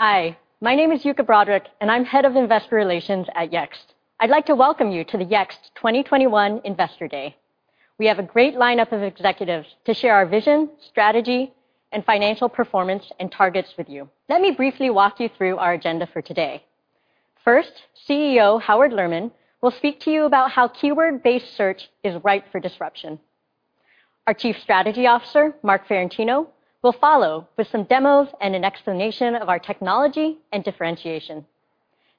Hi, my name is Yuka Broderick and I'm Head of Investor Relations at Yext. I'd like to welcome you to the Yext 2021 Investor Day. We have a great lineup of executives to share our vision, strategy, and financial performance and targets with you. Let me briefly walk you through our agenda for today. First, CEO Howard Lerman will speak to you about how keyword-based search is ripe for disruption. Our Chief Strategy Officer, Marc Ferrentino, will follow with some demos and an explanation of our technology and differentiation,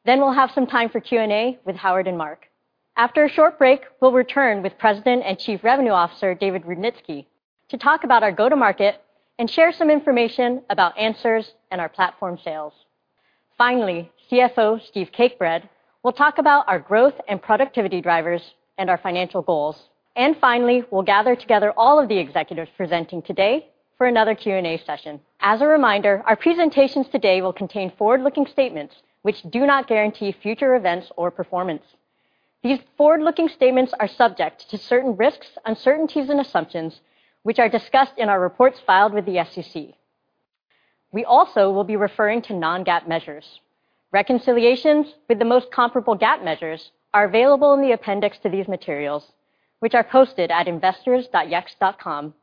then we'll have some time for Q&A with Howard and Marc. After a short break, we'll return with President and Chief Revenue Officer David Rudnitsky to talk about our go-to-market and share some information about Answers and our platform sales. Finally, CFO Steve Cakebread will talk about our growth and productivity drivers and our financial goals. Finally, we'll gather together all of the executives presenting today for another Q&A session. As a reminder, our presentations today will contain forward-looking statements which do not guarantee future events or performance. These forward-looking statements are subject to certain risks, uncertainties, and assumptions which are discussed in our reports filed with the SEC. We also will be referring to non-GAAP measures. Reconciliations with the most comparable GAAP measures are available in the appendix to these materials, which are posted at investors.yext.com.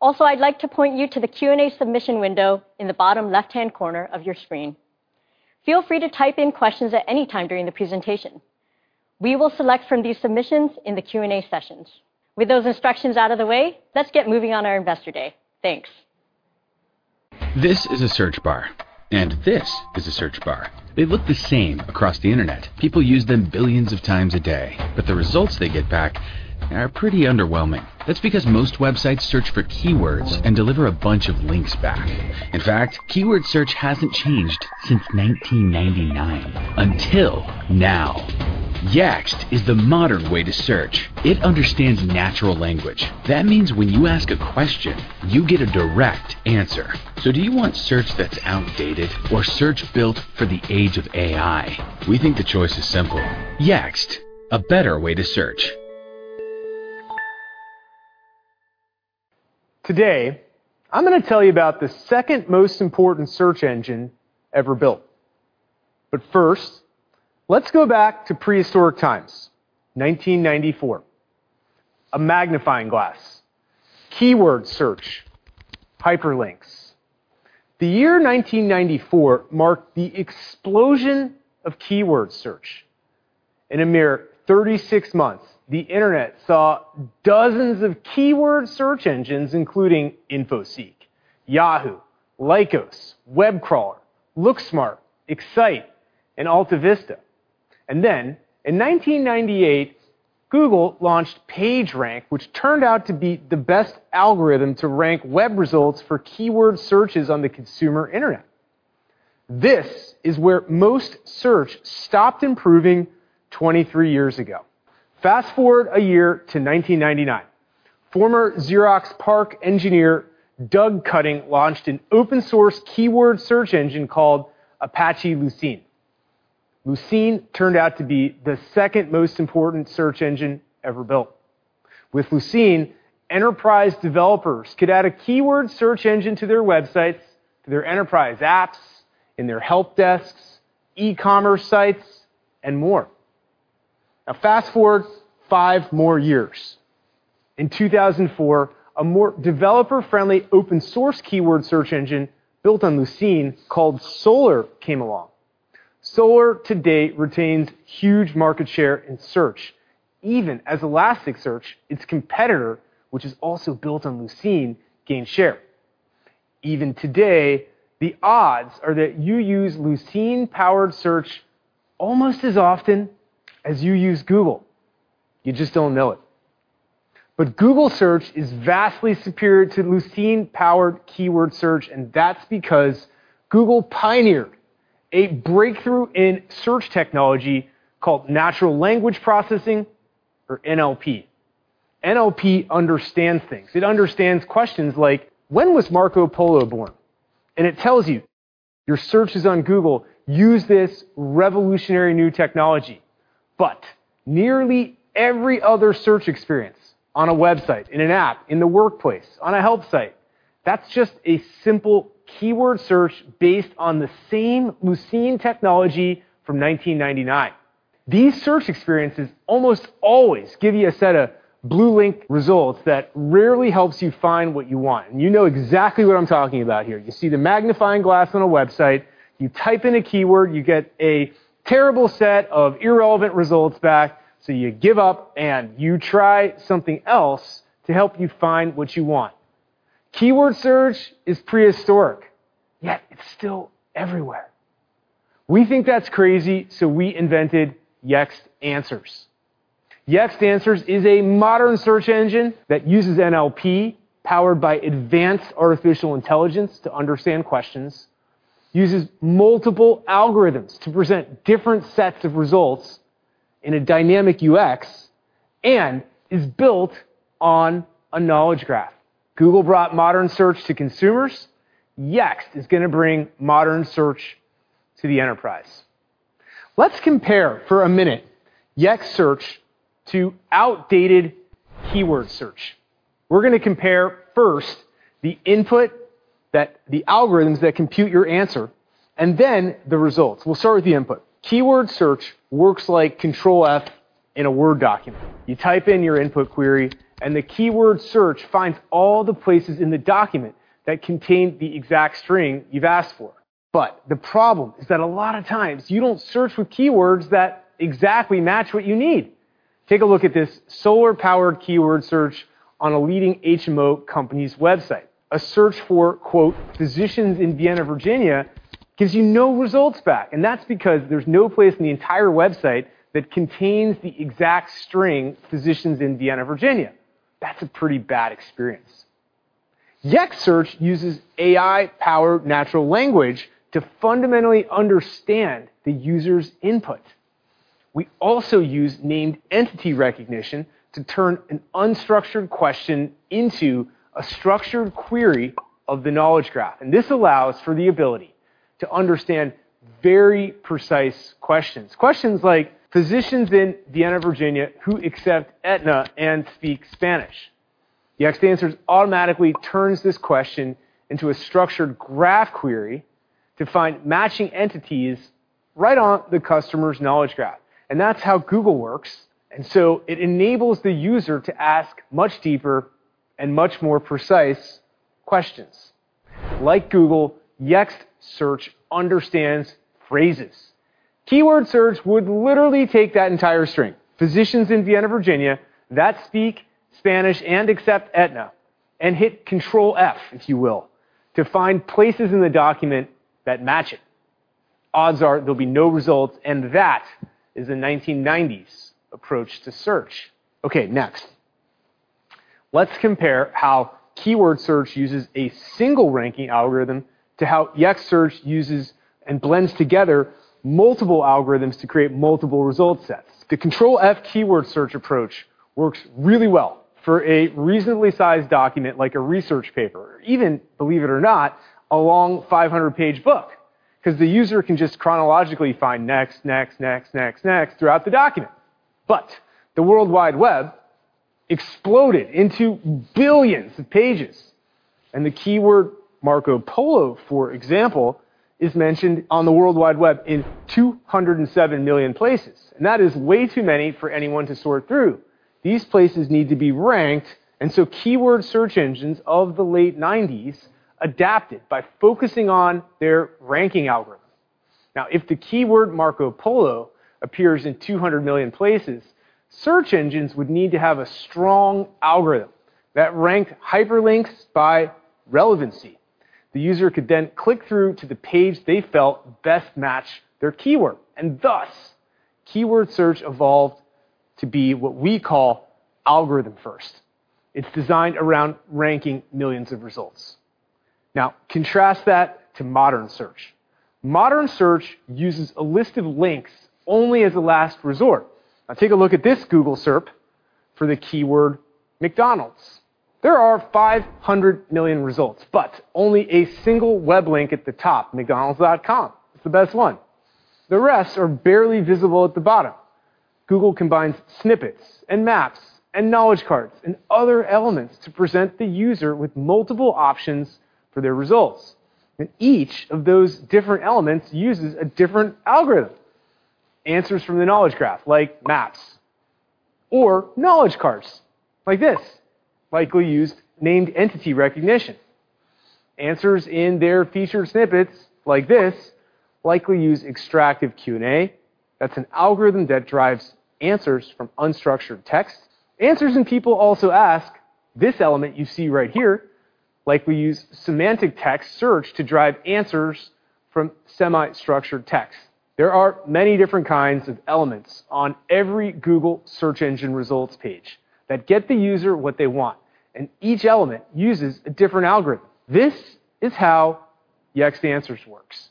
Also, I'd like to point you to the Q&A submission window in the bottom left-hand corner of your screen. Feel free to type in questions at any time during the presentation. We will select from these submissions in the Q&A sessions. With those instructions out of the way, let's get moving on our Investor Day. Thanks. This is a search bar and this is a search bar. They look the same across the internet. People use them billions of times a day but the results they get back are pretty underwhelming. That's because most websites search for keywords and deliver a bunch of links back. In fact, keyword search hasn't changed since 1999, until now. Yext is the modern way to search. It understands natural language. That means when you ask a question, you get a direct answer. Do you want search that's outdated or search built for the age of AI? We think the choice is simple. Yext, a better way to search. Today, I'm going to tell you about the second most important search engine ever built. First, let's go back to prehistoric times, 1994, a magnifying glass, keyword search, hyperlinks. The year 1994 marked the explosion of keyword search. In a mere 36 months, the internet saw dozens of keyword search engines, including Infoseek, Yahoo, Lycos, WebCrawler, LookSmart, Excite, and AltaVista. In 1998, Google launched PageRank, which turned out to be the best algorithm to rank web results for keyword searches on the consumer internet. This is where most search stopped improving 23 years ago. Fast-forward a year to 1999. Former Xerox PARC engineer Doug Cutting launched an open source keyword search engine called Apache Lucene. Lucene turned out to be the second most important search engine ever built. With Lucene, enterprise developers could add a keyword search engine to their websites, to their enterprise apps, in their help desks, e-commerce sites, and more. Now, fast-forward five more years. In 2004, a more developer-friendly open source keyword search engine built on Lucene called Solr came along. Solr to date retains huge market share in search, even as Elasticsearch, its competitor, which is also built on Lucene, gained share. Even today, the odds are that you use Lucene-powered search almost as often as you use Google. You just don't know it. Google search is vastly superior to Lucene-powered keyword search, and that's because Google pioneered a breakthrough in search technology called natural language processing, or NLP. NLP understands things. It understands questions like, "When was Marco Polo born?" It tells you. Your searches on Google use this revolutionary new technology. Nearly every other search experience on a website, in an app, in the workplace, on a help site, that's just a simple keyword search based on the same Lucene technology from 1999. These search experiences almost always give you a set of blue link results that rarely helps you find what you want, and you know exactly what I'm talking about here. You see the magnifying glass on a website, you type in a keyword, you get a terrible set of irrelevant results back, so you give up, and you try something else to help you find what you want. Keyword search is prehistoric, yet it's still everywhere. We think that's crazy, so we invented Yext Answers. Yext Answers is a modern search engine that uses NLP powered by advanced artificial intelligence to understand questions, uses multiple algorithms to present different sets of results in a dynamic UX, and is built on a knowledge graph. Google brought modern search to consumers. Yext is going to bring modern search to the enterprise. Let's compare for a minute Yext Search to outdated keyword search. We're going to compare, first, the input that the algorithms that compute your answer, and then the results. We'll start with the input. Keyword search works like Control+F in a Word document. You type in your input query, the keyword search finds all the places in the document that contain the exact string you've asked for. The problem is that a lot of times you don't search for keywords that exactly match what you need. Take a look at this Solr-powered keyword search on a leading HMO company's website. A search for "physicians in Vienna, Virginia" gives you no results back, and that's because there's no place in the entire website that contains the exact string, "physicians in Vienna, Virginia." That's a pretty bad experience. Yext Search uses AI-powered natural language to fundamentally understand the user's input. We also use named entity recognition to turn an unstructured question into a structured query of the Knowledge Graph and this allows for the ability to understand very precise questions. Questions like, "Physicians in Vienna, Virginia who accept Aetna and speak Spanish." Yext Answers automatically turns this question into a structured graph query to find matching entities right on the customer's Knowledge Graph. That's how Google works. It enables the user to ask much deeper and much more precise questions. Like Google, Yext Search understands phrases. Keyword search would literally take that entire string, "physicians in Vienna, Virginia that speak Spanish and accept Aetna" and hit Control+F, if you will, to find places in the document that match it. Odds are there'll be no results, and that is a 1990s approach to search. Okay, next, let's compare how keyword search uses a single ranking algorithm to how Yext Search uses and blends together multiple algorithms to create multiple result sets. The Control+F keyword search approach works really well for a reasonably sized document like a research paper, or even, believe it or not, a long 500-page book, because the user can just chronologically find next, next, next, next, next throughout the document. The World Wide Web exploded into billions of pages, and the keyword Marco Polo, for example, is mentioned on the World Wide Web in 207 million places, and that is way too many for anyone to sort through. These places need to be ranked, and so keyword search engines of the late '90s adapted by focusing on their ranking algorithm. If the keyword Marco Polo appears in 200 million places, search engines would need to have a strong algorithm that ranked hyperlinks by relevancy. The user could click through to the page they felt best matched their keyword, and thus, keyword search evolved to be what we call algorithm first. It's designed around ranking millions of results. Contrast that to modern search. Modern search uses a list of links only as a last resort. Now, take a look at this Google SERP for the keyword McDonald's. There are 500 million results, but only a single web link at the top, mcdonalds.com. It's the best one. The rest are barely visible at the bottom. Google combines snippets, and maps and knowledge cards, and other elements to present the user with multiple options for their results, and each of those different elements uses a different algorithm. Answers from the knowledge graph, like maps or knowledge cards, like this likely used named entity recognition. Answers in their featured snippets, like this, likely use extractive Q&A. That's an algorithm that derives answers from unstructured text. Answers in People Also Ask, this element you see right here, likely use semantic text search to derive answers from semi-structured text. There are many different kinds of elements on every Google search engine results page that get the user what they want and each element uses a different algorithm. This is how Yext Answers works.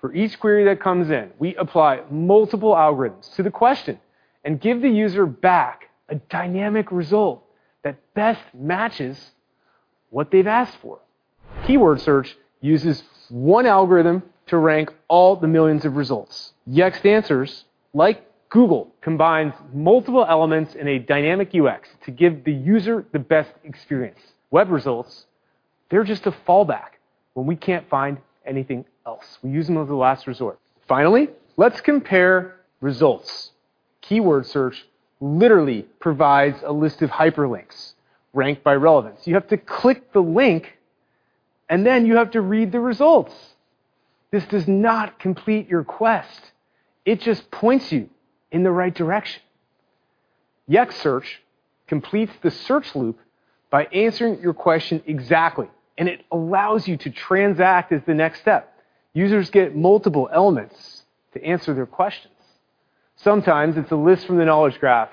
For each query that comes in, we apply multiple algorithms to the question and give the user back a dynamic result that best matches what they've asked for. Keyword search uses one algorithm to rank all the millions of results. Yext Answers, like Google, combines multiple elements in a dynamic UX to give the user the best experience. Web results, they're just a fallback when we can't find anything else. We use them as a last resort. Finally, let's compare results. Keyword search literally provides a list of hyperlinks ranked by relevance. You have to click the link, and then you have to read the results. This does not complete your quest. It just points you in the right direction. Yext Search completes the search loop by answering your question exactly, and it allows you to transact as the next step. Users get multiple elements to answer their questions. Sometimes it's a list from the knowledge graph,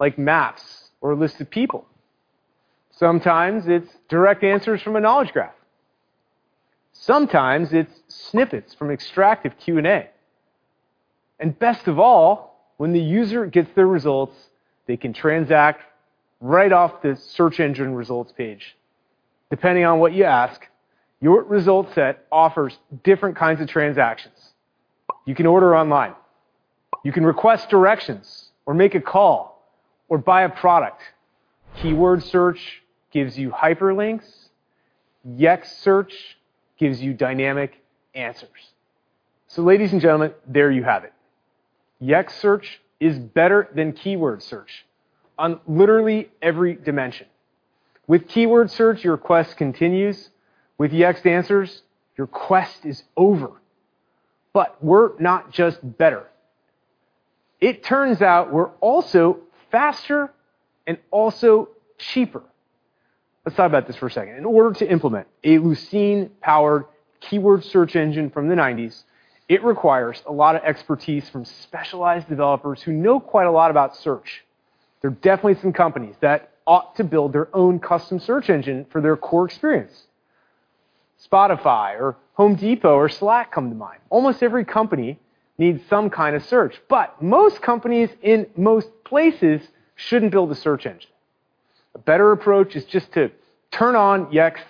like maps or a list of people. Sometimes it's direct answers from a knowledge graph. Sometimes it's snippets from extractive Q&A, and best of all, when the user gets their results, they can transact right off the search engine results page. Depending on what you ask, your result set offers different kinds of transactions. You can order online, you can request directions or make a call or buy a product. Keyword search gives you hyperlinks. Yext Search gives you dynamic answers, so ladies and gentlemen, there you have it. Yext Search is better than keyword search on literally every dimension. With keyword search, your quest continues, with Yext Answers, your quest is over but we're not just better. It turns out we're also faster and also cheaper. Let's talk about this for a second. In order to implement a Lucene-powered keyword search engine from the '90s, it requires a lot of expertise from specialized developers who know quite a lot about search. There are definitely some companies that ought to build their own custom search engine for their core experience. Spotify or Home Depot or Slack come to mind. Almost every company needs some kind of search. Most companies in most places shouldn't build a search engine. A better approach is just to turn on Yext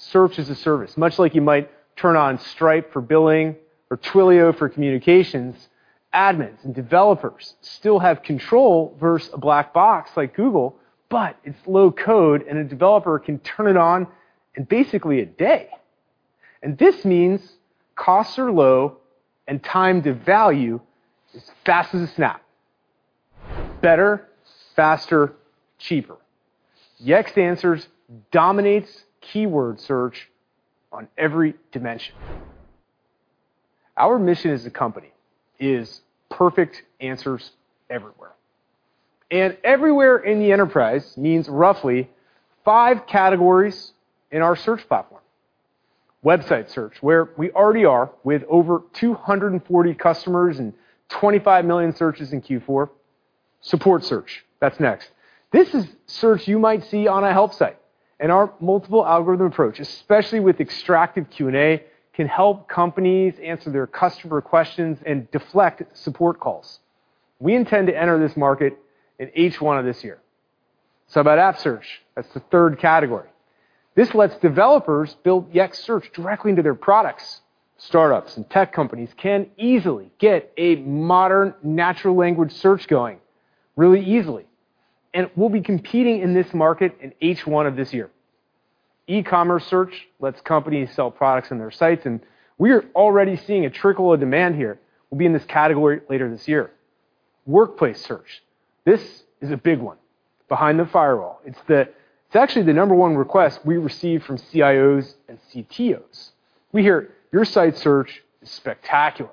Search as a service, much like you might turn on Stripe for billing or Twilio for communications. Admins and developers still have control versus a black box like Google, but it's low code, and a developer can turn it on in basically a day. This means costs are low and time to value is fast as a snap, better, faster, cheaper. Yext Answers dominates keyword search on every dimension. Our mission as a company is perfect answers everywhere and everywhere in the enterprise means roughly five categories in our search platform. Website search, where we already are with over 240 customers and 25 million searches in Q4. Support search, that's next. This is search you might see on a help site. Our multiple algorithm approach, especially with extractive Q&A, can help companies answer their customer questions and deflect support calls. We intend to enter this market in H1 of this year. Let's talk about app search. That's the third category. This lets developers build Yext Search directly into their products. Startups and tech companies can easily get a modern natural language search going really easily, we'll be competing in this market in H1 of this year. E-commerce search lets companies sell products on their sites. We're already seeing a trickle of demand here. We'll be in this category later this year. Workplace search, this is a big one behind the firewall. It's actually the number one request we receive from CIOs and CTOs. We hear, "Your site search is spectacular,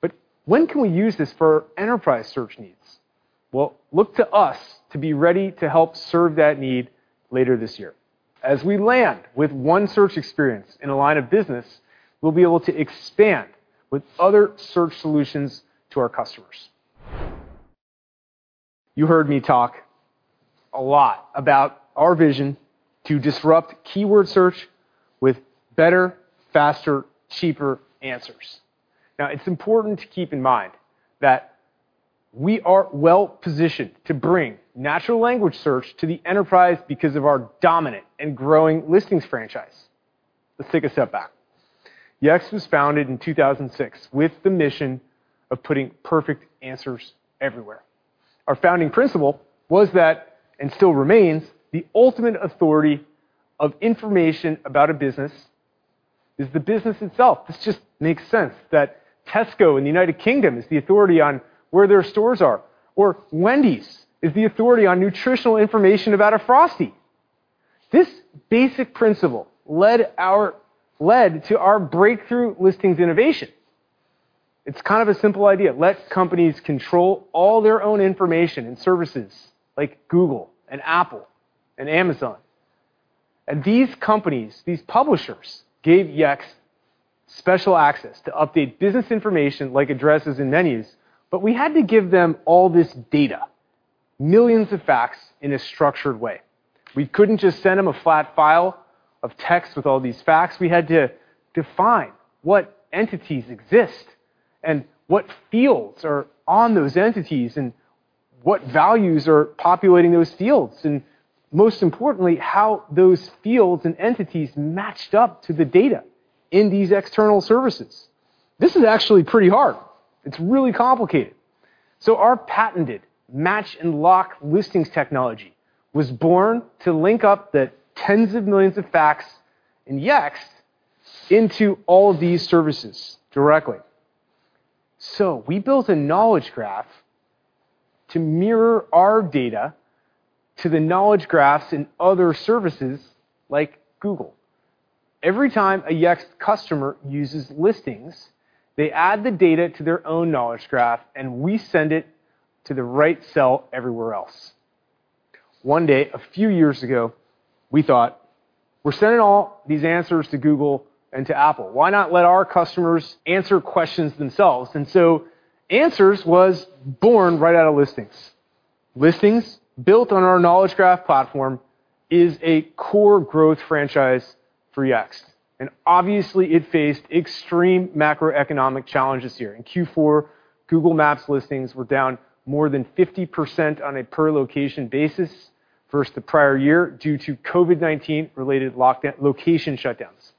but when can we use this for enterprise search needs?" Well, look to us to be ready to help serve that need later this year. As we land with one search experience in a line of business, we'll be able to expand with other search solutions to our customers. You heard me talk a lot about our vision to disrupt keyword search with better, faster, cheaper answers. Now, it's important to keep in mind that we are well-positioned to bring natural language search to the enterprise because of our dominant and growing Listings franchise. Let's take a step back. Yext was founded in 2006 with the mission of putting perfect answers everywhere. Our founding principle was that, and still remains, the ultimate authority of information about a business is the business itself. This just makes sense that Tesco in the United Kingdom is the authority on where their stores are, or Wendy's is the authority on nutritional information about a Frosty. This basic principle led to our breakthrough listings innovation. It's kind of a simple idea, let companies control all their own information and services, like Google and Apple and Amazon. These companies, these publishers, gave Yext special access to update business information like addresses and menus, but we had to give them all this data, millions of facts in a structured way. We couldn't just send them a flat file of text with all these facts. We had to define what entities exist and what fields are on those entities, and what values are populating those fields, and most importantly, how those fields and entities matched up to the data in these external services. This is actually pretty hard. It's really complicated. Our patented match and lock Listings technology was born to link up the tens of millions of facts in Yext into all of these services directly. We built a knowledge graph to mirror our data to the knowledge graphs in other services like Google. Every time a Yext customer uses Listings, they add the data to their own knowledge graph, and we send it to the right cell everywhere else. One day, a few years ago, we thought, "We're sending all these Answers to Google and to Apple. Why not let our customers answer questions themselves? Answers was born right out of Listings. Listings, built on our knowledge graph platform, is a core growth franchise for Yext, and obviously it faced extreme macroeconomic challenges here. In Q4, Google Maps Listings were down more than 50% on a per location basis versus the prior year due to COVID-19 related location shutdowns.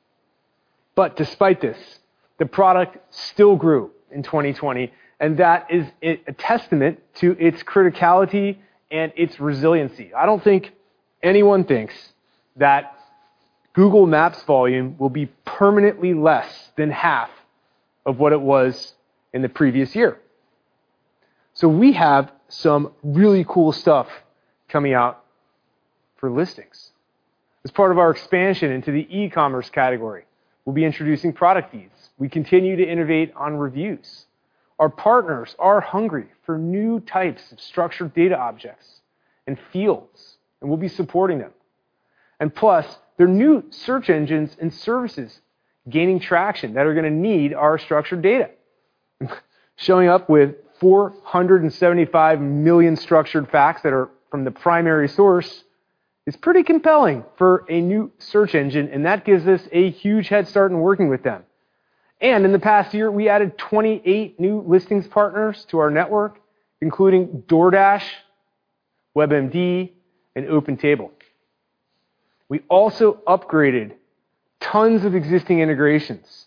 Despite this, the product still grew in 2020, and that is a testament to its criticality and its resiliency. I don't think anyone thinks that Google Maps volume will be permanently less than half of what it was in the previous year. We have some really cool stuff coming out for Listings. As part of our expansion into the e-commerce category, we'll be introducing product feeds. We continue to innovate on reviews. Our partners are hungry for new types of structured data objects and fields, we'll be supporting them. Plus, there are new search engines and services gaining traction that are going to need our structured data. Showing up with 475 million structured facts that are from the primary source is pretty compelling for a new search engine, and that gives us a huge head start in working with them. In the past year, we added 28 new listings partners to our network, including DoorDash, WebMD, and OpenTable. We also upgraded tons of existing integrations.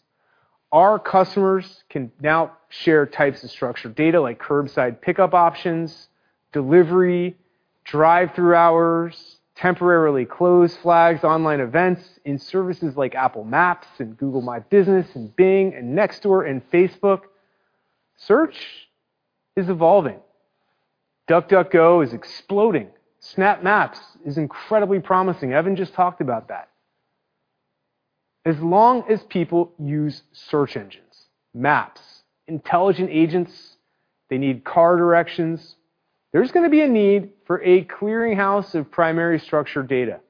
Our customers can now share types of structured data like curbside pickup options, delivery, drive-through hours, temporarily closed flags, online events in services like Apple Maps and Google My Business, and Bing, and Nextdoor, and Facebook. Search is evolving. DuckDuckGo is exploding, Snap Map is incredibly promising, and Evan just talked about that. As long as people use search engines, maps, intelligent agents, they need car directions, there's going to be a need for a clearing house of primary structured data.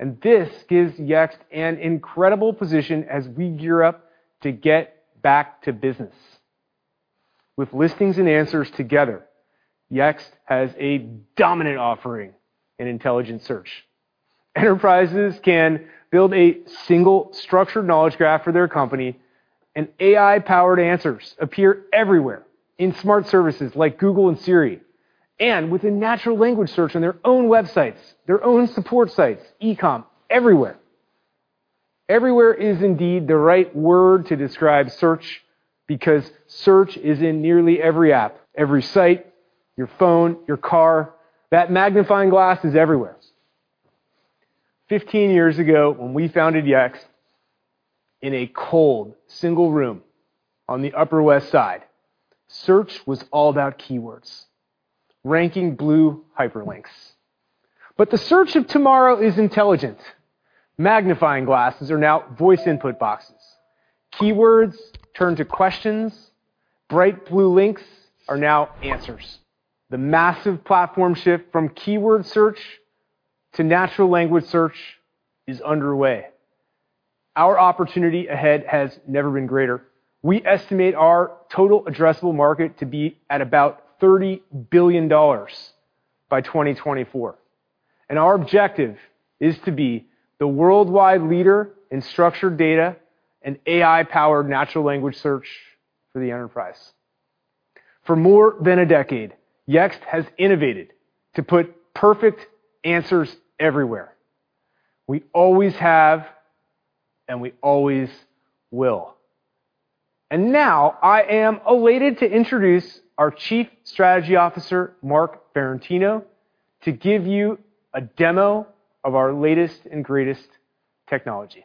This gives Yext an incredible position as we gear up to get back to business. With Listings and Answers together, Yext has a dominant offering in intelligent search. Enterprises can build a single structured knowledge graph for their company, and AI-powered Answers appear everywhere in smart services like Google and Siri and within natural language search on their own websites, their own support sites, e-com, everywhere. Everywhere is indeed the right word to describe search because search is in nearly every app, every site, your phone, your car. That magnifying glass is everywhere. 15 years ago when we founded Yext in a cold single room on the Upper West Side, search was all about keywords, ranking blue hyperlinks. The search of tomorrow is intelligent. Magnifying glasses are now voice input boxes. Keywords turn to questions. Bright blue links are now answers. The massive platform shift from keyword search to natural language search is underway. Our opportunity ahead has never been greater. We estimate our total addressable market to be at about $30 billion by 2024. Our objective is to be the worldwide leader in structured data and AI-powered natural language search for the enterprise. For more than a decade, Yext has innovated to put perfect answers everywhere. We always have, and we always will. Now I am elated to introduce our Chief Strategy Officer, Marc Ferrentino, to give you a demo of our latest and greatest technology.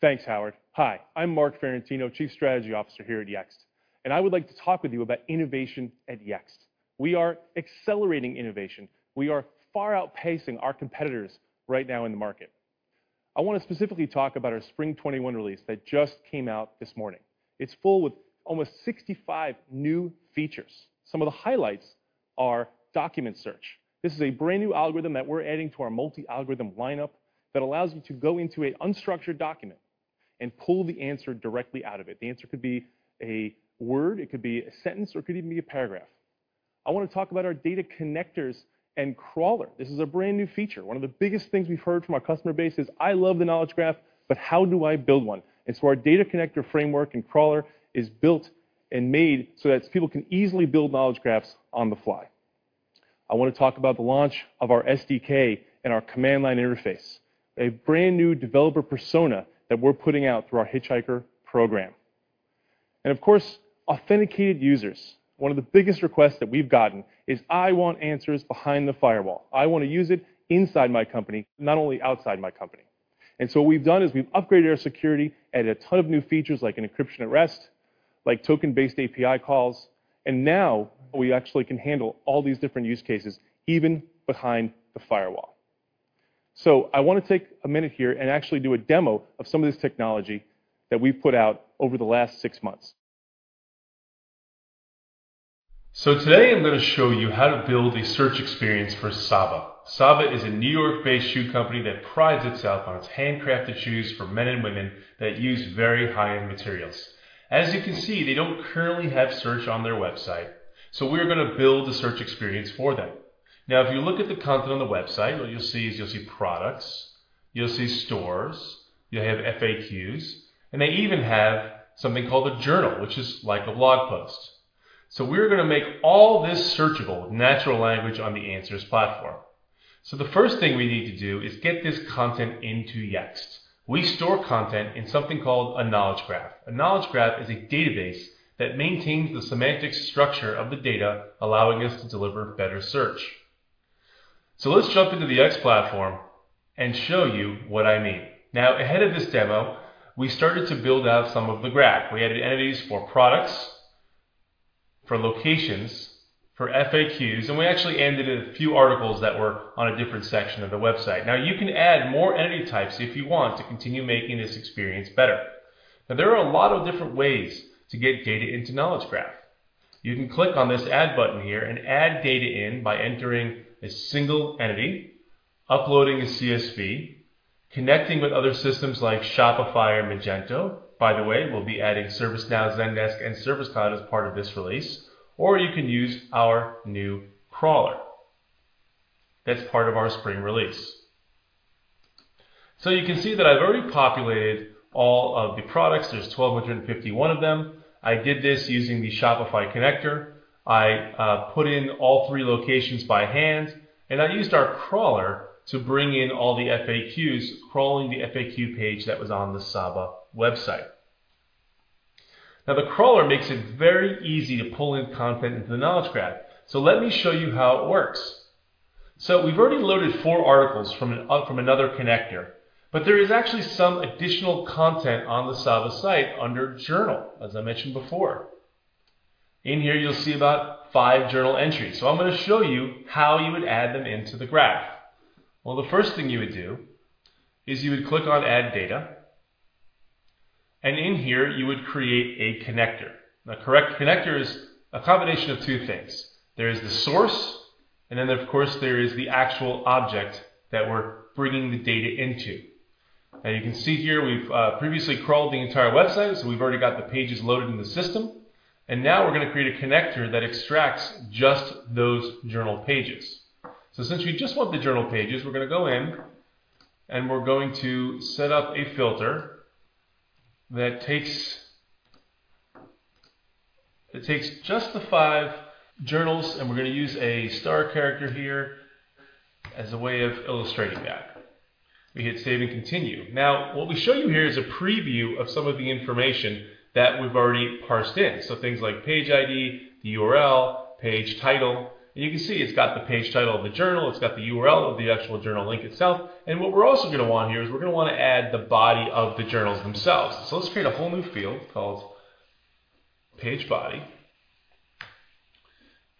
Thanks, Howard. Hi, I'm Marc Ferrentino, Chief Strategy Officer here at Yext, and I would like to talk with you about innovation at Yext. We are accelerating innovation. We are far outpacing our competitors right now in the market. I want to specifically talk about our Spring 2021 release that just came out this morning. It's full with almost 65 new features. Some of the highlights are document search. This is a brand-new algorithm that we're adding to our multi-algorithm lineup that allows you to go into an unstructured document and pull the answer directly out of it. The answer could be a word, it could be a sentence, or it could even be a paragraph. I want to talk about our data connectors and crawler. This is a brand-new feature. One of the biggest things we've heard from our customer base is, "I love the Knowledge Graph, but how do I build one?" Our data connector framework and crawler is built and made so that people can easily build Knowledge Graphs on the fly. I want to talk about the launch of our SDK and our command line interface, a brand-new developer persona that we're putting out through our Hitchhikers program and, of course, authenticated users. One of the biggest requests that we've gotten is, "I want answers behind the firewall." I want to use it inside my company, not only outside my company. What we've done is we've upgraded our security, added a ton of new features like an encryption at rest, like token-based API calls, and now we actually can handle all these different use cases, even behind the firewall. I want to take a minute here and actually do a demo of some of this technology that we've put out over the last six months. Today I'm going to show you how to build a search experience for Sava. Sava is a New York-based shoe company that prides itself on its handcrafted shoes for men and women that use very high-end materials. As you can see, they don't currently have search on their website. We are going to build a search experience for them. Now, If you look at the content on the website, what you'll see is you'll see products, you'll see stores, you have FAQs, and they even have something called a journal, which is like a blog post. We're going to make all this searchable, natural language on the Answers platform. The first thing we need to do is get this content into Yext. We store content in something called a knowledge graph. A knowledge graph is a database that maintains the semantic structure of the data, allowing us to deliver better search. Let's jump into the Yext platform and show you what I mean. Ahead of this demo, we started to build out some of the graph. We added entities for products, for locations, for FAQs, and we actually added a few articles that were on a different section of the website. Now you can add more entity types if you want to continue making this experience better. There are a lot of different ways to get data into Knowledge Graph. You can click on this add button here and add data in by entering a single entity, uploading a CSV, connecting with other systems like Shopify or Magento. By the way, we'll be adding ServiceNow, Zendesk, and Service Cloud as part of this release. You can use our new crawler. That's part of our spring release. You can see that I've already populated all of the products. There's 1,251 of them. I did this using the Shopify connector. I put in all three locations by hand, and I used our crawler to bring in all the FAQs, crawling the FAQ page that was on the Sava website. Now the crawler makes it very easy to pull in content into the knowledge graph so let me show you how it works. We've already loaded four articles from another connector, but there is actually some additional content on the Sava site under Journal, as I mentioned before. In here, you'll see about five journal entries. I'm going to show you how you would add them into the graph. Well, the first thing you would do is you would click on Add Data, and in here, you would create a connector. A connector is a combination of two things. There is the source and then, of course, there is the actual object that we're bringing the data into. You can see here we've previously crawled the entire website, so we've already got the pages loaded in the system, and now we're going to create a connector that extracts just those journal pages. Since we just want the journal pages, we're going to go in, and we're going to set up a filter that takes just the five journals, and we're going to use a star character here as a way of illustrating that. We hit Save and Continue. Now what we show you here is a preview of some of the information that we've already parsed in, so things like page ID, the URL, page title, and you can see it's got the page title of the journal, it's got the URL of the actual journal link itself. What we're also going to want here is we're going to want to add the body of the journals themselves. Let's create a whole new field called Page Body,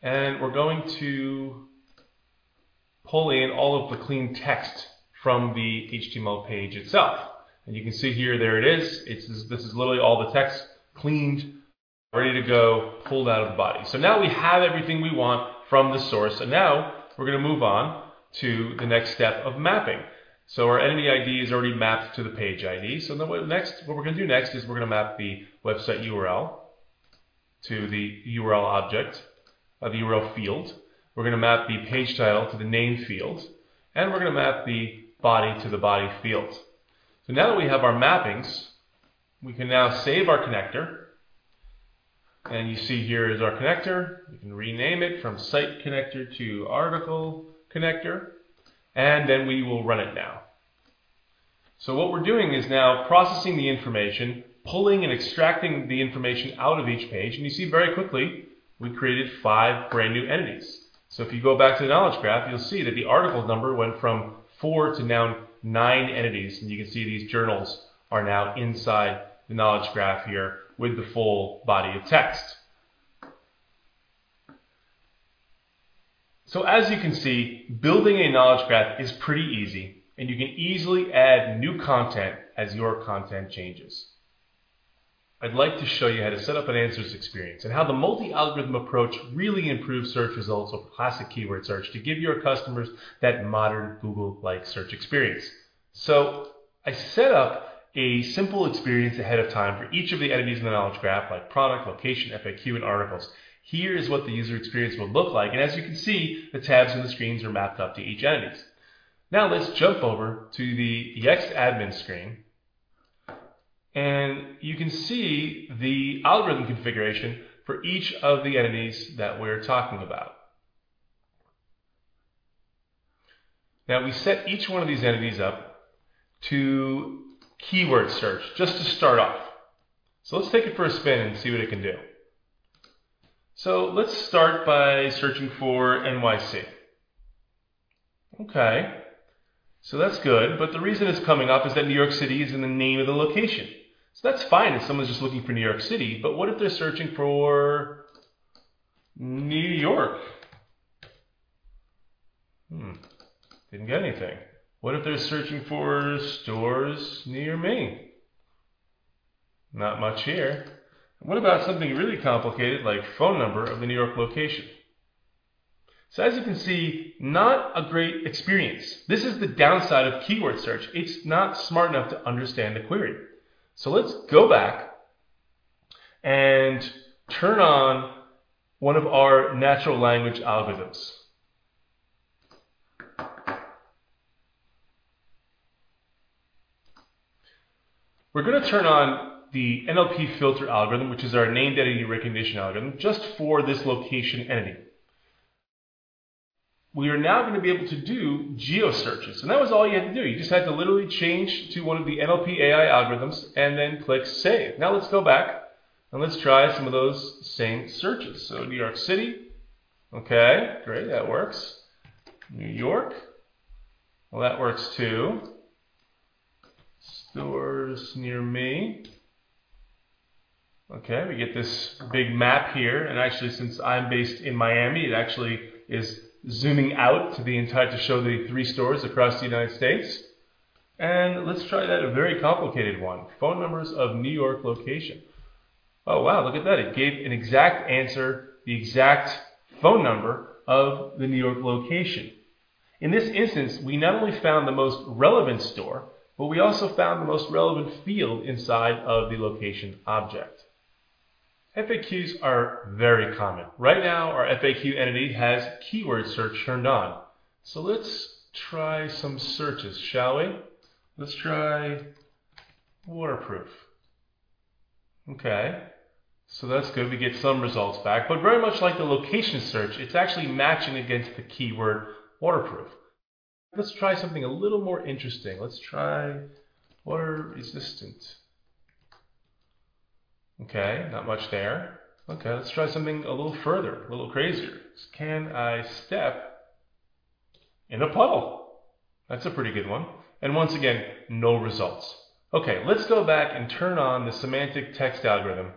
and we're going to pull in all of the clean text from the HTML page itself, and you can see here, there it is. This is literally all the text cleaned, ready to go, pulled out of the body. Now we have everything we want from the source and now we're going to move on to the next step of mapping. Our entity ID is already mapped to the page ID. What we're going to do next is we're going to map the website URL to the URL object of the URL field. We're going to map the page title to the name field and we're going to map the body to the body field. Now that we have our mappings, we can now save our connector. You see here is our connector. You can rename it from Site Connector to Article Connector and then we will run it now. What we're doing is now processing the information, pulling and extracting the information out of each page. You see very quickly, we created five brand-new entities. If you go back to the knowledge graph, you'll see that the article number went from four to now nine entities, and you can see these journals are now inside the knowledge graph here with the full body of text. As you can see, building a knowledge graph is pretty easy, and you can easily add new content as your content changes. I'd like to show you how to set up an Answers experience and how the multi-algorithm approach really improves search results over classic keyword search to give your customers that modern Google-like search experience. I set up a simple experience ahead of time for each of the entities in the knowledge graph, like product, location, FAQ, and articles. Here is what the user experience will look like, and as you can see, the tabs in the screens are mapped out to each entities. Let's jump over to the Yext Admin screen and you can see the algorithm configuration for each of the entities that we're talking about. We set each one of these entities up to keyword search just to start off. Let's take it for a spin and see what it can do, so let's start by searching for N.Y.C. Okay, that's good. The reason it's coming up is that New York City is in the name of the location. That's fine if someone's just looking for New York City, but what if they're searching for New York? I didn't get anything. What if they're searching for stores near me? Not much here. What about something really complicated like phone number of the New York location? As you can see, not a great experience. This is the downside of keyword search. It's not smart enough to understand the query. Let's go back and turn on one of our natural language algorithms. We're going to turn on the NLP filter algorithm, which is our named entity recognition algorithm, just for this location entity. We are now going to be able to do geo searches, and that was all you had to do. You just had to literally change to one of the NLP AI algorithms and then click save. Now let's go back and let's try some of those same searches. New York City. Okay, great, that works. New York, well, that works too. Stores near me, okay, we get this big map here, and actually, since I'm based in Miami, it actually is zooming out to the entire to show the three stores across the United States, and let's try that, a very complicated one, phone numbers of New York location. Oh, wow, look at that. It gave an exact answer, the exact phone number of the New York location. In this instance, we not only found the most relevant store, but we also found the most relevant field inside of the location object. FAQs are very common. Right now, our FAQ entity has keyword search turned on. Let's try some searches, shall we? Let's try waterproof. Okay, so that's good. We get some results back, very much like the location search, it's actually matching against the keyword waterproof. Let's try something a little more interesting. Let's try water resistant. Okay, not much there. Okay, let's try something a little further, a little crazier. Can I step in a puddle? That's a pretty good one and once again, no results. Let's go back and turn on the semantic text algorithm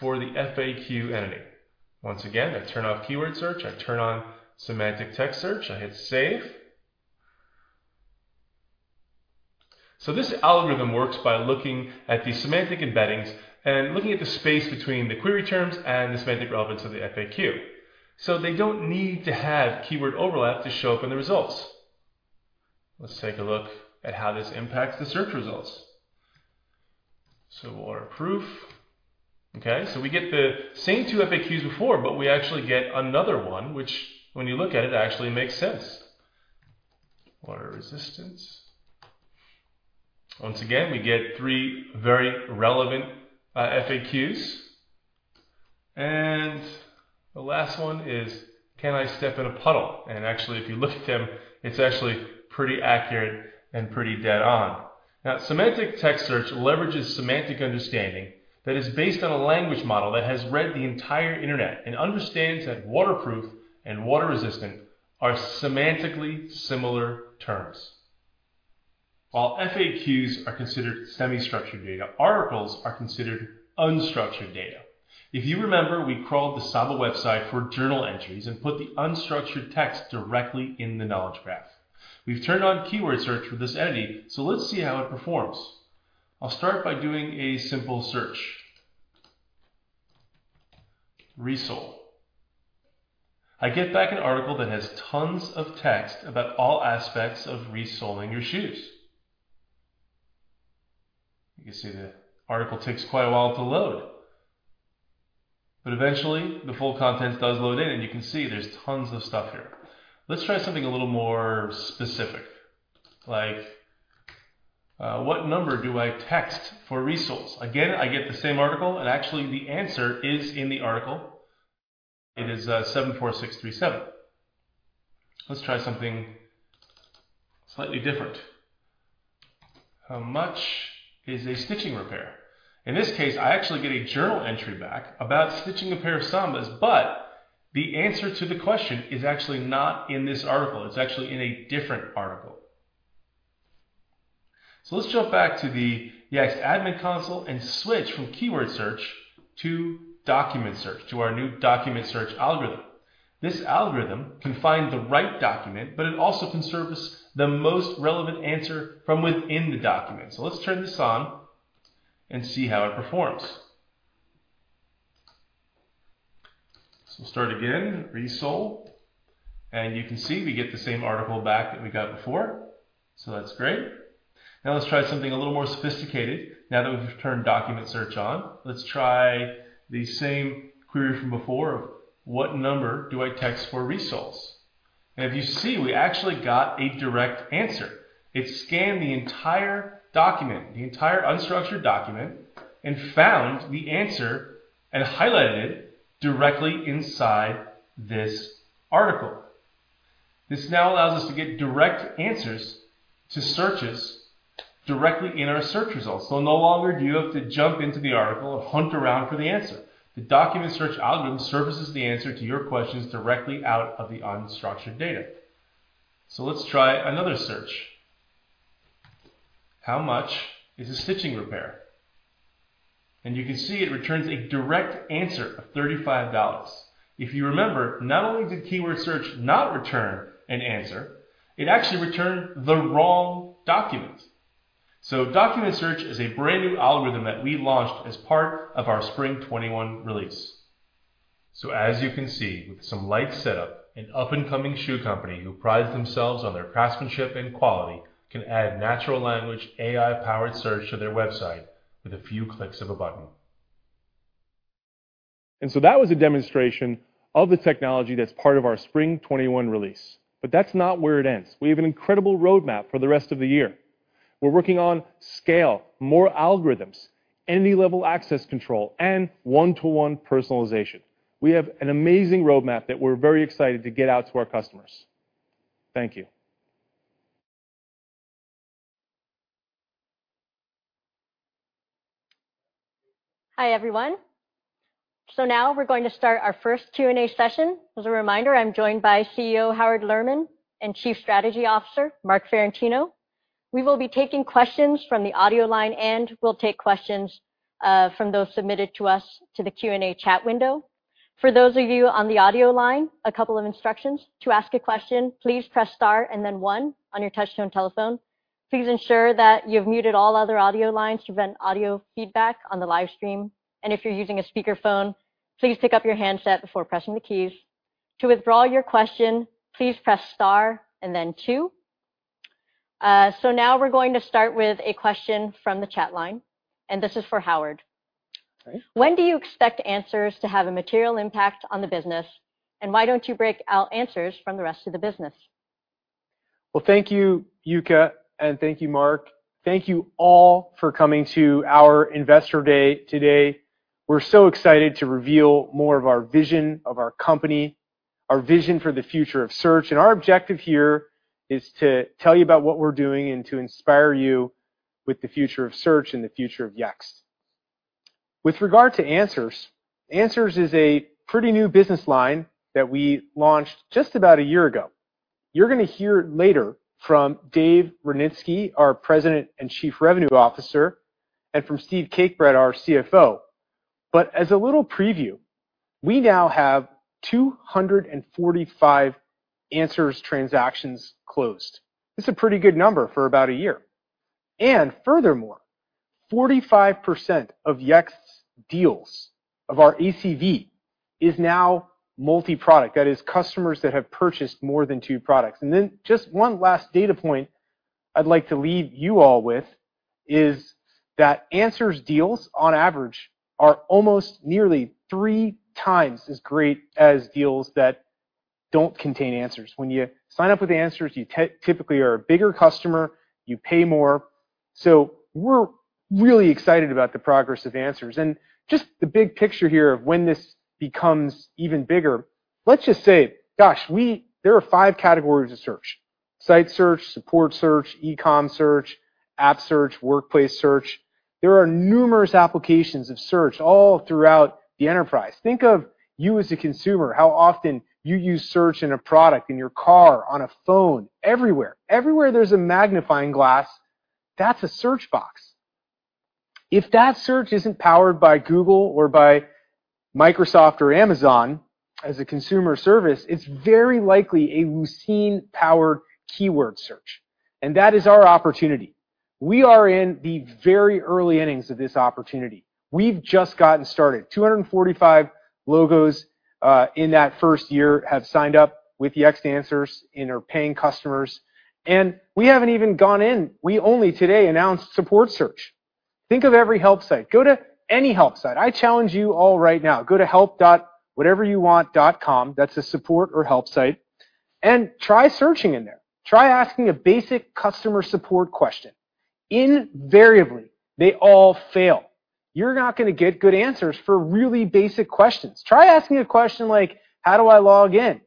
for the FAQ entity. Once again, I turn off keyword search, I turn on semantic text search, and I hit save. This algorithm works by looking at the semantic embeddings and looking at the space between the query terms and the semantic relevance of the FAQ. They don't need to have keyword overlap to show up in the results. Let's take a look at how this impacts the search results so waterproof. Okay, so we get the same two FAQs as before, but we actually get another one, which when you look at it actually makes sense. Water resistance, once again, we get three very relevant FAQs, and the last one is, "Can I step in a puddle?" Actually, if you look at them, it's actually pretty accurate, and pretty dead on. Semantic text search leverages semantic understanding that is based on a language model that has read the entire Internet and understands that waterproof and water resistant are semantically similar terms. While FAQs are considered semi-structured data, articles are considered unstructured data. If you remember, we crawled the Saba website for journal entries and put the unstructured text directly in the knowledge graph. We've turned on keyword search for this entity, so let's see how it performs. I'll start by doing a simple search, resole. I get back an article that has tons of text about all aspects of resoling your shoes. You can see the article takes quite a while to load, but eventually the full content does load in, and you can see there's tons of stuff here. Let's try something a little more specific, like, what number do I text for resoles? Again, I get the same article, and actually the answer is in the article. It is 74637. Let's try something slightly different. How much is a stitching repair? In this case, I actually get a journal entry back about stitching a pair of Sambas, but the answer to the question is actually not in this article. It's actually in a different article. Let's jump back to the Yext admin console and switch from keyword search to document search to our new document search algorithm. This algorithm can find the right document, but it also can surface the most relevant answer from within the document. Let's turn this on and see how it performs. We'll start again, resole, and you can see we get the same article back that we got before, so that's great. Now let's try something a little more sophisticated now that we've turned document search on. Let's try the same query from before of, what number do I text for resoles? If you see, we actually got a direct answer. It scanned the entire document, the entire unstructured document, and found the answer and highlighted it directly inside this article. This now allows us to get direct answers to searches directly in our search results. No longer do you have to jump into the article and hunt around for the answer. The document search algorithm surfaces the answer to your questions directly out of the unstructured data. Let's try another search. How much is a stitching repair? You can see it returns a direct answer of $35. If you remember, not only did keyword search not return an answer, it actually returned the wrong document, so document search is a brand new algorithm that we launched as part of our Spring 2021 release. As you can see, with some light setup, an up-and-coming shoe company who prides themselves on their craftsmanship and quality can add natural language AI-powered search to their website with a few clicks of a button. That was a demonstration of the technology that's part of our Spring 2021 release but that's not where it ends. We have an incredible roadmap for the rest of the year. We're working on scale, more algorithms, entity-level access control, and one-to-one personalization. We have an amazing roadmap that we're very excited to get out to our customers. Thank you. Hi, everyone. Now we're going to start our first Q&A session. As a reminder, I'm joined by CEO Howard Lerman and Chief Strategy Officer Marc Ferrentino. We will be taking questions from the audio line, and we'll take questions from those submitted to us to the Q&A chat window. For those of you on the audio line, a couple of instructions. To ask a question, please press star and then one on your touch-tone telephone. Please ensure that you've muted all other audio lines to prevent audio feedback on the live stream, and if you're using a speakerphone, please pick up your handset before pressing the keys. To withdraw your question, please press star and then two. Now we're going to start with a question from the chat line and this is for Howard. Okay. When do you expect Answers to have a material impact on the business? Why don't you break out Answers from the rest of the business? Well, thank you, Yuka, and thank you, Marc. Thank you all for coming to our Investor Day today. We're so excited to reveal more of our vision of our company, our vision for the future of search. Our objective here is to tell you about what we're doing and to inspire you with the future of search and the future of Yext. With regard to Answers, Answers is a pretty new business line that we launched just about a year ago. You're going to hear later from Dave Rudnitsky, our President and Chief Revenue Officer, and from Steve Cakebread, our CFO. As a little preview, we now have 245 Answers transactions closed. It's a pretty good number for about a year and, furthermore, 45% of Yext's deals of our ACV is now multi-product. That is customers that have purchased more than two products. Then just one last data point I'd like to leave you all with is that Answers deals, on average, are almost nearly 3x as great as deals that don't contain Answers. When you sign up with Answers, you typically are a bigger customer, you pay more, so we're really excited about the progress of Answers, and just the big picture here of when this becomes even bigger. Let's just say, gosh, there are five categories of search, site search, support search, e-com search, app search, workplace search. There are numerous applications of search all throughout the enterprise. Think of you as a consumer, how often you use search in a product, in your car, on a phone, everywhere. Everywhere there's a magnifying glass, that's a search box. If that search isn't powered by Google or by Microsoft or Amazon as a consumer service, it's very likely a Lucene-powered keyword search, and that is our opportunity. We are in the very early innings of this opportunity. We've just gotten started. 245 logos in that first year have signed up with Yext Answers and are paying customers, and we haven't even gone in. We only today announced support search. Think of every help site. Go to any help site. I challenge you all right now. Go to help.whateveryouwant.com, that's a support or help site, and try searching in there. Try asking a basic customer support question. Invariably, they all fail. You're not going to get good answers for really basic questions. Try asking a question like, "How do I log in?"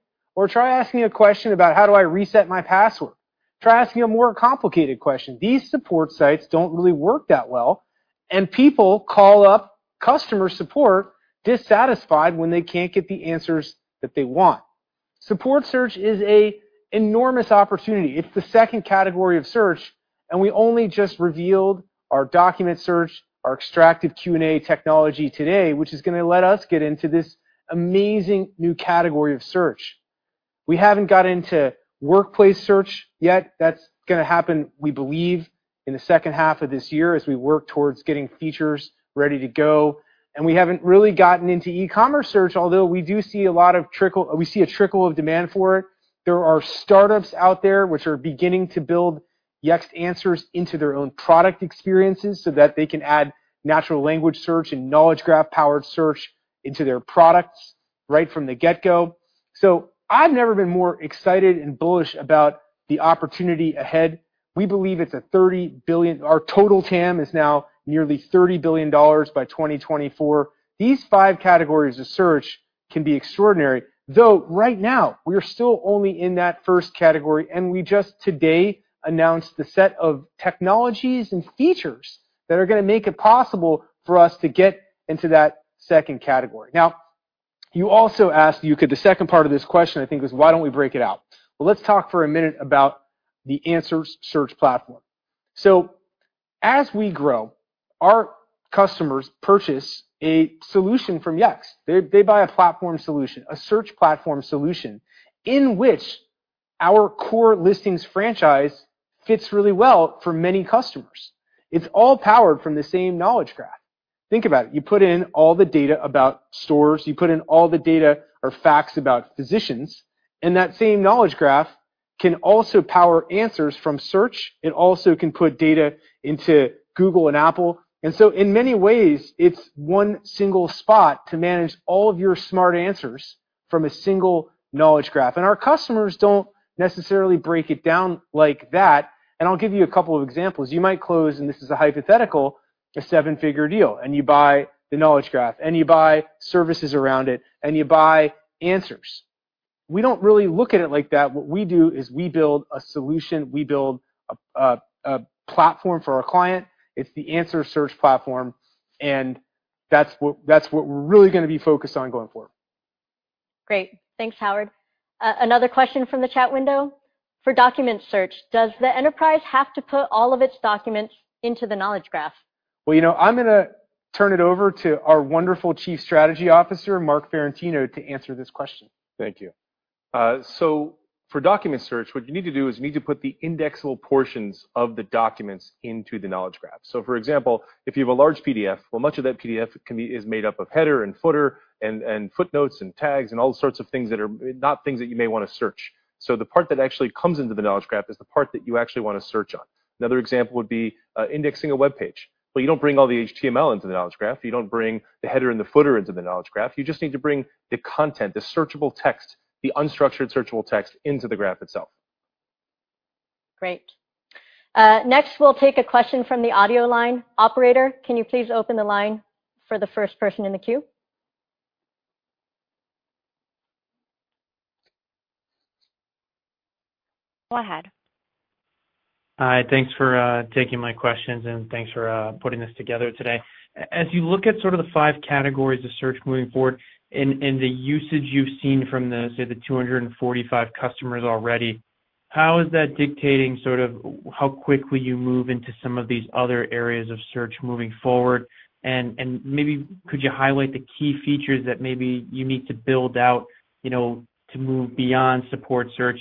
Try asking a question about, "How do I reset my password?" Try asking a more complicated question. These support sites don't really work that well, and people call up customer support dissatisfied when they can't get the answers that they want. Support search is an enormous opportunity. It's the second category of search, and we only just revealed our document search, our extractive Q&A technology today, which is going to let us get into this amazing new category of search. We haven't got into workplace search yet. That's going to happen, we believe, in the second half of this year as we work towards getting features ready to go, and we haven't really gotten into e-commerce search, although we do see a trickle of demand for it. There are startups out there which are beginning to build Yext Answers into their own product experiences, so that they can add natural language search and knowledge graph-powered search into their products right from the get-go. I've never been more excited and bullish about the opportunity ahead. We believe our total TAM is now nearly $30 billion by 2024. These five categories of search can be extraordinary, though right now we are still only in that first category, and we just today announced the set of technologies and features that are going to make it possible for us to get into that second category. Now you also asked, Yuka, the second part of this question, I think, is why don't we break it out? Well, let's talk for a minute about the Answers search platform, so as we grow, our customers purchase a solution from Yext. They buy a platform solution, a search platform solution in which our core listings franchise fits really well for many customers. It's all powered from the same knowledge graph, think about it. You put in all the data about stores, you put in all the data or facts about physicians, and that same knowledge graph can also power Answers from Search. It also can put data into Google and Apple, and so in many ways, it's one single spot to manage all of your smart Answers from a single knowledge graph. Our customers don't necessarily break it down like that. I'll give you a couple of examples. You might close, and this is a hypothetical, a seven-figure deal, and you buy the knowledge graph, and you buy services around it, and you buy Answers. We don't really look at it like that. What we do is we build a solution. We build a platform for our client. It's the answer search platform, and that's what we're really going to be focused on going forward. Great. Thanks, Howard. Another question from the chat window. For document search, does the enterprise have to put all of its documents into the knowledge graph? Well, you know, I'm going to turn it over to our wonderful Chief Strategy Officer, Marc Ferrentino, to answer this question. Thank you. For document search, what you need to do is you need to put the indexable portions of the documents into the knowledge graph. For example, if you have a large PDF, well, much of that PDF is made up of header and footer and footnotes and tags and all sorts of things that are not things that you may want to search, so the part that actually comes into the knowledge graph is the part that you actually want to search on. Another example would be indexing a webpage, well, you don't bring all the HTML into the knowledge graph. You don't bring the header and the footer into the knowledge graph. You just need to bring the content, the searchable text, the unstructured searchable text into the graph itself. Great. Next we'll take a question from the audio line. Operator, can you please open the line for the first person in the queue? Go ahead. Hi. Thanks for taking my questions and thanks for putting this together today. As you look at sort of the five categories of search moving forward and the usage you've seen from the, say, the 245 customers already, how is that dictating sort of how quickly you move into some of these other areas of search moving forward? Maybe could you highlight the key features that maybe you need to build out to move beyond support search?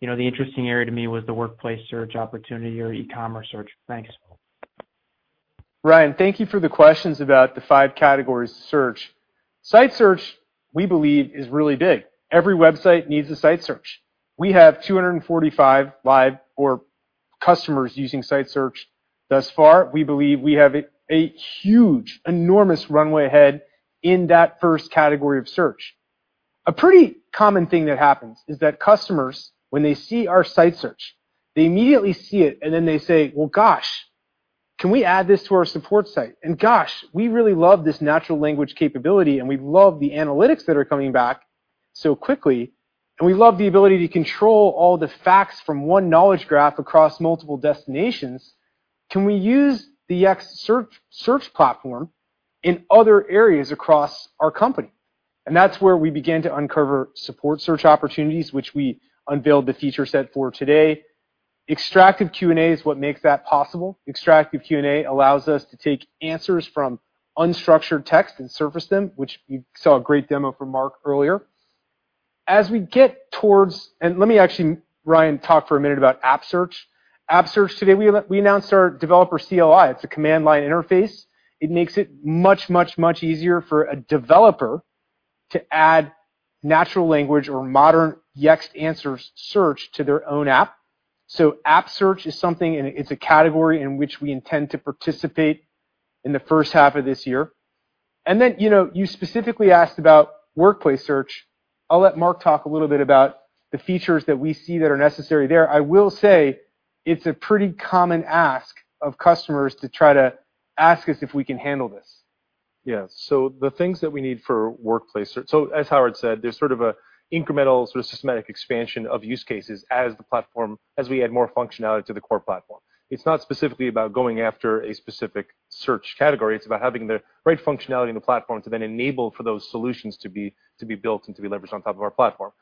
You know, the interesting area to me was the workplace search opportunity or e-commerce search. Thanks. Ryan, thank you for the questions about the five categories of Search. Site search, we believe, is really big. Every website needs a Site Search. We have 245 customers using site search thus far. We believe we have a huge, enormous runway ahead in that first category of Search. A pretty common thing that happens is that customers, when they see our site search, they immediately see it and then they say, "Well, gosh, can we add this to our support site?" "Gosh, we really love this natural language capability, and we love the analytics that are coming back so quickly, and we love the ability to control all the facts from one knowledge graph across multiple destinations. Can we use the Yext Search platform in other areas across our company?" That's where we begin to uncover Support Search opportunities, which we unveiled the feature set for today. Extractive Q&A is what makes that possible. Extractive Q&A allows us to take answers from unstructured text and surface them, which you saw a great demo from Marc earlier. Let me actually, Ryan, talk for a minute about App Search. App search, today, we announced our developer CLI. It's a command line interface. It makes it much easier for a developer to add natural language or modern Yext Answers search to their own app. App Search is a category in which we intend to participate in the first half of this year and then you specifically asked about workplace search. I'll let Marc talk a little bit about the features that we see that are necessary there. I will say it's a pretty common ask of customers to try to ask us if we can handle this. As Howard said, there's sort of an incremental, sort of systematic expansion of use cases as we add more functionality to the core platform. It's not specifically about going after a specific search category. It's about having the right functionality in the platform to then enable for those solutions to be built and to be leveraged on top of our platform.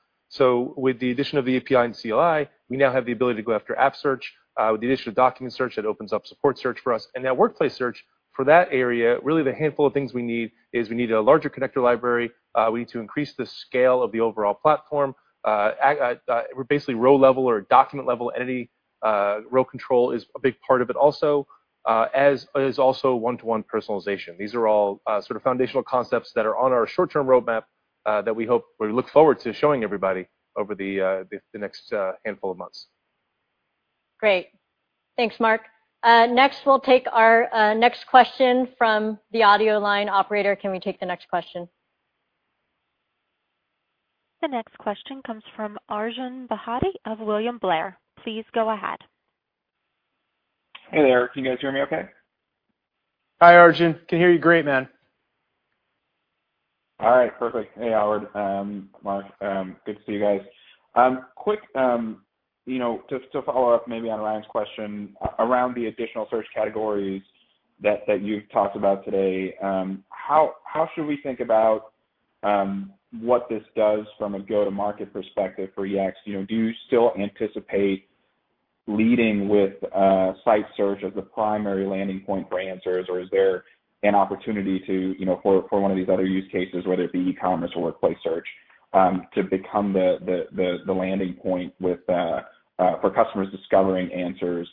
With the addition of the API and CLI, we now have the ability to go after app search, with the addition of document search, that opens up support search for us. Now workplace search, for that area, really the handful of things we need is we need a larger connector library. We need to increase the scale of the overall platform. Basically row-level or document-level entity, row control is a big part of it also, as is also one-to-one personalization. These are all sort of foundational concepts that are on our short-term roadmap, that we look forward to showing everybody over the next handful of months. Great. Thanks, Marc. Next we'll take our next question from the audio line. Operator, can we take the next question? The next question comes from Arjun Bhatia of William Blair. Please go ahead. Hey there. Can you guys hear me okay? Hi, Arjun. We can hear you great, man. All right. Perfect. Hey, Howard, Marc, good to see you guys. A quick, you know, just to follow up maybe on Ryan's question around the additional search categories that you've talked about today. How should we think about what this does from a go-to-market perspective for Yext? Do you still anticipate leading with site search as the primary landing point for answers, or is there an opportunity to, you know, for one of these other use cases, whether it be e-commerce or workplace search, to become the landing point for customers discovering answers?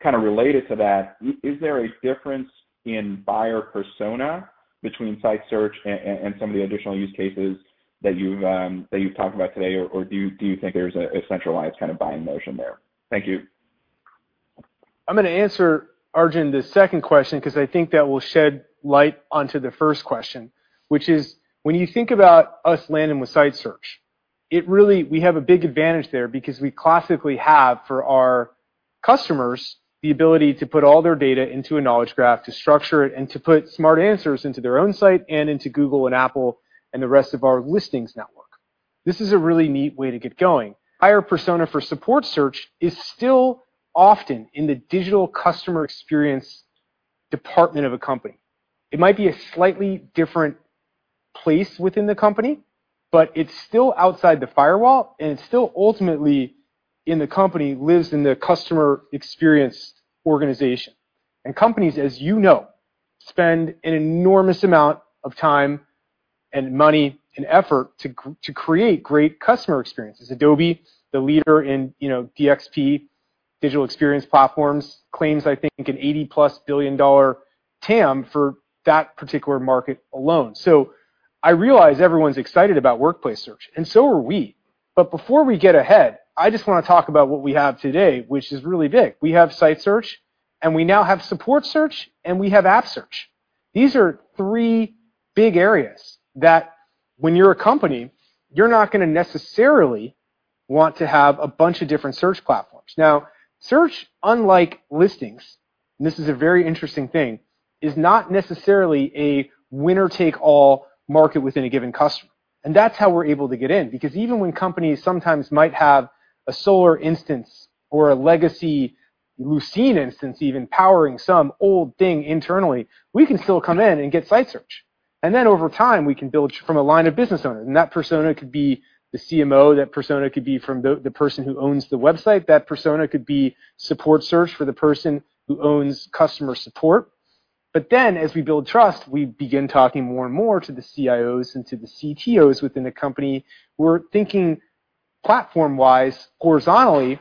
Kind of related to that, is there a difference in buyer persona between site search and some of the additional use cases that you've talked about today, or do you think there's a centralized kind of buying motion there? Thank you. I'm going to answer, Arjun, the second question because I think that will shed light onto the first question, which is, when you think about us landing with site search, we have a big advantage there because we classically have, for our customers, the ability to put all their data into a knowledge graph, to structure it, and to put smart answers into their own site and into Google and Apple and the rest of our listings network. This is a really neat way to get going. Buyer persona for support search is still often in the digital customer experience department of a company. It might be a slightly different place within the company, but it's still outside the firewall, and it still ultimately, in the company, lives in the customer experience organization. Companies, as you know, spend an enormous amount of time and money and effort to create great customer experiences. Adobe, the leader in DXP, digital experience platforms, claims, I think, an $80+ billion TAM for that particular market alone. I realize everyone's excited about workplace search, and so are we. Before we get ahead, I just want to talk about what we have today, which is really big. We have site search, and we now have support search, and we have app search. These are three big areas that when you're a company, you're not going to necessarily want to have a bunch of different search platforms. Now Search, unlike Listings, and this is a very interesting thing, is not necessarily a winner-take-all market within a given customer, and that's how we're able to get in. Because even when companies sometimes might have a Solr instance or a legacy Lucene instance even powering some old thing internally, we can still come in and get site search. Over time, we can build from a line of business owner, and that persona could be the CMO. That persona could be from the person who owns the website. That persona could be support search for the person who owns customer support. As we build trust, we begin talking more and more to the CIOs and to the CTOs within the company who are thinking platform-wise, horizontally,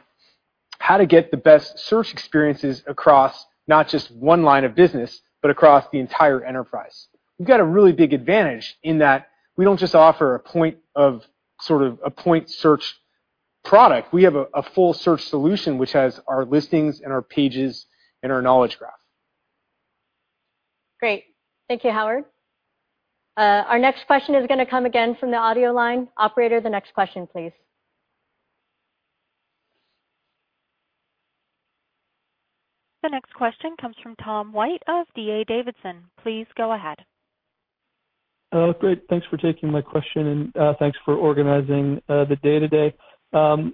how to get the best search experiences across not just one line of business, but across the entire enterprise. We've got a really big advantage in that we don't just offer a point search product. We have a full search solution which has our Listings and our Pages and our Knowledge Graph. Great. Thank you, Howard. Our next question is going to come again from the audio line. Operator, the next question, please. The next question comes from Tom White of D.A. Davidson. Please go ahead. Great. Thanks for taking my question, and thanks for organizing the day today. On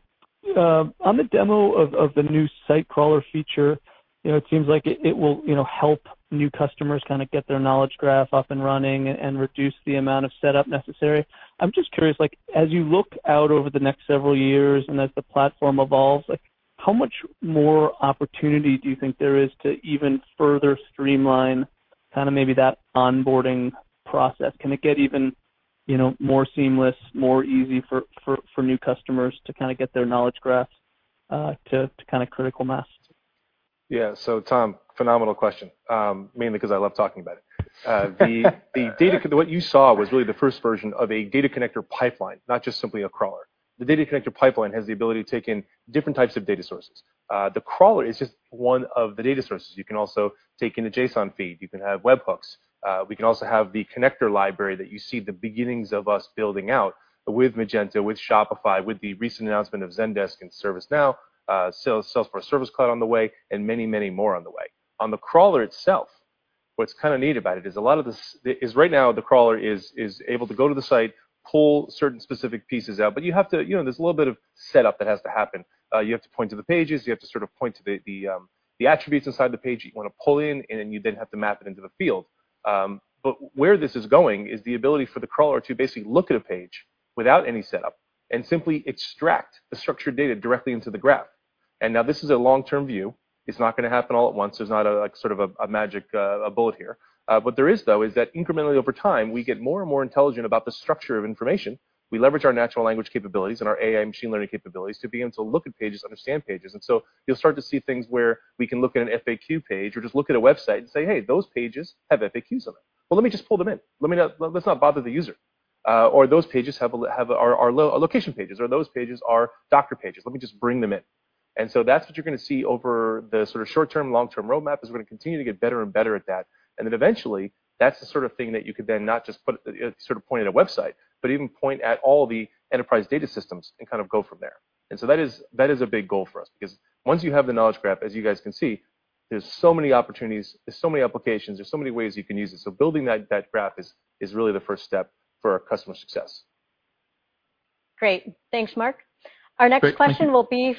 the demo of the new site crawler feature, you know, it seems like it will, you know, help new customers kind of get their knowledge graph up and running and reduce the amount of setup necessary. I'm just curious, like as you look out over the next several years, and as the platform evolves, how much more opportunity do you think there is to even further streamline kind of maybe that onboarding process? Can it get even more seamless, more easy for new customers to kind of get their knowledge graphs to kind of critical mass? Yeah. Tom, phenomenal question, mainly because I love talking about it. What you saw was really the first version of a data connector pipeline, not just simply a crawler. The data connector pipeline has the ability to take in different types of data sources. The crawler is just one of the data sources. You can also take in a JSON feed. You can have webhooks. We can also have the connector library that you see the beginnings of us building out with Magento, with Shopify, with the recent announcement of Zendesk and ServiceNow, Salesforce Service Cloud on the way, and many more on the way. On the crawler itself, what's kind of neat about it is right now, the crawler is able to go to the site, pull certain specific pieces out, but there's a little bit of setup that has to happen. You have to point to the pages. You have to sort of point to the attributes inside the page that you want to pull in, and then you then have to map it into the field. Where this is going is the ability for the crawler to basically look at a page without any setup and simply extract the structured data directly into the graph. Now this is a long-term view. It's not going to happen all at once. There's not a sort of a magic bullet here. What there is, though, is that incrementally over time, we get more and more intelligent about the structure of information. We leverage our natural language capabilities and our AI machine learning capabilities to begin to look at pages, understand pages. You'll start to see things where we can look at an FAQ page or just look at a website and say, "Hey, those pages have FAQs on it. Well, let me just pull them in. Let's not bother the user or those pages are location pages or, those pages are doctor pages. Let me just bring them in." That's what you're going to see over the sort of short-term, long-term roadmap as we're going to continue to get better and better at that, and it, eventually, that's the sort of thing that you could then not just sort of point at a website, but even point at all the enterprise data systems and kind of go from there. That is a big goal for us because once you have the knowledge graph, as you guys can see, there is so many opportunities, there is so many applications, there is so many ways you can use it, so building that graph is really the first step for our customer success. Great. Thanks, Marc. Great. Thank you. Our next question will be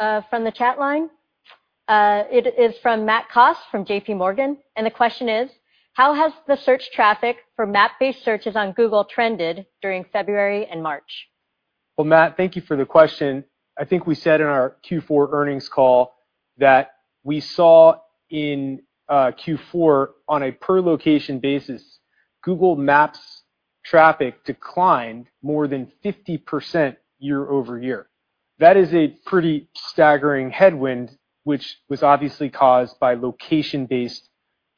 from the chat line. It is from Matt Koss from J.P. Morgan. The question is: how has the search traffic for map-based searches on Google trended during February and March? Well, Matt, thank you for the question. I think we said in our Q4 earnings call that we saw in Q4, on a per location basis, Google Maps traffic declined more than 50% year-over-year. That is a pretty staggering headwind, which was obviously caused by location-based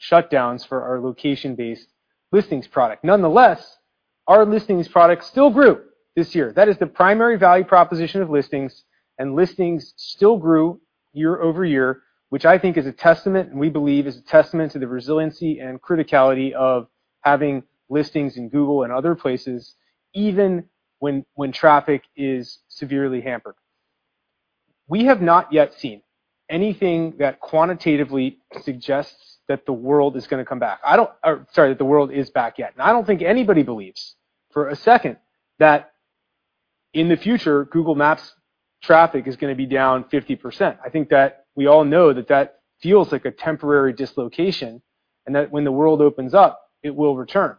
shutdowns for our location-based listings product. Nonetheless, our listings product still grew this year. That is the primary value proposition of listings, and listings still grew year-over-year, which I think is a testament, and we believe is a testament to the resiliency and criticality of having listings in Google and other places, even when traffic is severely hampered. We have not yet seen anything that quantitatively suggests that the world is back yet. I don't think anybody believes for a second that in the future, Google Maps traffic is going to be down 50%. I think that we all know that that feels like a temporary dislocation, and that when the world opens up, it will return.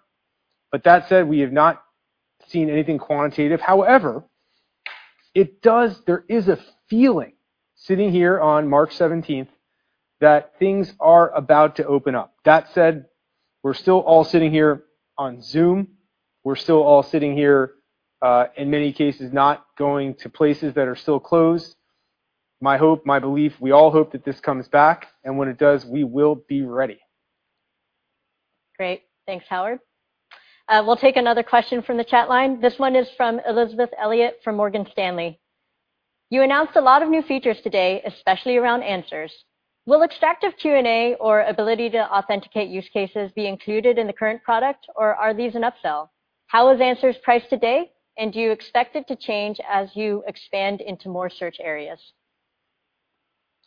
That said, we have not seen anything quantitative. However, there is a feeling, sitting here on March 17th, that things are about to open up. With that said, we're still all sitting here on Zoom. We're still all sitting here, in many cases, not going to places that are still closed. My hope, my belief, we all hope that this comes back, and when it does, we will be ready. Great. Thanks, Howard. We'll take another question from the chat line. This one is from Elizabeth Elliott from Morgan Stanley. You announced a lot of new features today, especially around Answers. Will extractive Q&A or ability to authenticate use cases be included in the current product, or are these an upsell? How is Answers priced today, and do you expect it to change as you expand into more search areas?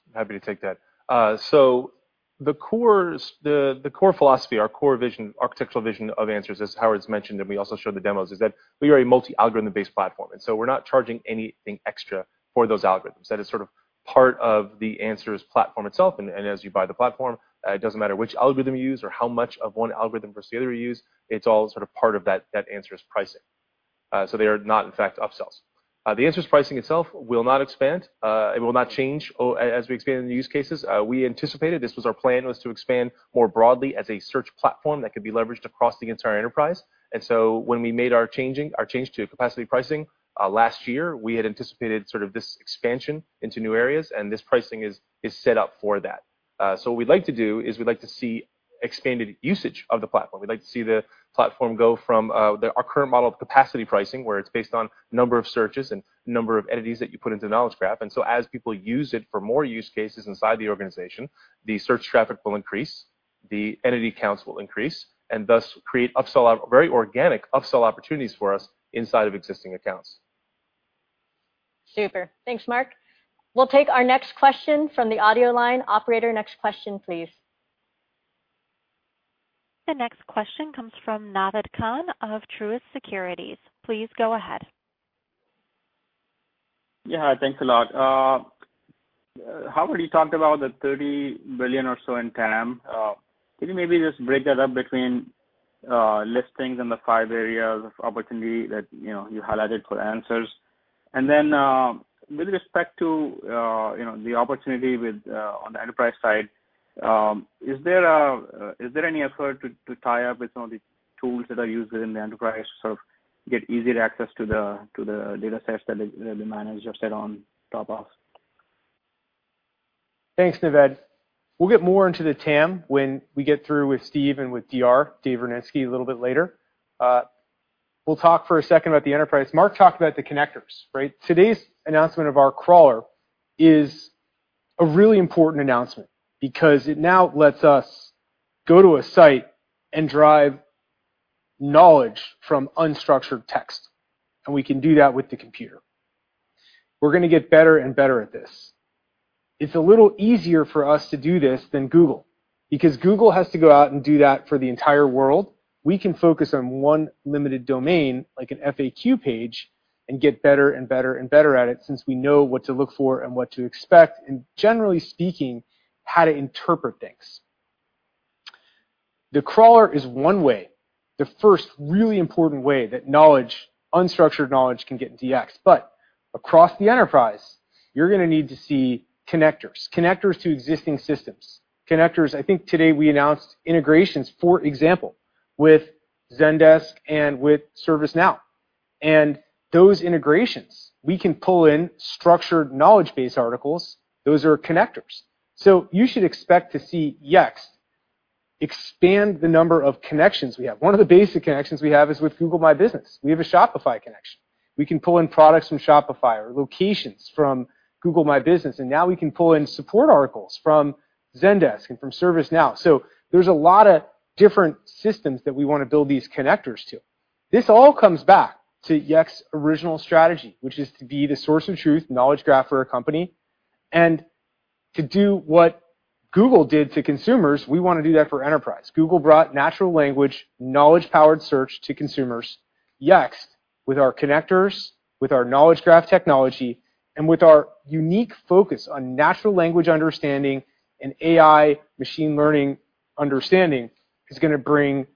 I'm happy to take that, so the core philosophy, our core vision, architectural vision of Answers, as Howard's mentioned, and we also showed the demos, is that we are a multi-algorithm based platform, so we're not charging anything extra for those algorithms. That is sort of part of the Answers platform itself, and as you buy the platform, it doesn't matter which algorithm you use or how much of one algorithm versus the other you use, it's all sort of part of that Answers pricing. They are not, in fact, upsells. The Answers pricing itself will not expand. It will not change as we expand into use cases. We anticipated, this was our plan, was to expand more broadly as a search platform that could be leveraged across the entire enterprise. When we made our change to capacity pricing last year, we had anticipated sort of this expansion into new areas, and this pricing is set up for that. What we'd like to do is we'd like to see expanded usage of the platform. We'd like to see the platform go from our current model of capacity pricing, where it's based on number of searches, and number of entities that you put into Knowledge Graph. As people use it for more use cases inside the organization, the search traffic will increase, the entity counts will increase, and thus create very organic upsell opportunities for us inside of existing accounts. Super. Thanks, Marc. We'll take our next question from the audio line. Operator, next question, please. The next question comes from Naved Khan of Truist Securities. Please go ahead. Yeah, thanks a lot. Howard, you talked about the $30 billion or so in TAM. Can you maybe just break that up between listings in the five areas of opportunity that you highlighted for Answers? Then with respect to the opportunity on the enterprise side, is there any effort to tie up with some of the tools that are used within the enterprise, sort of get easier access to the datasets that the manager set on top of? Thanks, Naved. We'll get more into the TAM when we get through with Steve and with DR, Dave Rudnitsky, a little bit later. We'll talk for a second about the enterprise. Marc talked about the connectors, right? Today's announcement of our crawler is a really important announcement because it now lets us go to a site and drive knowledge from unstructured text, and we can do that with the computer. We're going to get better and better at this. It's a little easier for us to do this than Google, because Google has to go out and do that for the entire world. We can focus on one limited domain, like an FAQ page, and get better and better and better at it since we know what to look for and what to expect, and generally speaking, how to interpret things. The crawler is one way, the first really important way that knowledge, unstructured knowledge can get into Yext. Across the enterprise, you're going to need to see connectors. Connectors to existing systems, connectors. I think today we announced integrations, for example, with Zendesk and with ServiceNow. Those integrations, we can pull in structured knowledge base articles. Those are connectors. You should expect to see Yext expand the number of connections we have. One of the basic connections we have is with Google My Business. We have a Shopify connection. We can pull in products from Shopify or locations from Google My Business, and now we can pull in support articles from Zendesk and from ServiceNow, so there's a lot of different systems that we want to build these connectors to. This all comes back to Yext's original strategy, which is to be the source of truth knowledge graph for a company, and to do what Google did to consumers, we want to do that for enterprise. Google brought natural language knowledge-powered search to consumers. Yext, with our connectors, with our knowledge graph technology, and with our unique focus on natural language understanding, and AI machine learning understanding, is going to bring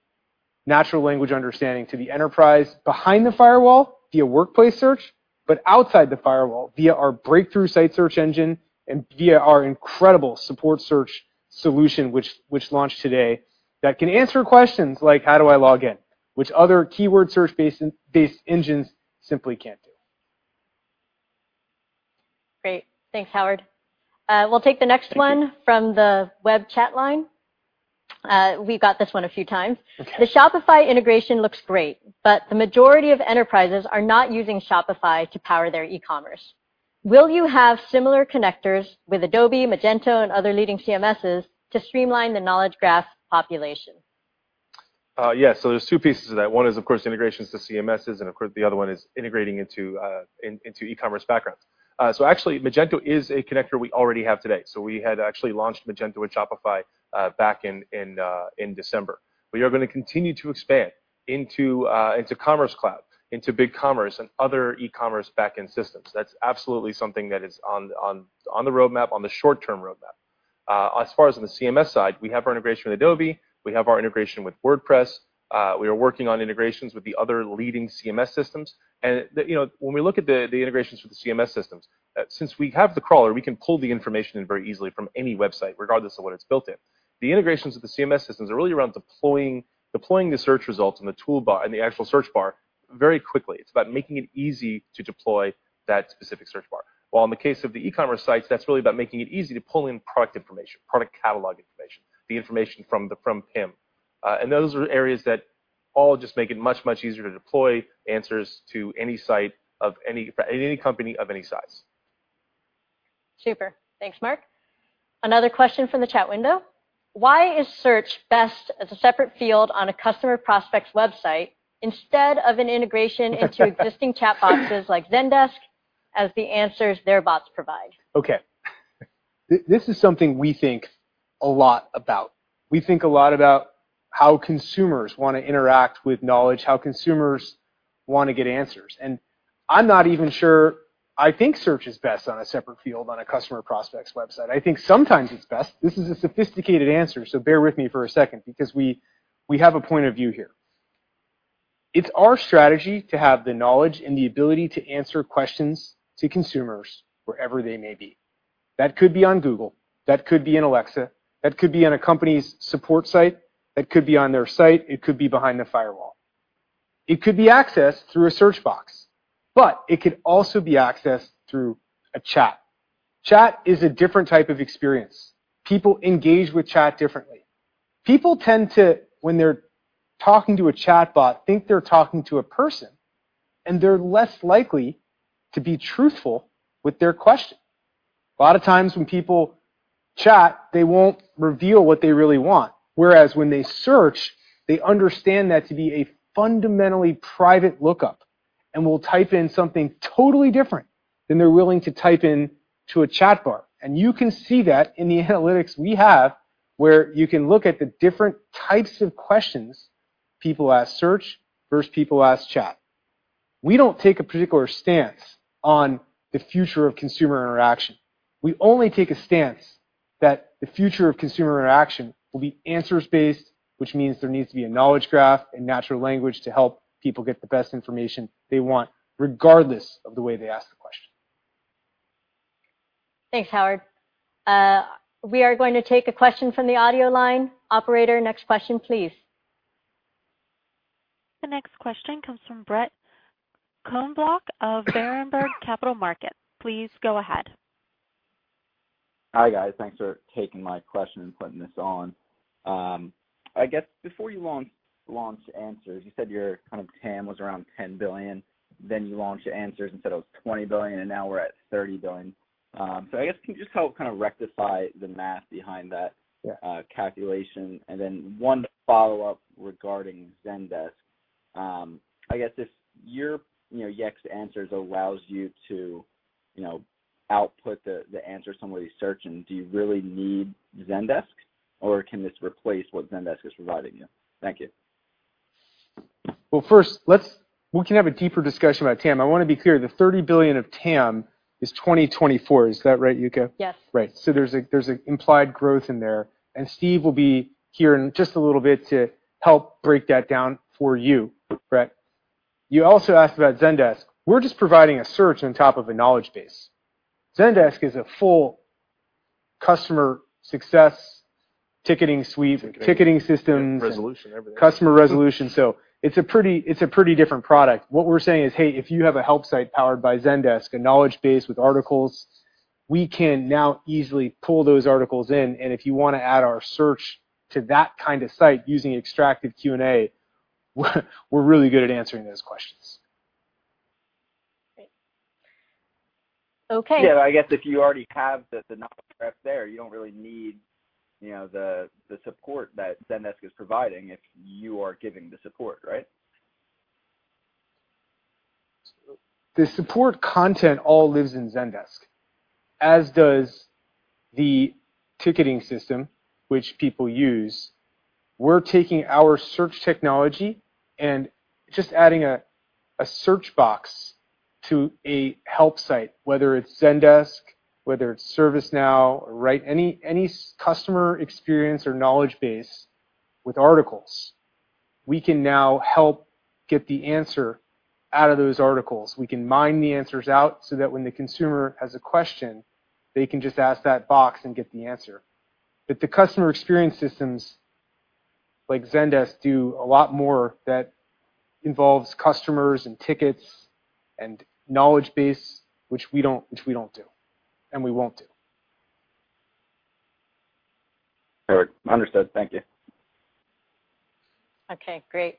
natural language understanding to the enterprise behind the firewall via workplace search, but outside the firewall via our breakthrough site search engine and via our incredible support search solution, which launched today, that can answer questions like, "How do I log in?" Which other keyword search-based engines simply can't do. Great. Thanks, Howard. We'll take the next one from the web chat line. We got this one a few times. The Shopify integration looks great, but the majority of enterprises are not using Shopify to power their e-commerce. Will you have similar connectors with Adobe, Magento, and other leading CMSs to streamline the knowledge graph population? Yes, there's two pieces of that. One is, of course, integrations to CMSs, and of course, the other one is integrating into e-commerce backgrounds. Actually, Magento is a connector we already have today. We had actually launched Magento and Shopify back in December. We are going to continue to expand into Commerce Cloud, into BigCommerce, and other e-commerce backend systems. That's absolutely something that is on the roadmap, on the short-term roadmap. As far as on the CMS side, we have our integration with Adobe, we have our integration with WordPress. We are working on integrations with the other leading CMS systems. When we look at the integrations with the CMS systems, since we have the crawler, we can pull the information in very easily from any website, regardless of what it's built in. The integrations with the CMS systems are really around deploying the search results in the actual search bar very quickly. It's about making it easy to deploy that specific search bar. While in the case of the e-commerce sites, that's really about making it easy to pull in product information, product catalog information, the information from PIM, and those are areas that all just make it much, much easier to deploy answers to any site of any company of any size. Super. Thanks, Marc. Another question from the chat window. Why is search best as a separate field on a customer prospect's website instead of an integration into existing chat boxes like Zendesk as the answers their bots provide? Okay. This is something we think a lot about. We think a lot about how consumers want to interact with knowledge, how consumers want to get answers. I'm not even sure I think search is best on a separate field on a customer prospect's website. I think sometimes it's best. This is a sophisticated answer. Bear with me for a second because we have a point of view here. It's our strategy to have the knowledge and the ability to answer questions to consumers wherever they may be, that could be on Google, that could be in Alexa. That could be on a company's support site. That could be on their site. It could be behind the firewall. It could be accessed through a search box but it could also be accessed through a chat. Chat is a different type of experience. People engage with chat differently. People tend to, when they're talking to a chatbot, think they're talking to a person, and they're less likely to be truthful with their question. A lot of times when people chat, they won't reveal what they really want, whereas when they search, they understand that to be a fundamentally private lookup and will type in something totally different than they're willing to type into a chat bar. You can see that in the analytics we have, where you can look at the different types of questions people ask search versus people ask chat. We don't take a particular stance on the future of consumer interaction. We only take a stance that the future of consumer interaction will be answers-based, which means there needs to be a knowledge graph and natural language to help people get the best information they want, regardless of the way they ask the question. Thanks, Howard. We are going to take a question from the audio line. Operator, next question, please. The next question comes from Brett Knoblauch of Berenberg Capital Markets. Please go ahead. Hi, guys. Thanks for taking my question and putting this on. I guess before you launched Answers, you said your TAM was around $10 billion, then you launched Answers and said it was $20 billion, and now we're at $30 billion. I guess can you just help rectify the math behind that calculation? Then one follow-up regarding Zendesk, I guess, if your, you know, Yext Answers allows you to, you know, output the answer somebody's searching, do you really need Zendesk, or can this replace what Zendesk is providing you? Thank you. Well, first, we can have a deeper discussion about TAM. I want to be clear, the $30 billion of TAM is 2024. Is that right, Yuka? Yes. Right. There's an implied growth in there, and Steve will be here in just a little bit to help break that down for you, Brett. You also asked about Zendesk. We're just providing a search on top of a knowledge base. Zendesk is a full customer success ticketing suite. Ticketing Ticketing systems. Customer resolution. Customer resolution, so it's a pretty different product. What we're saying is, "Hey, if you have a help site powered by Zendesk, a knowledge base with articles, we can now easily pull those articles in, and if you want to add our search to that kind of site using extracted Q&A, we're really good at answering those questions. Great. Okay. Yeah, I guess if you already have the knowledge base there, you don't really need the support that Zendesk is providing if you are giving the support, right? The support content all lives in Zendesk, as does the ticketing system which people use. We're taking our search technology and just adding a search box to a help site, whether it's Zendesk, whether it's ServiceNow, right, or any customer experience or knowledge base with articles. We can now help get the answer out of those articles. We can mine the answers out so that when the consumer has a question, they can just ask that box and get the answer. The customer experience systems like Zendesk do a lot more that involves customers and tickets and knowledge base, which we don't do, and we won't do. All right, understood. Thank you. Okay, great.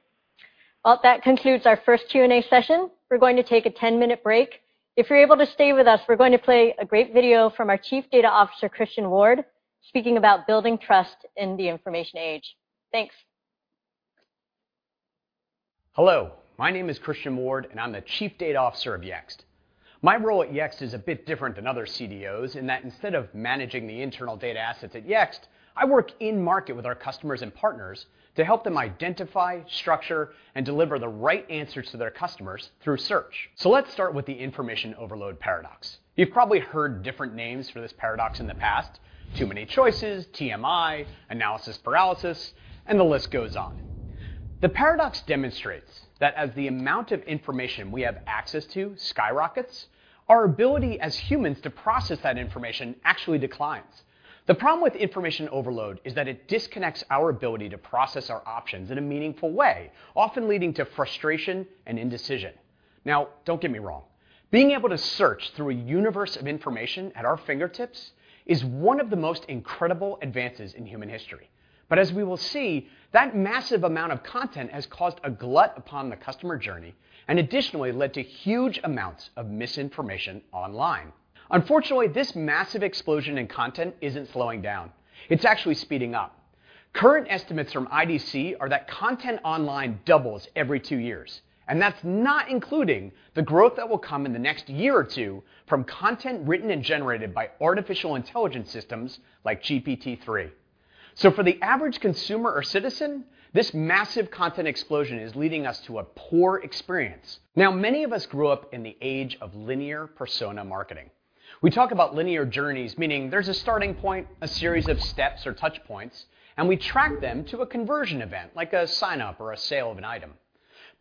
Well, that concludes our first Q&A session. We're going to take a 10-minute break. If you're able to stay with us, we're going to play a great video from our Chief Data Officer, Christian Ward, speaking about building trust in the information age. Thanks. Hello, my name is Christian Ward, and I'm the Chief Data Officer of Yext. My role at Yext is a bit different than other CDOs, in that instead of managing the internal data assets at Yext, I work in-market with our customers and partners to help them identify, structure, and deliver the right answers to their customers through search. Let's start with the information overload paradox. You've probably heard different names for this paradox in the past, too many choices, TMI, analysis paralysis, and the list goes on. The paradox demonstrates that as the amount of information we have access to skyrockets, our ability as humans to process that information actually declines. The problem with information overload is that it disconnects our ability to process our options in a meaningful way, often leading to frustration and indecision. Now, don't get me wrong. Being able to search through a universe of information at our fingertips is one of the most incredible advances in human history. As we will see, that massive amount of content has caused a glut upon the customer journey and additionally led to huge amounts of misinformation online. Unfortunately, this massive explosion in content isn't slowing down. It's actually speeding up. Current estimates from IDC are that content online doubles every two years, and that's not including the growth that will come in the next year or two from content written and generated by artificial intelligence systems like GPT-3. For the average consumer or citizen, this massive content explosion is leading us to a poor experience. Now, many of us grew up in the age of linear persona marketing. We talk about linear journeys, meaning there is a starting point, a series of steps or touch points, and we track them to a conversion event, like a sign-up or a sale of an item.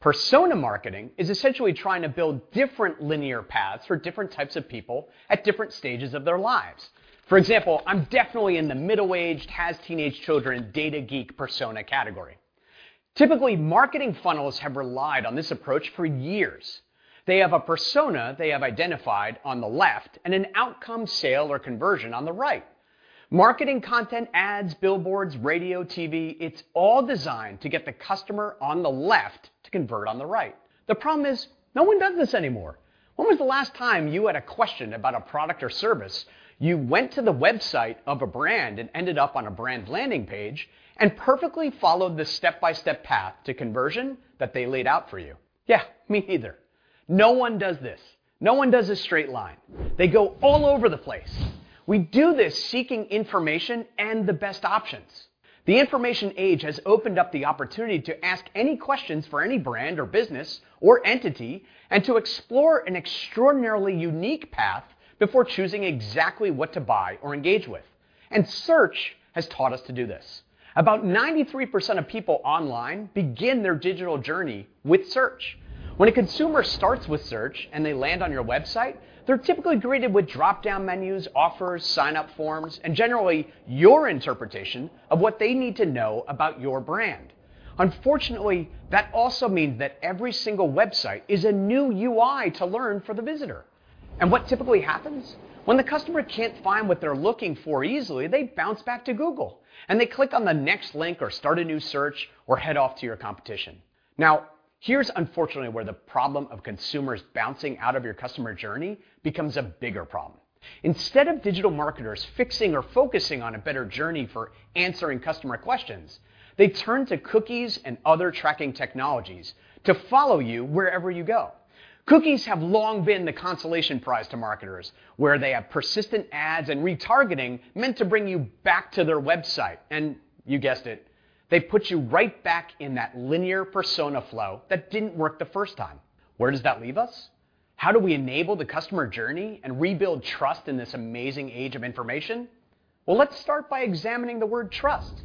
Persona marketing is essentially trying to build different linear paths for different types of people at different stages of their lives. For example, I am definitely in the middle-aged, has teenage children, data geek persona category. Typically, marketing funnels have relied on this approach for years. They have a persona they have identified on the left and an outcome sale or conversion on the right. Marketing content, ads, billboards, radio, TV, it is all designed to get the customer on the left to convert on the right. The problem is, no one does this anymore. When was the last time you had a question about a product or service, you went to the website of a brand and ended up on a brand landing page and perfectly followed the step-by-step path to conversion that they laid out for you? Yeah, me either. No one does this. No one does a straight line. They go all over the place. We do this seeking information and the best options. The information age has opened up the opportunity to ask any questions for any brand or business or entity, and to explore an extraordinarily unique path before choosing exactly what to buy or engage with, and search has taught us to do this. About 93% of people online begin their digital journey with search. When a consumer starts with search and they land on your website, they're typically greeted with drop-down menus, offers, sign-up forms, and generally your interpretation of what they need to know about your brand. Unfortunately, that also means that every single website is a new UI to learn for the visitor. What typically happens? When the customer can't find what they're looking for easily, they bounce back to Google, and they click on the next link or start a new search or head off to your competition. Now, here's, unfortunately, where the problem of consumers bouncing out of your customer journey becomes a bigger problem. Instead of digital marketers fixing or focusing on a better journey for answering customer questions, they turn to cookies and other tracking technologies to follow you wherever you go. Cookies have long been the consolation prize to marketers, where they have persistent ads and retargeting meant to bring you back to their website, and you guessed it, they put you right back in that linear persona flow that didn't work the first time. Where does that leave us? How do we enable the customer journey and rebuild trust in this amazing age of information? Well, let's start by examining the word trust.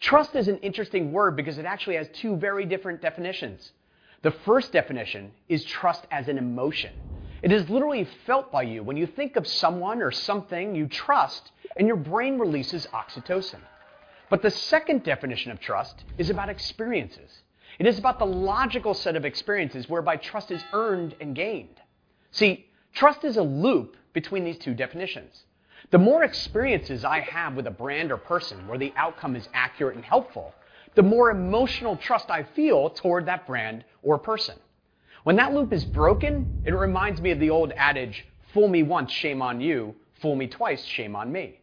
Trust is an interesting word because it actually has two very different definitions. The first definition is trust as an emotion. It is literally felt by you when you think of someone or something you trust, and your brain releases oxytocin. The second definition of trust is about experiences. It is about the logical set of experiences whereby trust is earned and gained. See, trust is a loop between these two definitions. The more experiences I have with a brand or person where the outcome is accurate and helpful, the more emotional trust I feel toward that brand or person. When that loop is broken, it reminds me of the old adage, "Fool me once, shame on you. Fool me twice, shame on me.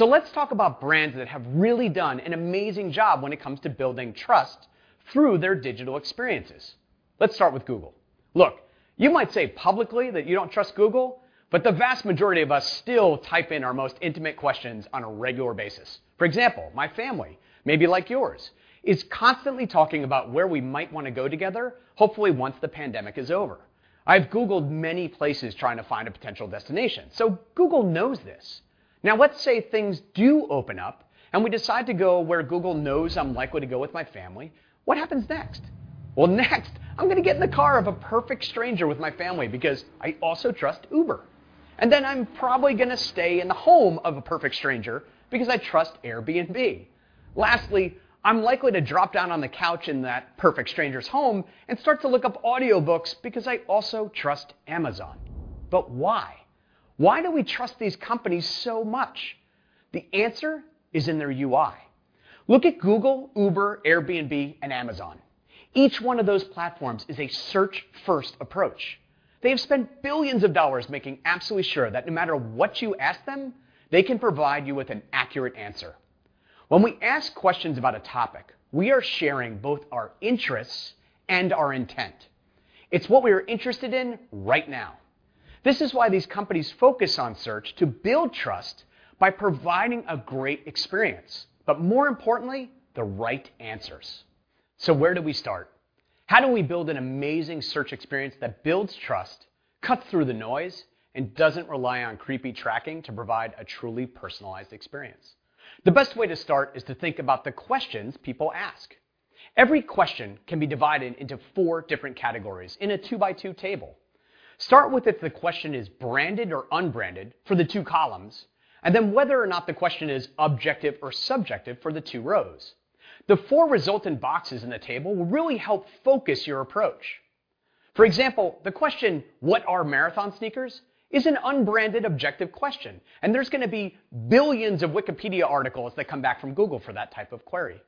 "Let's talk about brands that have really done an amazing job when it comes to building trust through their digital experiences. Let's start with Google. Look, you might say publicly that you don't trust Google, but the vast majority of us still type in our most intimate questions on a regular basis. For example, my family, maybe like yours, is constantly talking about where we might want to go together, hopefully once the pandemic is over. I've Googled many places trying to find a potential destination so Google knows this. Let's say things do open up, and we decide to go where Google knows I'm likely to go with my family. What happens next? Well, next, I'm going to get in the car of a perfect stranger with my family because I also trust Uber, and then I'm probably going to stay in the home of a perfect stranger because I trust Airbnb. Lastly, I'm likely to drop down on the couch in that perfect stranger's home and start to look up audiobooks because I also trust Amazon. Why? Why do we trust these companies so much? The answer is in their UI. Look at Google, Uber, Airbnb, and Amazon, each one of those platforms is a search-first approach. They have spent billions of dollars making absolutely sure that no matter what you ask them, they can provide you with an accurate answer. When we ask questions about a topic, we are sharing both our interests and our intent. It's what we are interested in right now. This is why these companies focus on search to build trust by providing a great experience, but more importantly, the right answers. Where do we start? How do we build an amazing search experience that builds trust, cuts through the noise, and doesn't rely on creepy tracking to provide a truly personalized experience? The best way to start is to think about the questions people ask. Every question can be divided into four different categories in a two-by-two table, start with if the question is branded or unbranded for the two columns, and then whether or not the question is objective or subjective for the two rows. The four resultant boxes in the table will really help focus your approach. For example, the question, "What are marathon sneakers?" is an unbranded objective question, and there's going to be billions of Wikipedia articles that come back from Google for that type of query.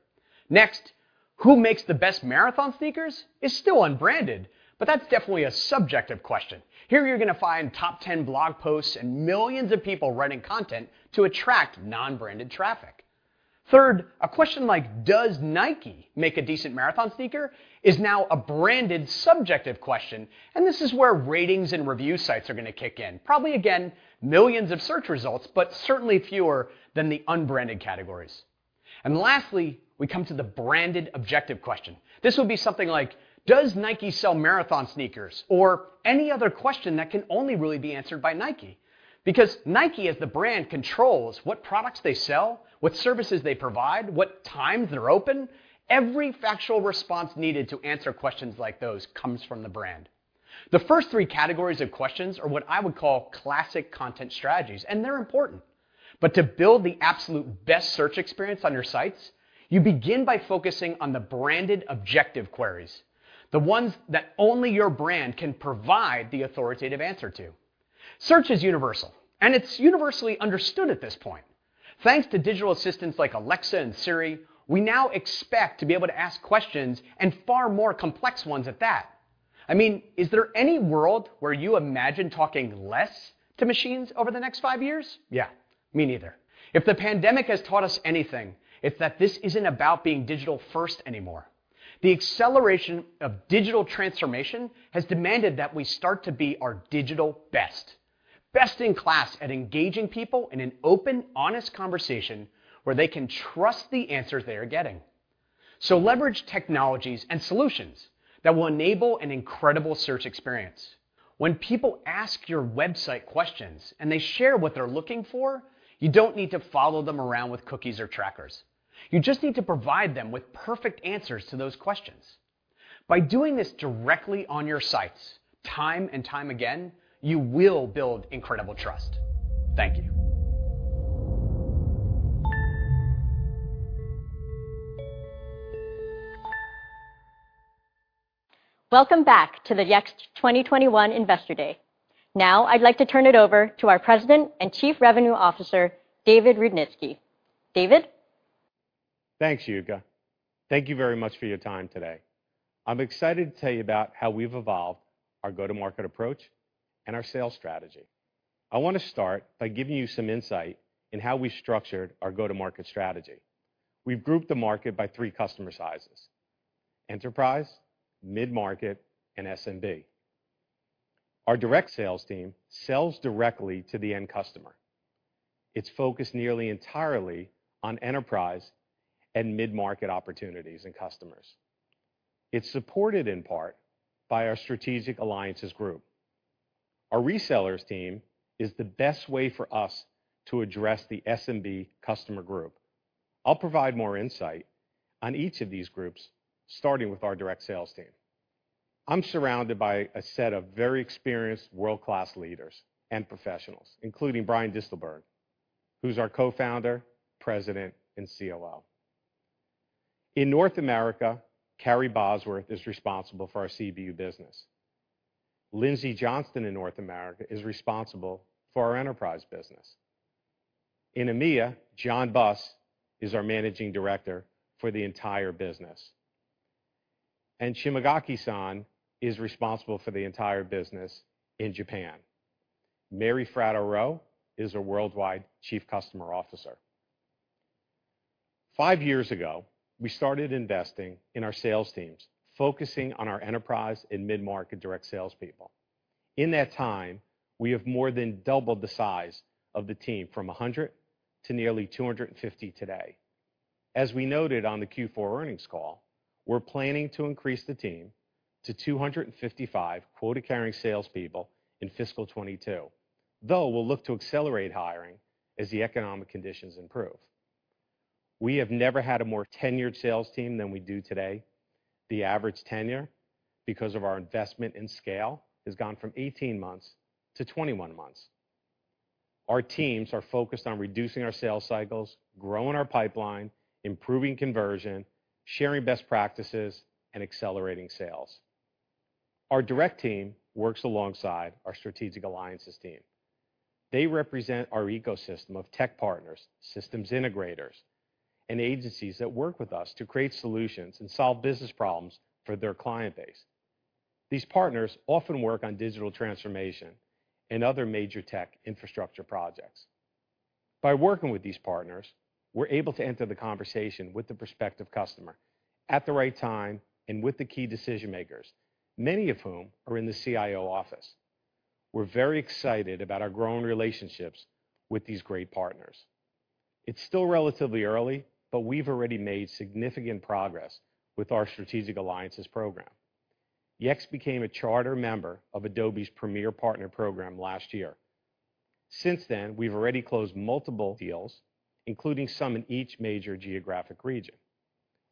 Next, "Who makes the best marathon sneakers?" is still unbranded, but that's definitely a subjective question. Here you're going to find top 10 blog posts and millions of people writing content to attract non-branded traffic. Third, a question like, "Does Nike make a decent marathon sneaker?" is now a branded subjective question, and this is where ratings and review sites are going to kick in. Probably again, millions of search results, but certainly fewer than the unbranded categories. Lastly, we come to the branded objective question. This would be something like, "Does Nike sell marathon sneakers?" Any other question that can only really be answered by Nike. Nike as the brand controls what products they sell, what services they provide, and what times they're open. Every factual response needed to answer questions like those comes from the brand. The first three categories of questions are what I would call classic content strategies, and they're important. To build the absolute best search experience on your sites, you begin by focusing on the branded objective queries, the ones that only your brand can provide the authoritative answer to. Search is universal, and it's universally understood at this point. Thanks to digital assistants like Alexa and Siri, we now expect to be able to ask questions and far more complex ones at that. I mean, is there any world where you imagine talking less to machines over the next five years? Yeah, me neither. If the pandemic has taught us anything, it's that this isn't about being digital-first anymore. The acceleration of digital transformation has demanded that we start to be our digital best. Best in class at engaging people in an open, honest conversation where they can trust the answers they are getting, so leverage technologies and solutions that will enable an incredible search experience. When people ask your website questions and they share what they're looking for, you don't need to follow them around with cookies or trackers. You just need to provide them with perfect answers to those questions. By doing this directly on your sites time and time again, you will build incredible trust. Thank you. Welcome back to the Yext 2021 Investor Day. Now I'd like to turn it over to our President and Chief Revenue Officer, David Rudnitsky. David? Thanks, Yuka. Thank you very much for your time today. I'm excited to tell you about how we've evolved our go-to-market approach and our sales strategy. I want to start by giving you some insight in how we structured our go-to-market strategy. We've grouped the market by three customer sizes, enterprise, mid-market, and SMB. Our direct sales team sells directly to the end customer. It's focused nearly entirely on enterprise and mid-market opportunities and customers. It's supported in part by our strategic alliances group. Our resellers team is the best way for us to address the SMB customer group. I'll provide more insight on each of these groups starting with our direct sales team. I'm surrounded by a set of very experienced world-class leaders and professionals, including Brian Distelburger, who's our Co-Founder, President, and COO. In North America, Carrie Bosworth is responsible for our CBU business. Lindsay Johnston in North America is responsible for our enterprise business. In EMEA, Jon Buss is our Managing Director for the entire business. Shimogaki-san is responsible for the entire business in Japan. Mary Fratto Rowe is our worldwide Chief Customer Officer. Five years ago, we started investing in our sales teams, focusing on our enterprise and mid-market direct salespeople. In that time, we have more than doubled the size of the team from 100 to nearly 250 today. As we noted on the Q4 earnings call, we're planning to increase the team to 255 quota-carrying salespeople in fiscal 2022, though we'll look to accelerate hiring as the economic conditions improve. We have never had a more tenured sales team than we do today. The average tenure, because of our investment in scale, has gone from 18 months to 21 months. Our teams are focused on reducing our sales cycles, growing our pipeline, improving conversion, sharing best practices, and accelerating sales. Our direct team works alongside our strategic alliances team. They represent our ecosystem of tech partners, systems integrators, and agencies that work with us to create solutions and solve business problems for their client base. These partners often work on digital transformation and other major tech infrastructure projects. By working with these partners, we're able to enter the conversation with the prospective customer at the right time and with the key decision-makers, many of whom are in the CIO office. We're very excited about our growing relationships with these great partners. It's still relatively early, but we've already made significant progress with our strategic alliances program. Yext became a charter member of Adobe's Premier Partner Program last year. Since then, we've already closed multiple deals, including some in each major geographic region.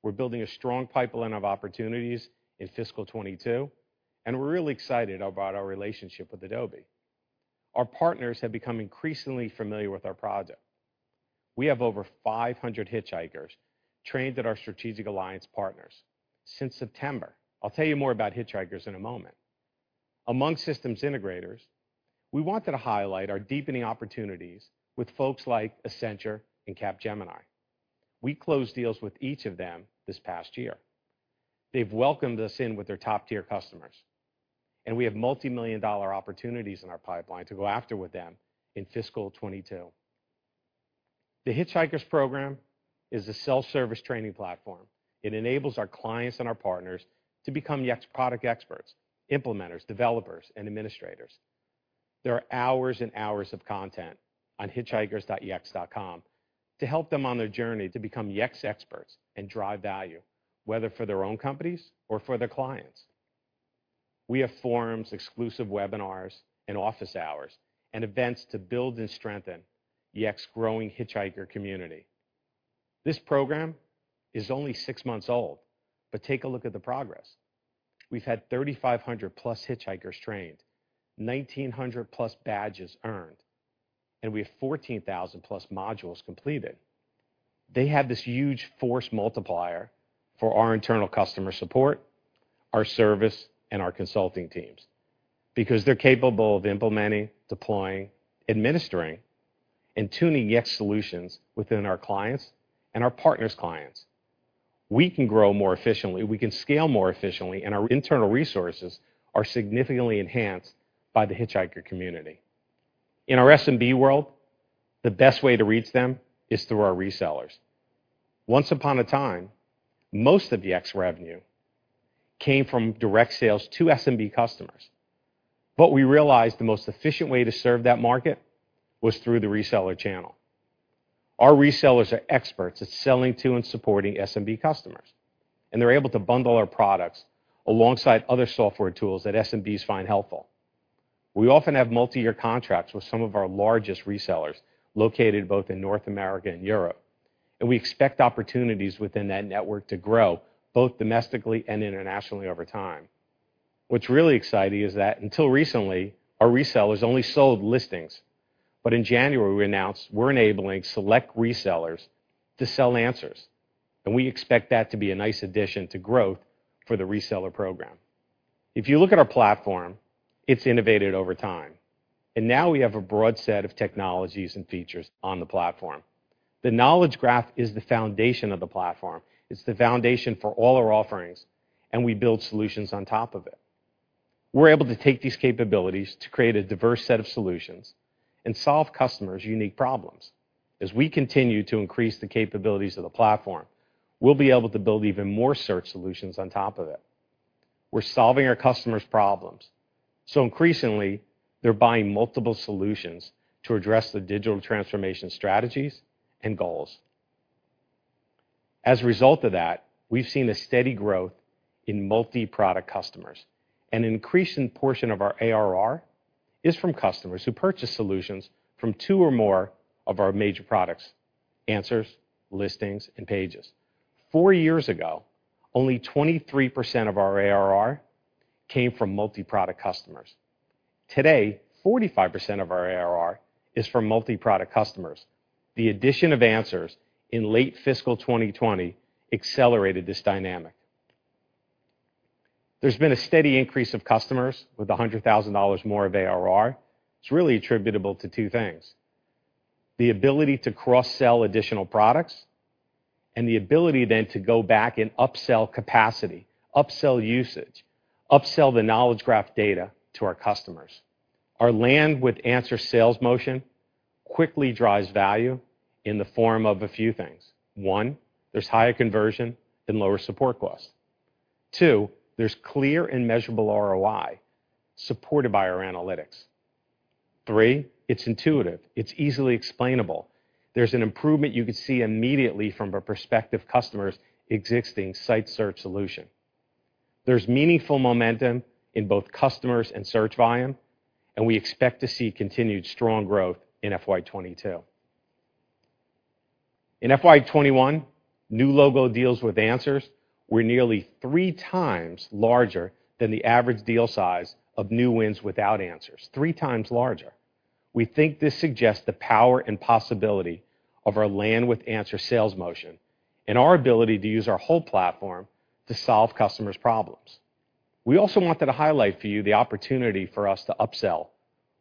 We're building a strong pipeline of opportunities in fiscal 2022, and we're really excited about our relationship with Adobe. Our partners have become increasingly familiar with our product. We have over 500 Hitchhikers trained at our strategic alliance partners since September. I'll tell you more about Hitchhikers in a moment. Among systems integrators, we wanted to highlight our deepening opportunities with folks like Accenture and Capgemini. We closed deals with each of them this past year. They've welcomed us in with their top-tier customers, and we have multimillion-dollar opportunities in our pipeline to go after with them in fiscal 2022. The Hitchhikers program is a self-service training platform. It enables our clients and our partners to become Yext product experts, implementers, developers, and administrators. There are hours and hours of content on hitchhikers.yext.com to help them on their journey to become Yext experts and drive value, whether for their own companies or for their clients. We have forums, exclusive webinars, and office hours, and events to build and strengthen Yext's growing Hitchhiker community. This program is only six months old, take a look at the progress. We've had 3,500-plus Hitchhikers trained, 1,900-plus badges earned, and we have 14,000-plus modules completed. They have this huge force multiplier for our internal customer support, our service, and our consulting teams because they're capable of implementing, deploying, administering, and tuning Yext solutions within our clients' and our partners' clients. We can grow more efficiently, we can scale more efficiently, and our internal resources are significantly enhanced by the Hitchhiker community. In our SMB world, the best way to reach them is through our resellers. Once upon a time, most of Yext's revenue came from direct sales to SMB customers. We realized the most efficient way to serve that market was through the reseller channel. Our resellers are experts at selling to and supporting SMB customers, and they're able to bundle our products alongside other software tools that SMBs find helpful. We often have multi-year contracts with some of our largest resellers located both in North America and Europe, and we expect opportunities within that network to grow both domestically and internationally over time. What's really exciting is that until recently, our resellers only sold Listings, but in January, we announced we're enabling select resellers to sell Answers, and we expect that to be a nice addition to growth for the reseller program. If you look at our platform, it's innovated over time, and now we have a broad set of technologies and features on the platform. The Knowledge Graph is the foundation of the platform. It's the foundation for all our offerings and we build solutions on top of it. We're able to take these capabilities to create a diverse set of solutions and solve customers' unique problems. As we continue to increase the capabilities of the platform, we'll be able to build even more search solutions on top of it. We're solving our customers' problems, so increasingly, they're buying multiple solutions to address their digital transformation strategies and goals. As a result of that, we've seen a steady growth in multi-product customers, and an increasing portion of our ARR is from customers who purchase solutions from two or more of our major products, Answers, Listings, and Pages. Four years ago, only 23% of our ARR came from multi-product customers. Today, 45% of our ARR is from multi-product customers. The addition of Answers in late fiscal 2020 accelerated this dynamic. There's been a steady increase of customers with $100,000 more of ARR. It's really attributable to two things, the ability to cross-sell additional products and the ability then to go back and upsell capacity, upsell usage, upsell the knowledge graph data to our customers. Our land with Answers sales motion quickly drives value in the form of a few things. One, there's higher conversion and lower support costs. Two, there's clear and measurable ROI supported by our analytics. Three, it's intuitive. It's easily explainable. There's an improvement you could see immediately from a prospective customer's existing site search solution. There's meaningful momentum in both customers and search volume, and we expect to see continued strong growth in FY 2022. In FY 2021, new logo deals with Answers were nearly three times larger than the average deal size of new wins without Answers, 3x larger. We think this suggests the power and possibility of our land with Answers sales motion, and our ability to use our whole platform to solve customers' problems. We also wanted to highlight for you the opportunity for us to upsell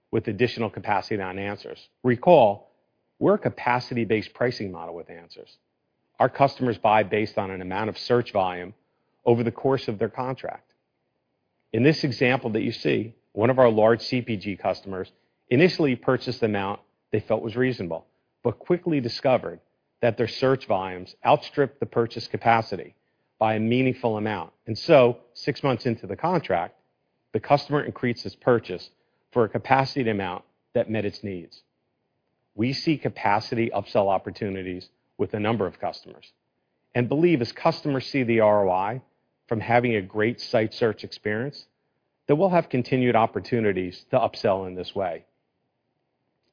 with additional capacity on Answers. Recall, we're a capacity-based pricing model with Answers. Our customers buy based on an amount of search volume over the course of their contract. In this example that you see, one of our large CPG customers initially purchased the amount they felt was reasonable, but quickly discovered that their search volumes outstripped the purchase capacity by a meaningful amount. Six months into the contract, the customer increased its purchase for a capacity amount that met its needs. We see capacity upsell opportunities with a number of customers and believe as customers see the ROI from having a great site search experience, that we'll have continued opportunities to upsell in this way.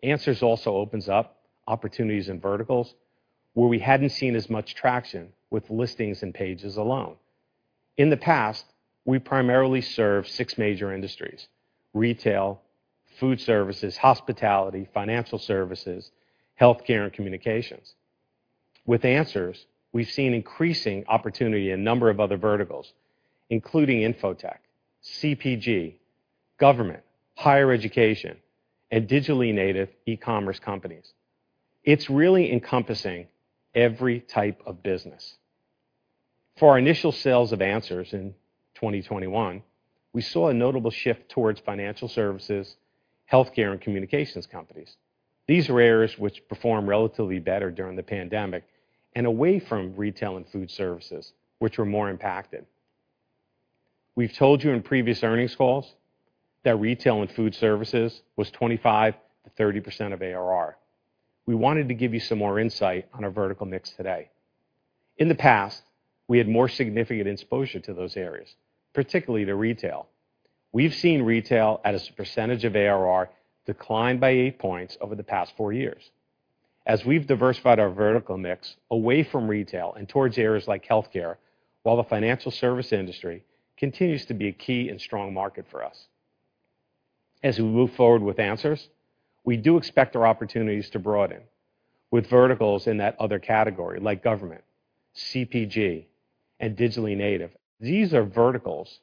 Answers also opens up opportunities in verticals where we hadn't seen as much traction with Listings and Pages alone. In the past, we primarily served six major industries: retail, food services, hospitality, financial services, healthcare, and communications. With Answers, we've seen increasing opportunity in a number of other verticals, including infotech, CPG, government, higher education, and digitally native e-commerce companies. It's really encompassing every type of business. For our initial sales of Answers in 2021, we saw a notable shift towards financial services, healthcare, and communications companies. These are areas which performed relatively better during the pandemic and away from retail and food services, which were more impacted. We have told you in previous earnings calls that retail and food services was 25% to 30% of ARR. We wanted to give you some more insight on our vertical mix today. In the past, we had more significant exposure to those areas, particularly to retail. We have seen retail as a percentage of ARR decline by eight points over the past four years as we've diversified our vertical mix away from retail and towards areas like healthcare, while the financial service industry continues to be a key and strong market for us. As we move forward with Answers, we do expect our opportunities to broaden with verticals in that other category, like government, CPG, and digitally native. These are verticals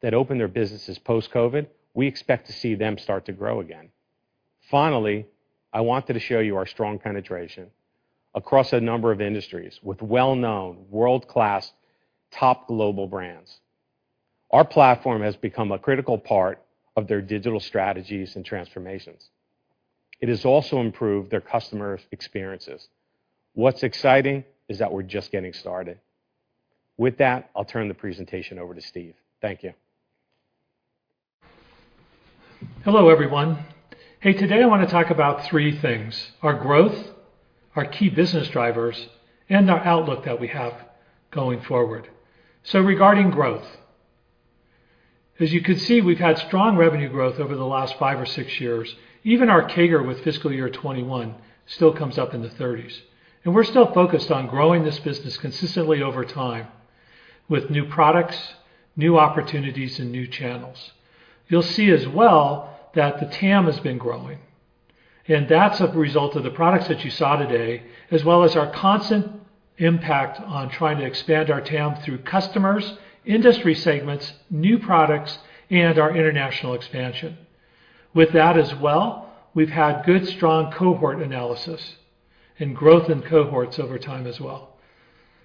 that opened their businesses post-COVID. We expect to see them start to grow again. Finally, I wanted to show you our strong penetration across a number of industries with well-known, world-class, top global brands. Our platform has become a critical part of their digital strategies and transformations. It has also improved their customers' experiences. What's exciting is that we're just getting started. With that, I'll turn the presentation over to Steve. Thank you. Hello, everyone. Hey, today, I want to talk about three things, our growth, our key business drivers, and our outlook that we have going forward. Regarding growth, as you can see, we've had strong revenue growth over the last five or six years. Even our CAGR with fiscal year 2021 still comes up in the 30s, and we're still focused on growing this business consistently over time with new products, new opportunities, and new channels. You'll see as well that the TAM has been growing, and that's a result of the products that you saw today, as well as our constant impact on trying to expand our TAM through customers, industry segments, new products, and our international expansion. With that as well, we've had good, strong cohort analysis and growth in cohorts over time as well,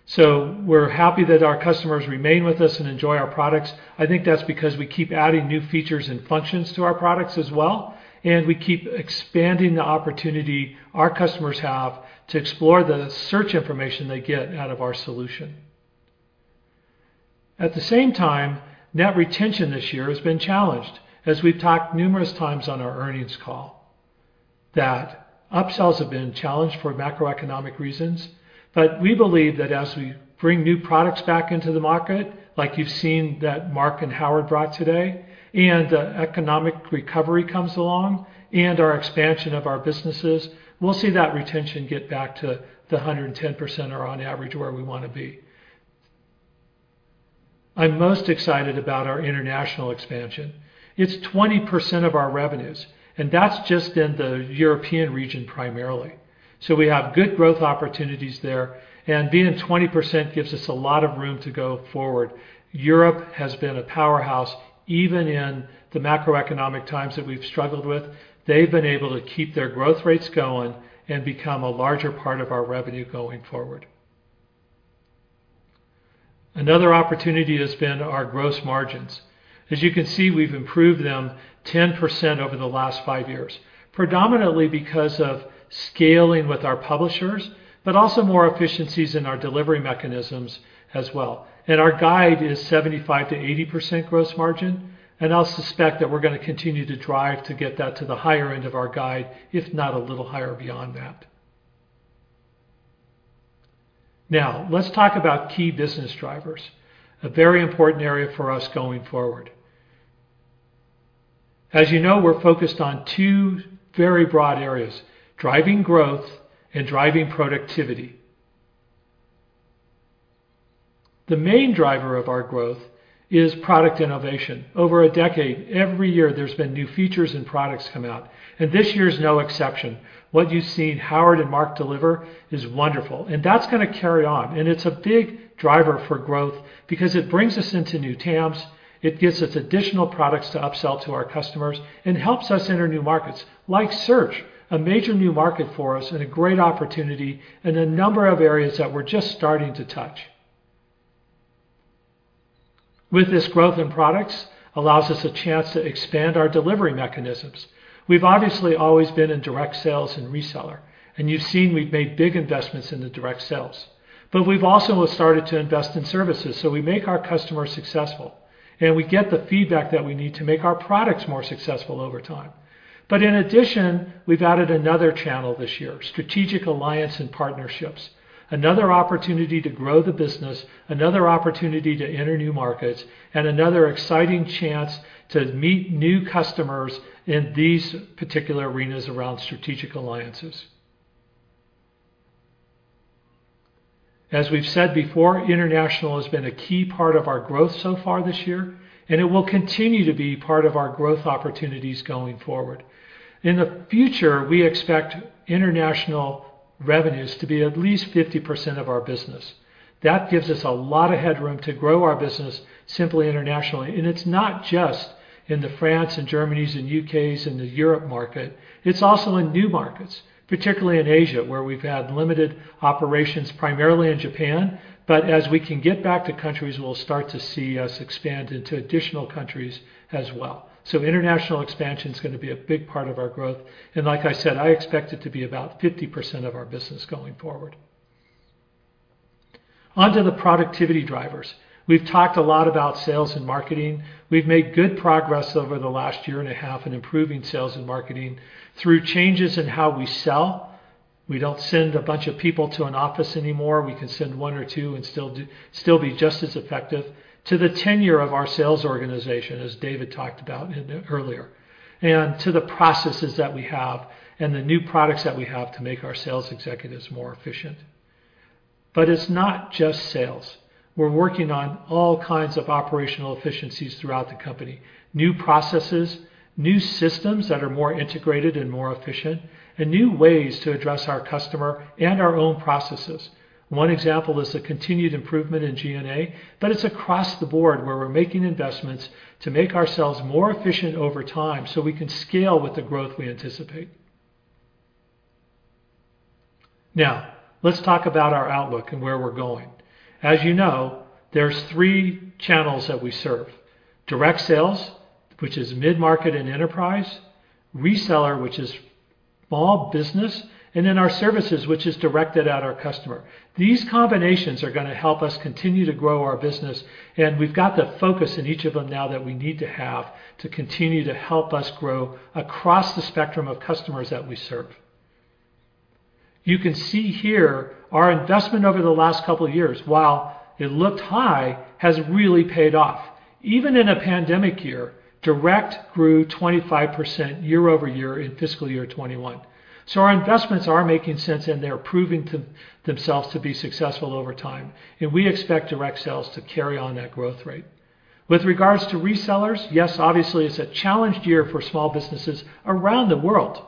so we're happy that our customers remain with us and enjoy our products. I think that's because we keep adding new features and functions to our products as well, and we keep expanding the opportunity our customers have to explore the search information they get out of our solution. At the same time, net retention this year has been challenged, as we've talked numerous times on our earnings call, that upsells have been challenged for macroeconomic reasons. We believe that as we bring new products back into the market, like you've seen that Marc and Howard brought today, and the economic recovery comes along, and our expansion of our businesses, we'll see that retention get back to the 110% or on average where we want to be. I'm most excited about our international expansion. It's 20% of our revenues, and that's just in the European region primarily. We have good growth opportunities there, and being at 20% gives us a lot of room to go forward. Europe has been a powerhouse, even in the macroeconomic times that we've struggled with. They've been able to keep their growth rates going and become a larger part of our revenue going forward. Another opportunity has been our gross margins. As you can see, we've improved them 10% over the last five years, predominantly because of scaling with our publishers, but also more efficiencies in our delivery mechanisms as well. Our guide is 75% to 80% gross margin, and I'll suspect that we're going to continue to drive to get that to the higher end of our guide, if not a little higher beyond that. Now let's talk about key business drivers, a very important area for us going forward. As you know, we're focused on two very broad areas, driving growth and driving productivity. The main driver of our growth is product innovation. Over a decade, every year, there's been new features and products come out, and this year is no exception. What you've seen Howard and Marc deliver is wonderful. That's going to carry on. It's a big driver for growth because it brings us into new TAMs, it gives us additional products to upsell to our customers, and helps us enter new markets, like Search, a major new market for us and a great opportunity in a number of areas that we're just starting to touch. With this growth in products, allows us a chance to expand our delivery mechanisms. We've obviously always been in direct sales and reseller and you've seen we've made big investments in the direct sales. We've also started to invest in services, so we make our customers successful, and we get the feedback that we need to make our products more successful over time. In addition, we've added another channel this year, strategic alliance and partnerships. Another opportunity to grow the business, another opportunity to enter new markets, and another exciting chance to meet new customers in these particular arenas around strategic alliances. As we've said before, international has been a key part of our growth so far this year, and it will continue to be part of our growth opportunities going forward. In the future, we expect international revenues to be at least 50% of our business. That gives us a lot of headroom to grow our business simply internationally, and it's not just in the France, and Germany's, and U.K.s and the Europe market. It's also in new markets, particularly in Asia, where we've had limited operations, primarily in Japan. As we can get back to countries, we'll start to see us expand into additional countries as well. International expansion is going to be a big part of our growth. Like I said, I expect it to be about 50% of our business going forward. On to the productivity drivers. We've talked a lot about sales and marketing. We've made good progress over the last year and a half in improving sales and marketing through changes in how we sell. We don't send a bunch of people to an office anymore. We can send one or two and still be just as effective to the tenure of our sales organization, as David talked about earlier, and to the processes that we have and the new products that we have to make our sales executives more efficient, but it's not just sales. We're working on all kinds of operational efficiencies throughout the company, new processes, new systems that are more integrated and more efficient, and new ways to address our customer and our own processes. One example is the continued improvement in G&A, but it's across the board where we're making investments to make ourselves more efficient over time so we can scale with the growth we anticipate. Now let's talk about our outlook and where we're going. As you know, there's three channels that we serve, direct sales, which is mid-market and enterprise, reseller, which is small business, and then our services, which is directed at our customer. These combinations are going to help us continue to grow our business, and we've got the focus in each of them now that we need to have to continue to help us grow across the spectrum of customers that we serve. You can see here our investment over the last couple of years, while it looked high, has really paid off, even in a pandemic year, direct grew 25% year-over-year in Fiscal Year 2021. Our investments are making sense, and they're proving themselves to be successful over time, and we expect direct sales to carry on that growth rate. With regards to resellers, yes, obviously, it's a challenged year for small businesses around the world,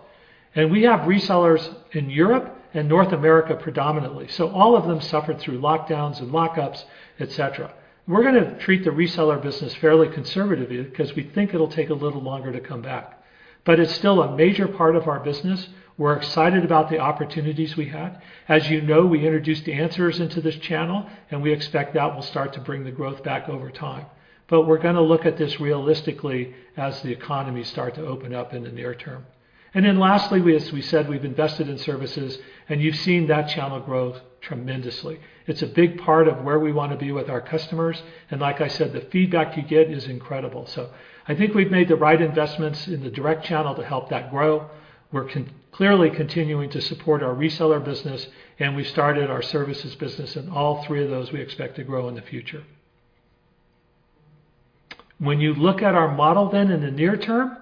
and we have resellers in Europe and North America predominantly. All of them suffered through lockdowns and lockups, et cetera. We're going to treat the reseller business fairly conservatively because we think it'll take a little longer to come back. It's still a major part of our business. We're excited about the opportunities we have. As you know, we introduced Answers into this channel, and we expect that will start to bring the growth back over time. We're going to look at this realistically as the economy start to open up in the near term. Then lastly, as we said, we've invested in services, and you've seen that channel grow tremendously. It's a big part of where we want to be with our customers, and like I said, the feedback you get is incredible, so I think we've made the right investments in the direct channel to help that grow. We're clearly continuing to support our reseller business, and we started our services business, and all three of those we expect to grow in the future. When you look at our model then in the near term,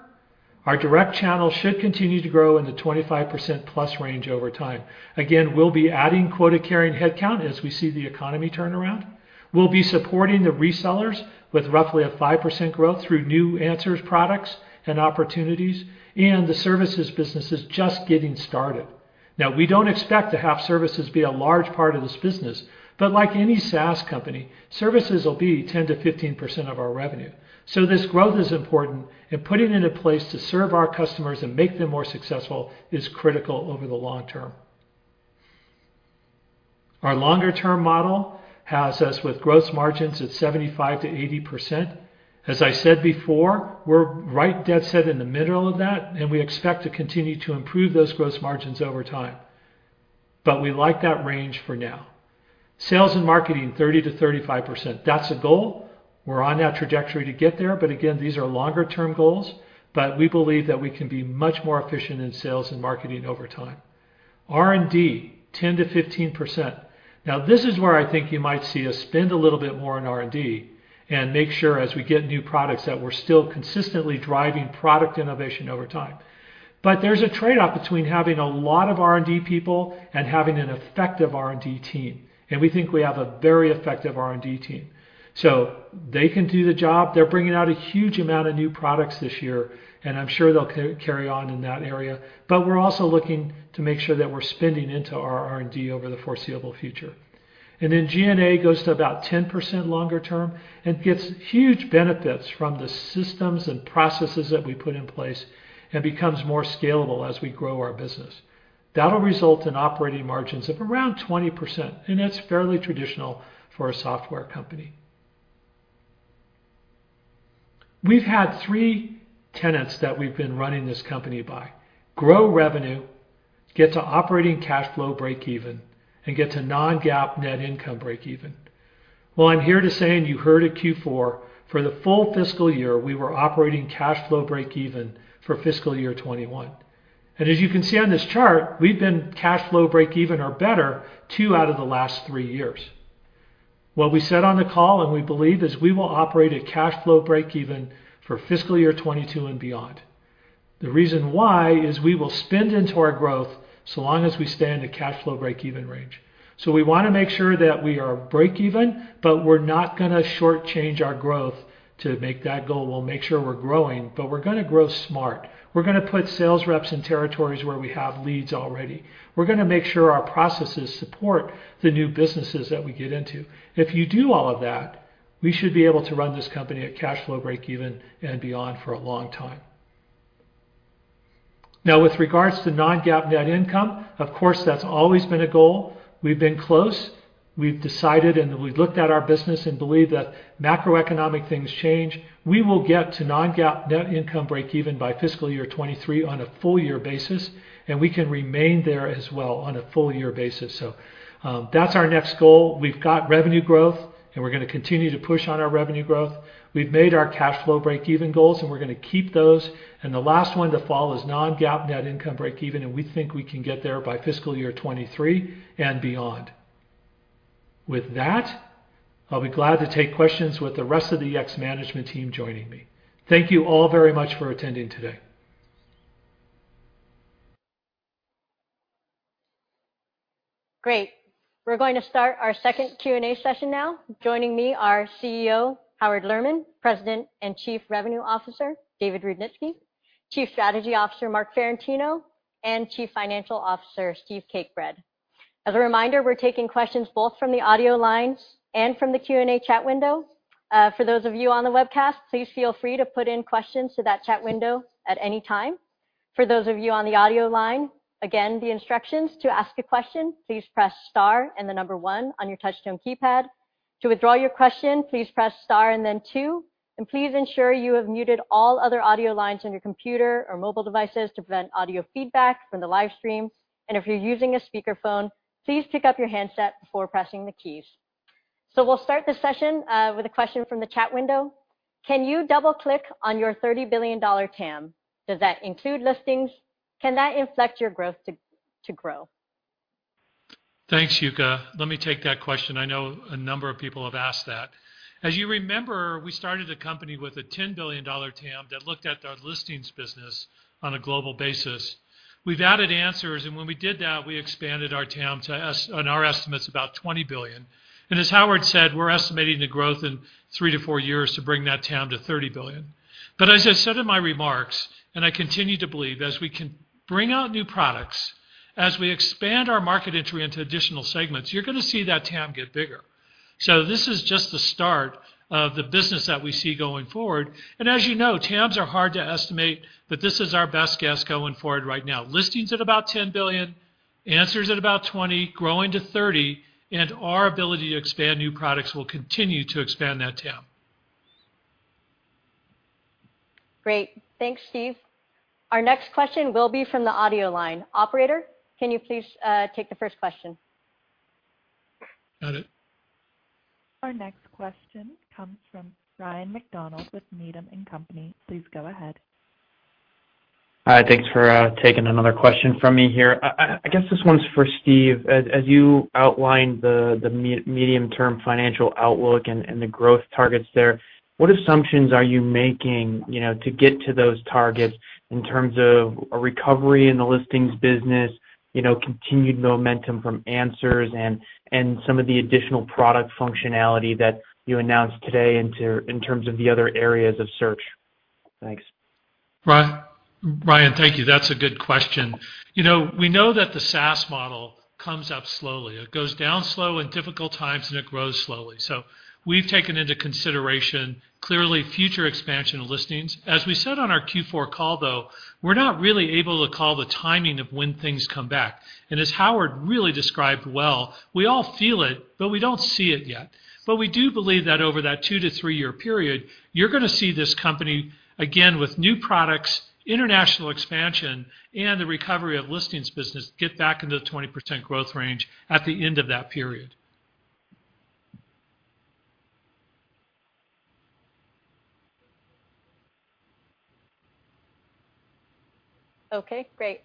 our direct channel should continue to grow in the 25% plus range over time. Again, we'll be adding quota-carrying headcount as we see the economy turn around. We'll be supporting the resellers with roughly a 5% growth through new Answers products and opportunities, and the services business is just getting started. We don't expect to have services be a large part of this business, but like any SaaS company, services will be 10% to 15% of our revenue. This growth is important and putting it into place to serve our customers and make them more successful is critical over the long term. Our longer-term model has us with gross margins at 75% to 80%. As I said before, we're right dead set in the middle of that, and we expect to continue to improve those gross margins over time, but we like that range for now. Sales and marketing, 30% to 35%, that's a goal. We're on that trajectory to get there, again, these are longer-term goals, but we believe that we can be much more efficient in sales and marketing over time. R&D, 10% to 15%, this is where I think you might see us spend a little bit more on R&D and make sure as we get new products that we're still consistently driving product innovation over time. There's a trade-off between having a lot of R&D people and having an effective R&D team, and we think we have a very effective R&D team. They can do the job. They're bringing out a huge amount of new products this year, and I'm sure they'll carry on in that area. We're also looking to make sure that we're spending into our R&D over the foreseeable future. G&A goes to about 10% longer term and gets huge benefits from the systems and processes that we put in place and becomes more scalable as we grow our business. That'll result in operating margins of around 20%, and that's fairly traditional for a software company. We've had three tenets that we've been running this company by. Grow revenue, get to operating cash flow breakeven, and get to non-GAAP net income breakeven. I'm here to say, and you heard it Q4, for the full fiscal year, we were operating cash flow breakeven for Fiscal Year 2021. As you can see on this chart, we've been cash flow breakeven or better two out of the last three years. What we said on the call and we believe is we will operate at cash flow breakeven for Fiscal Year 2022 and beyond. The reason why is we will spend into our growth so long as we stay in the cash flow breakeven range. We want to make sure that we are breakeven, but we're not going to shortchange our growth to make that goal. We'll make sure we're growing, but we're going to grow smart. We're going to put sales reps in territories where we have leads already. We're going to make sure our processes support the new businesses that we get into. If you do all of that, we should be able to run this company at cash flow breakeven and beyond for a long time. Now with regards to non-GAAP net income, of course, that's always been a goal. We've been close. We've decided and we've looked at our business and believe that macroeconomic things change. We will get to non-GAAP net income breakeven by fiscal year 2023 on a full year basis, and we can remain there as well on a full year basis. That's our next goal. We've got revenue growth and we're going to continue to push on our revenue growth. We've made our cash flow breakeven goals, and we're going to keep those, and the last one to fall is non-GAAP net income breakeven, and we think we can get there by Fiscal Year 2023 and beyond. With that, I'll be glad to take questions with the rest of the Yext management team joining me. Thank you all very much for attending today. Great. We're going to start our second Q&A session now. Joining me are CEO Howard Lerman, President and Chief Revenue Officer David Rudnitsky, Chief Strategy Officer Marc Ferrentino, and Chief Financial Officer Steve Cakebread. As a reminder, we're taking questions both from the audio lines and from the Q&A chat window. For those of you on the webcast, please feel free to put in questions to that chat window at any time. For those of you on the audio line, again, the instructions, to ask a question, please press star and the number one on your touchtone keypad. To withdraw your question, please press star and then two, and please ensure you have muted all other audio lines on your computer or mobile devices to prevent audio feedback from the live stream. If you're using a speakerphone, please pick up your handset before pressing the keys. We'll start the session with a question from the chat window. Can you double-click on your $30 billion TAM? Does that include Listings? Can that inflect your growth to grow? Thanks, Yuka. Let me take that question. I know a number of people have asked that. As you remember, we started the company with a $10 billion TAM that looked at our Listings business on a global basis. We've added Answers, and when we did that, we expanded our TAM on our estimates about $20 billion, and as Howard said, we're estimating the growth in three to four years to bring that TAM to $30 billion. As I said in my remarks, and I continue to believe as we can bring out new products, as we expand our market entry into additional segments, you're going to see that TAM get bigger. This is just the start of the business that we see going forward. As you know, TAMs are hard to estimate, but this is our best guess going forward right now. Listings at about $10 billion, Answers at about $20 billion, growing to $30 billion, and our ability to expand new products will continue to expand that TAM. Great. Thanks, Steve. Our next question will be from the audio line. Operator, can you please take the first question? Got it. Our next question comes from Ryan MacDonald with Needham & Company. Please go ahead. Hi, thanks for taking another question from me here. I guess this one's for Steve. As you outlined the medium-term financial outlook and the growth targets there, what assumptions are you making, you know, to get to those targets in terms of a recovery in the listings business, continued momentum from Answers and some of the additional product functionality that you announced today in terms of the other areas of Search? Thanks. Ryan, thank you, that's a good question. We know that the SaaS model comes up slowly. It goes down slow in difficult times, and it grows slowly. We've taken into consideration clearly future expansion of listings. As we said on our Q4 call, though, we're not really able to call the timing of when things come back. As Howard really described well, we all feel it, but we don't see it yet. We do believe that over that two to three-year period, you're going to see this company again with new products, international expansion, and the recovery of listings business get back into the 20% growth range at the end of that period. Okay, great.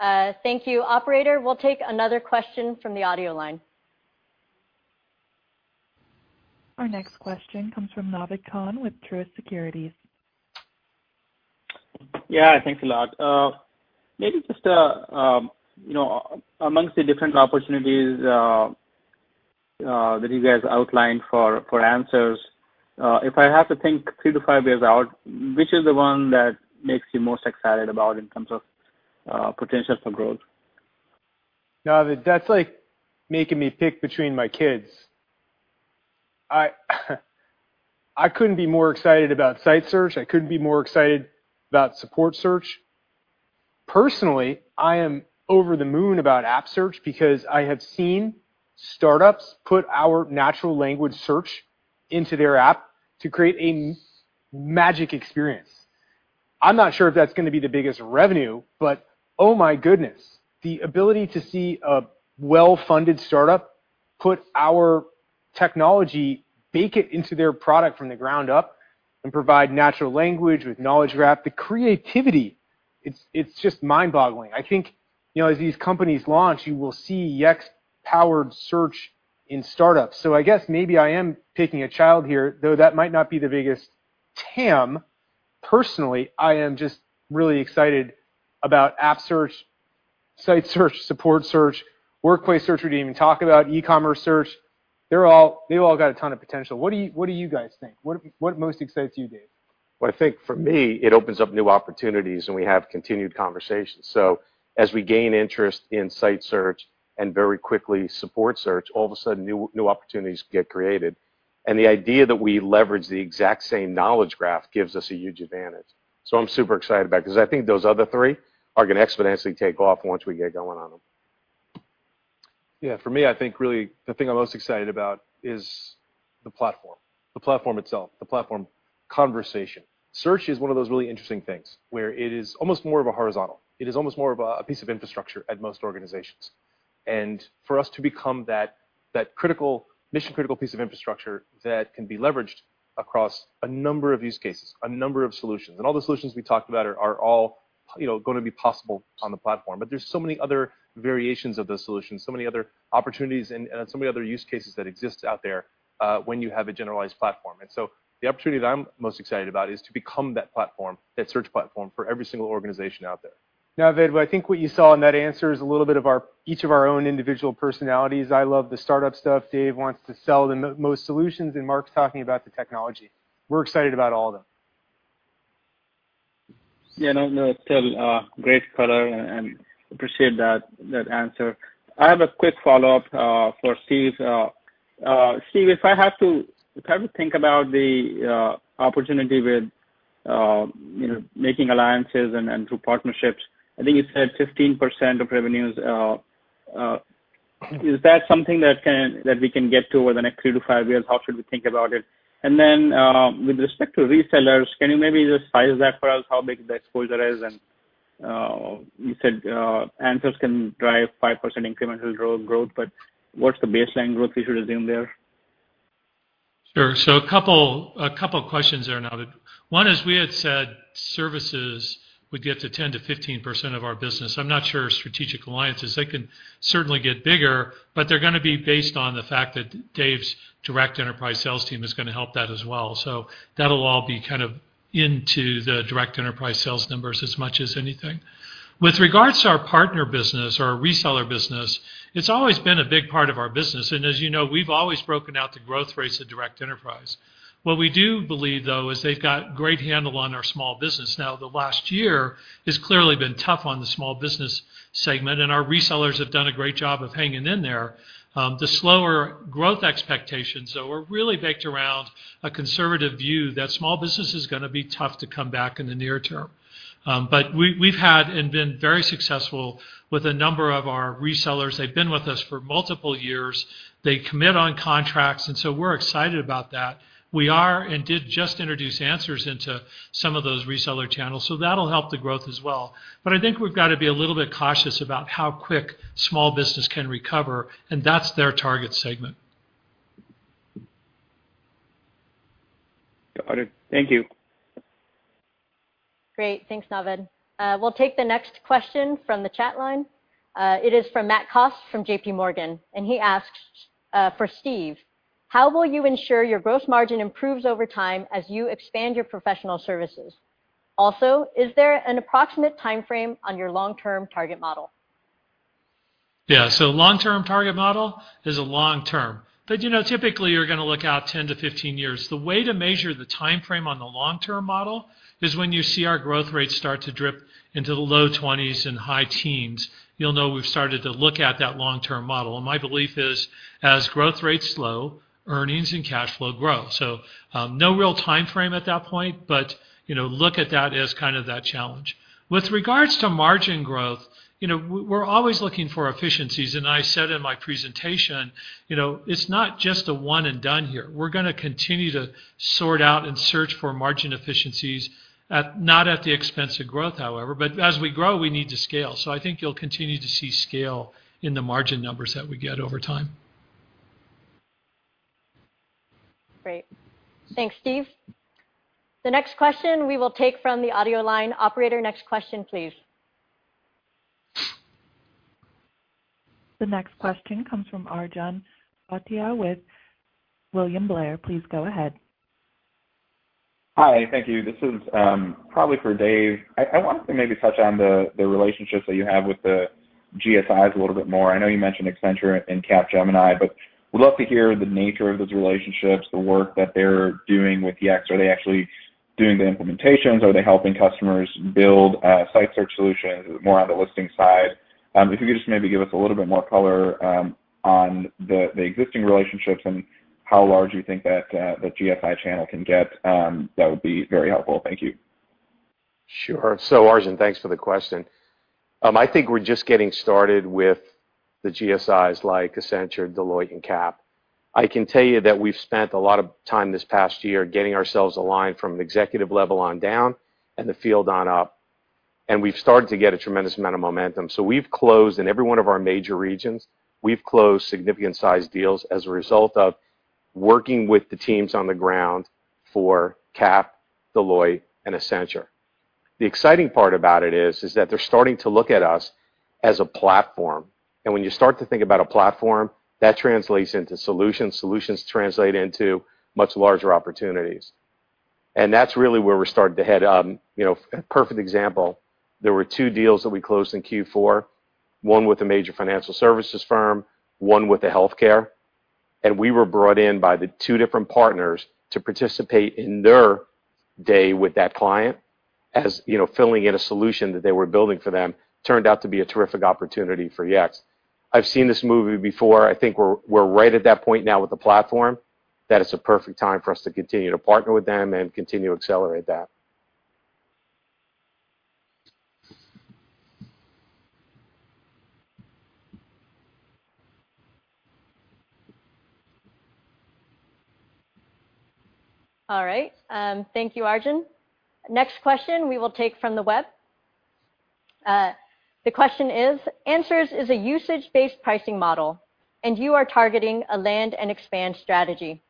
Thank you. Operator, we'll take another question from the audio line. Our next question comes from Naved Khan with Truist Securities. Yeah, thanks a lot. Maybe just amongst the different opportunities that you guys outlined for Answers, if I have to think three to five years out, which is the one that makes you most excited about in terms of potential for growth? Naved, that's like making me pick between my kids. I couldn't be more excited about Site Search. I couldn't be more excited about Support Search. Personally, I am over the moon about App Search because I have seen startups put our natural language search into their app to create a magic experience. I'm not sure if that's going to be the biggest revenue, but, oh my goodness, the ability to see a well-funded startup put our technology, bake it into their product from the ground up, and provide natural language with knowledge graph, the creativity, it's just mind-boggling. I think, as these companies launch, you will see Yext-powered search in startups. I guess maybe I am picking a child here, though that might not be the biggest TAM. Personally, I am just really excited about App Search, Site Search, Support Search, Workplace Search, we didn't even talk about, E-commerce Search. They've all got a ton of potential. What do you guys think? What most excites you, Dave? Well, I think for me, it opens up new opportunities, and we have continued conversations. As we gain interest in Site Search and very quickly Support Search, all of a sudden new opportunities get created. The idea that we leverage the exact same knowledge graph gives us a huge advantage. I'm super excited about it because I think those other three are going to exponentially take off once we get going on them. Yeah, for me, I think really the thing I'm most excited about is the platform. The platform itself, the platform conversation. Search is one of those really interesting things where it is almost more of a horizontal. It is almost more of a piece of infrastructure at most organizations. For us to become that mission-critical piece of infrastructure that can be leveraged across a number of use cases, a number of solutions, and all the solutions we talked about are all going to be possible on the platform. There's so many other variations of those solutions, so many other opportunities, and so many other use cases that exist out there when you have a generalized platform. The opportunity that I'm most excited about is to become that platform, that search platform for every single organization out there. Naved, I think what you saw in that answer is a little bit of each of our own individual personalities. I love the startup stuff. Dave wants to sell the most solutions, and Marc's talking about the technology. We're excited about all of them. Yeah. No, great color, and appreciate that answer. I have a quick follow-up for Steve. Steve, if I have to think about the opportunity with making alliances and through partnerships, I think you said 15% of revenues. Is that something that we can get to over the next three to five years? How should we think about it? With respect to resellers, can you maybe just size that for us, how big the exposure is? You said Yext Answers can drive 5% incremental growth, but what's the baseline growth we should assume there? Sure, so a couple of questions there, Naved. One is, we had said services would get to 10% to 15% of our business. I'm not sure strategic alliances, they can certainly get bigger, but they're going to be based on the fact that Dave's direct enterprise sales team is going to help that as well. That'll all be into the direct enterprise sales numbers as much as anything. With regards to our partner business or reseller business, it's always been a big part of our business, and as you know, we've always broken out the growth rates of direct enterprise. What we do believe, though, is they've got great handle on our small business. The last year has clearly been tough on the small business segment and our resellers have done a great job of hanging in there. The slower growth expectations are really baked around a conservative view that small business is going to be tough to come back in the near term. We've had and been very successful with a number of our resellers. They've been with us for multiple years. They commit on contracts and so we're excited about that. We are and did just introduce Yext Answers into some of those reseller channels. That'll help the growth as well. I think we've got to be a little bit cautious about how quick small business can recover and that's their target segment. Got it. Thank you. Great. Thanks, Naved. We'll take the next question from the chat line. It is from Matthew Cost from J.P. Morgan. He asks for Steve: how will you ensure your gross margin improves over time as you expand your professional services? Also, is there an approximate timeframe on your long-term target model? Yeah, long-term target model is a long-term. Typically, you're going to look out 10 to 15 years. The way to measure the timeframe on the long-term model is when you see our growth rate start to drip into the low 20s and high teens, you'll know we've started to look at that long-term model, and my belief is, as growth rates slow, earnings and cash flow grow. No real timeframe at that point, but look at that as kind of that challenge. With regards to margin growth, you know, we're always looking for efficiencies, and I said in my presentation, it's not just a one and done here. We're going to continue to sort out and search for margin efficiencies, not at the expense of growth, however, but as we grow, we need to scale. I think you'll continue to see scale in the margin numbers that we get over time. Great. Thanks, Steve. The next question we will take from the audio line. Operator, next question, please. The next question comes from Arjun Bhatia with William Blair. Please go ahead. Hi. Thank you. This is probably for Dave. I wanted to maybe touch on the relationships that you have with the GSIs a little bit more. I know you mentioned Accenture and Capgemini. Would love to hear the nature of those relationships, the work that they're doing with Yext. Are they actually doing the implementations? Are they helping customers build site search solutions more on the listing side? If you could just maybe give us a little bit more color on the existing relationships and how large you think that the GSI channel can get, that would be very helpful. Thank you. Sure, so Arjun, thanks for the question. I think we're just getting started with the GSIs like Accenture, Deloitte, and Cap. I can tell you that we've spent a lot of time this past year getting ourselves aligned from an executive level on down and the field on up, and we've started to get a tremendous amount of momentum. We've closed in every one of our major regions, we've closed significant size deals as a result of working with the teams on the ground for Cap, Deloitte, and Accenture. The exciting part about it is that they're starting to look at us as a platform. When you start to think about a platform, that translates into solutions, and solutions translate into much larger opportunities. That's really where we're starting to head. You know, a perfect example, there were two deals that we closed in Q4, one with a major financial services firm, one with a healthcare, and we were brought in by the two different partners to participate in their day with that client. As, you know, filling in a solution that they were building for them turned out to be a terrific opportunity for Yext. I've seen this movie before. I think we're right at that point now with the platform, that it's a perfect time for us to continue to partner with them, and continue to accelerate that. All right. Thank you, Arjun. Next question, we will take from the web. The question is: Answers is a usage-based pricing model, and you are targeting a land-and-expand strategy.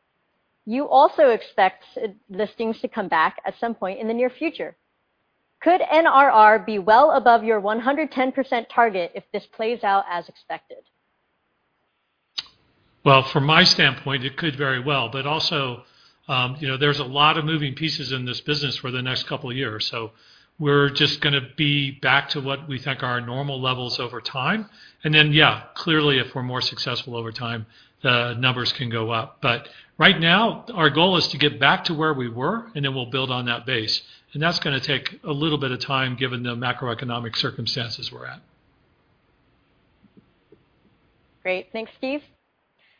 You also expect Listings to come back at some point in the near future. Could NRR be well above your 110% target if this plays out as expected? Well, from my standpoint, it could very well. Also, there's a lot of moving pieces in this business for the next couple of years, so we're just going to be back to what we think are our normal levels over time. Yeah, clearly, if we're more successful over time, the numbers can go up. Right now, our goal is to get back to where we were, and then we'll build on that base, and that's going to take a little bit of time given the macroeconomic circumstances we're at. Great. Thanks, Steve.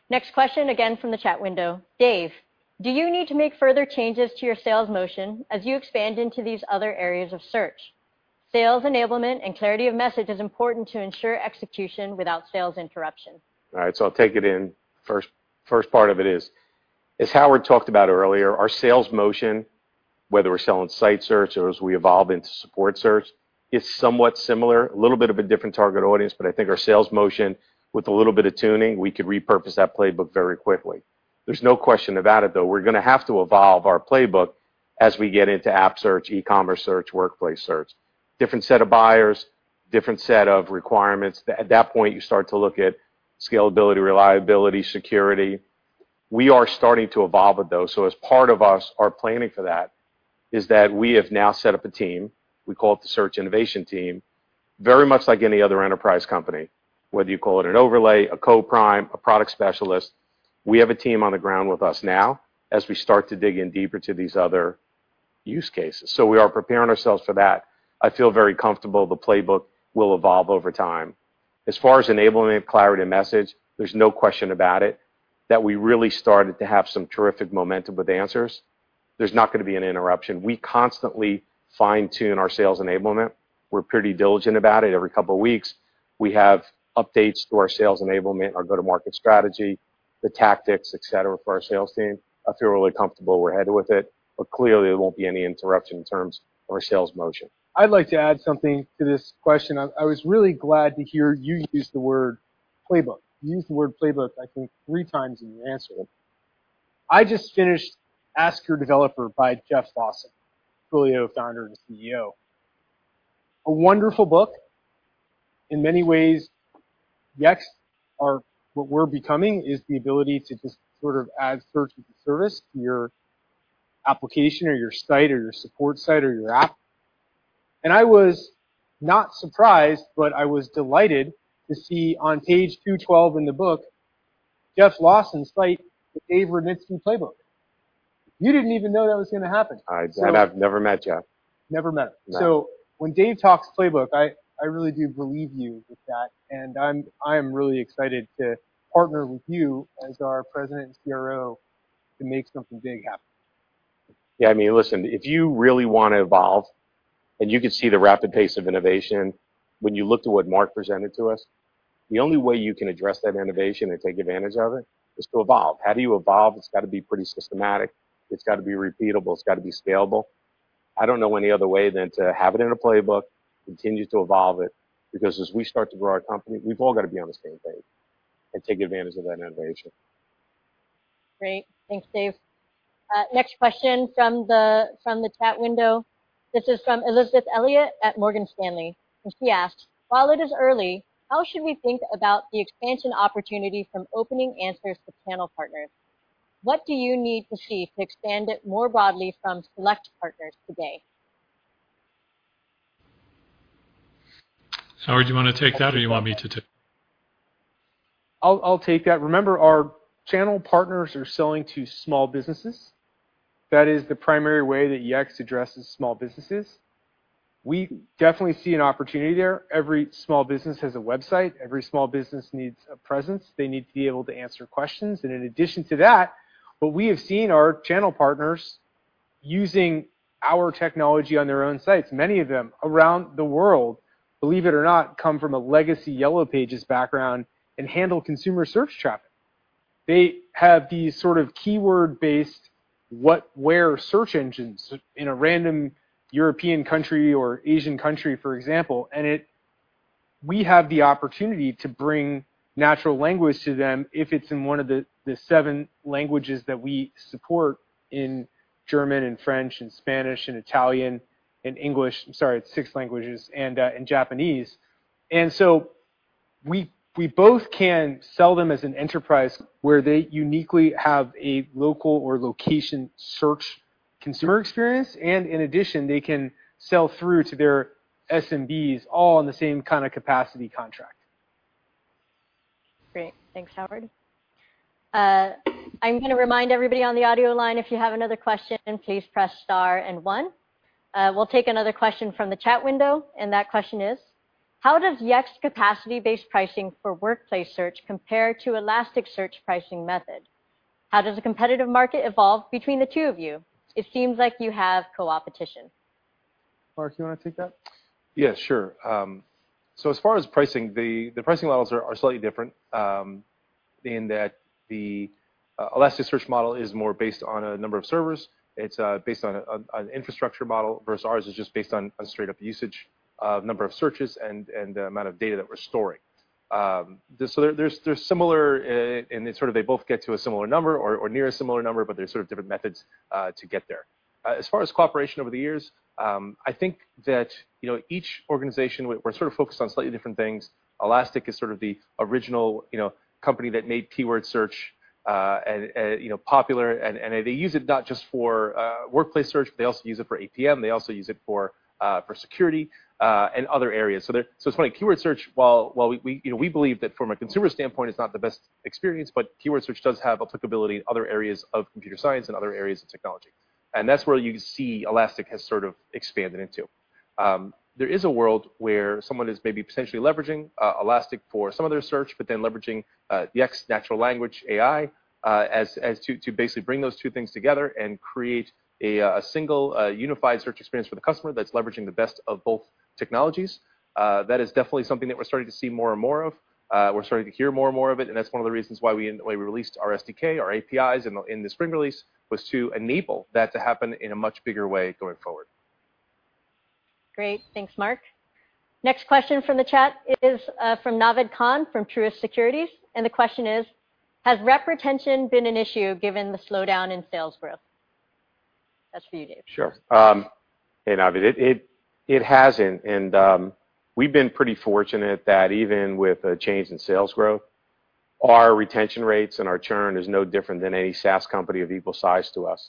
Next question, again from the chat window. Dave, do you need to make further changes to your sales motion as you expand into these other areas of search? Sales enablement and clarity of message is important to ensure execution without sales interruption. All right, so I'll take it in. First part of it is, as Howard talked about earlier, our sales motion, whether we're selling site search or as we evolve into support search, is somewhat similar. A little bit of a different target audience, but I think our sales motion, with a little bit of tuning, we could repurpose that playbook very quickly. There's no question about it, though. We're going to have to evolve our playbook as we get into app search, E-commerce Search, Workplace Search. Different set of buyers, different set of requirements. At that point, you start to look at scalability, reliability, security. We are starting to evolve with those. As part of us, our planning for that is that we have now set up a team. We call it the Search Innovation Team. Very much like any other enterprise company, whether you call it an overlay, a co-prime, a product specialist. We have a team on the ground with us now as we start to dig in deeper to these other use cases. We are preparing ourselves for that. I feel very comfortable the playbook will evolve over time. As far as enablement and clarity of message, there's no question about it, that we really started to have some terrific momentum with Answers. There's not going to be an interruption. We constantly fine-tune our sales enablement. We're pretty diligent about it. Every couple of weeks, we have updates to our sales enablement, our go-to-market strategy, the tactics, et cetera, for our sales team. I feel really comfortable where we're headed with it, clearly, there won't be any interruption in terms of our sales motion. I'd like to add something to this question. I was really glad to hear you use the word playbook. You used the word playbook, I think, three times in your answer. I just finished "Ask Your Developer" by Jeff Lawson, Twilio founder and CEO. A wonderful book. In many ways, Yext, what we're becoming is the ability to just sort of add search as a service to your application or your site or your support site or your app. I was not surprised, but I was delighted to see on page 212 in the book, Jeff Lawson's cite the Dave Rudnitsky playbook. You didn't even know that was going to happen. I did. I've never met Jeff. You never met him. No. When Dave talks playbook, I really do believe you with that, and I'm really excited to partner with you as our President and CRO to make something big happen. Yeah, I mean, listen, if you really want to evolve, and you can see the rapid pace of innovation when you look to what Marc presented to us, the only way you can address that innovation and take advantage of it is to evolve. How do you evolve? It's got to be pretty systematic. It's got to be repeatable. It's got to be scalable. I don't know any other way than to have it in a playbook, continue to evolve it, because as we start to grow our company, we've all got to be on the same page and take advantage of that innovation. Great. Thanks, Dave. Next question from the chat window. This is from Elizabeth Elliott at Morgan Stanley. She asks, "While it is early, how should we think about the expansion opportunity from opening Answers to channel partners? What do you need to see to expand it more broadly from select partners today? Howard, do you want to take that or you want me to take that? I'll take that. Remember, our channel partners are selling to small businesses. That is the primary way that Yext addresses small businesses. We definitely see an opportunity there. Every small business has a website. Every small business needs a presence. They need to be able to answer questions. In addition to that, what we have seen our channel partners using our technology on their own sites, many of them around the world, believe it or not, come from a legacy Yellow Pages background and handle consumer search traffic. They have these sort of keyword-based what/where search engines in a random European country or Asian country, for example. We have the opportunity to bring natural language to them if it's in one of the seven languages that we support in German and French and Spanish and Italian and English, I'm sorry, it's six languages, and in Japanese. We both can sell them as an enterprise where they uniquely have a local or location search consumer experience, and in addition, they can sell through to their SMBs all in the same kind of capacity contract. Great. Thanks, Howard. I'm going to remind everybody on the audio line, if you have another question, please press star and one. We'll take another question from the chat window, and that question is, "How does Yext capacity-based pricing for workplace search compare to Elasticsearch pricing method? How does a competitive market evolve between the two of you? It seems like you have co-opetition. Marc, do you want to take that? Yeah, sure. As far as pricing, the pricing models are slightly different, in that the Elasticsearch model is more based on a number of servers. It's based on an infrastructure model, versus ours is just based on straight-up usage of number of searches and the amount of data that we're storing. They're similar in they both get to a similar number or near a similar number, but they're sort of different methods to get there. As far as cooperation over the years, I think that, you know, each organization, we're sort of focused on slightly different things. Elastic is sort of the original, you know, company that made keyword search popular, they use it not just for workplace search, but they also use it for APM. They also use it for security and other areas. It's funny, keyword search, while we believe that from a consumer standpoint, it's not the best experience, but keyword search does have applicability in other areas of computer science and other areas of technology. That's where you see Elastic has sort of expanded into. There is a world where someone is maybe potentially leveraging Elastic for some of their search, but then leveraging Yext natural language AI as to basically bring those two things together and create a single unified search experience for the customer that's leveraging the best of both technologies. That is definitely something that we're starting to see more and more of. We're starting to hear more and more of it. That's one of the reasons why we released our SDK, our APIs in the spring release, was to enable that to happen in a much bigger way going forward. Great. Thanks, Marc. Next question from the chat is from Naved Khan from Truist Securities, the question is, "Has rep retention been an issue given the slowdown in sales growth?" That's for you, Dave. Sure. Hey, Naved. It hasn't, and we've been pretty fortunate that even with the change in sales growth, our retention rates and our churn is no different than any SaaS company of equal size to us.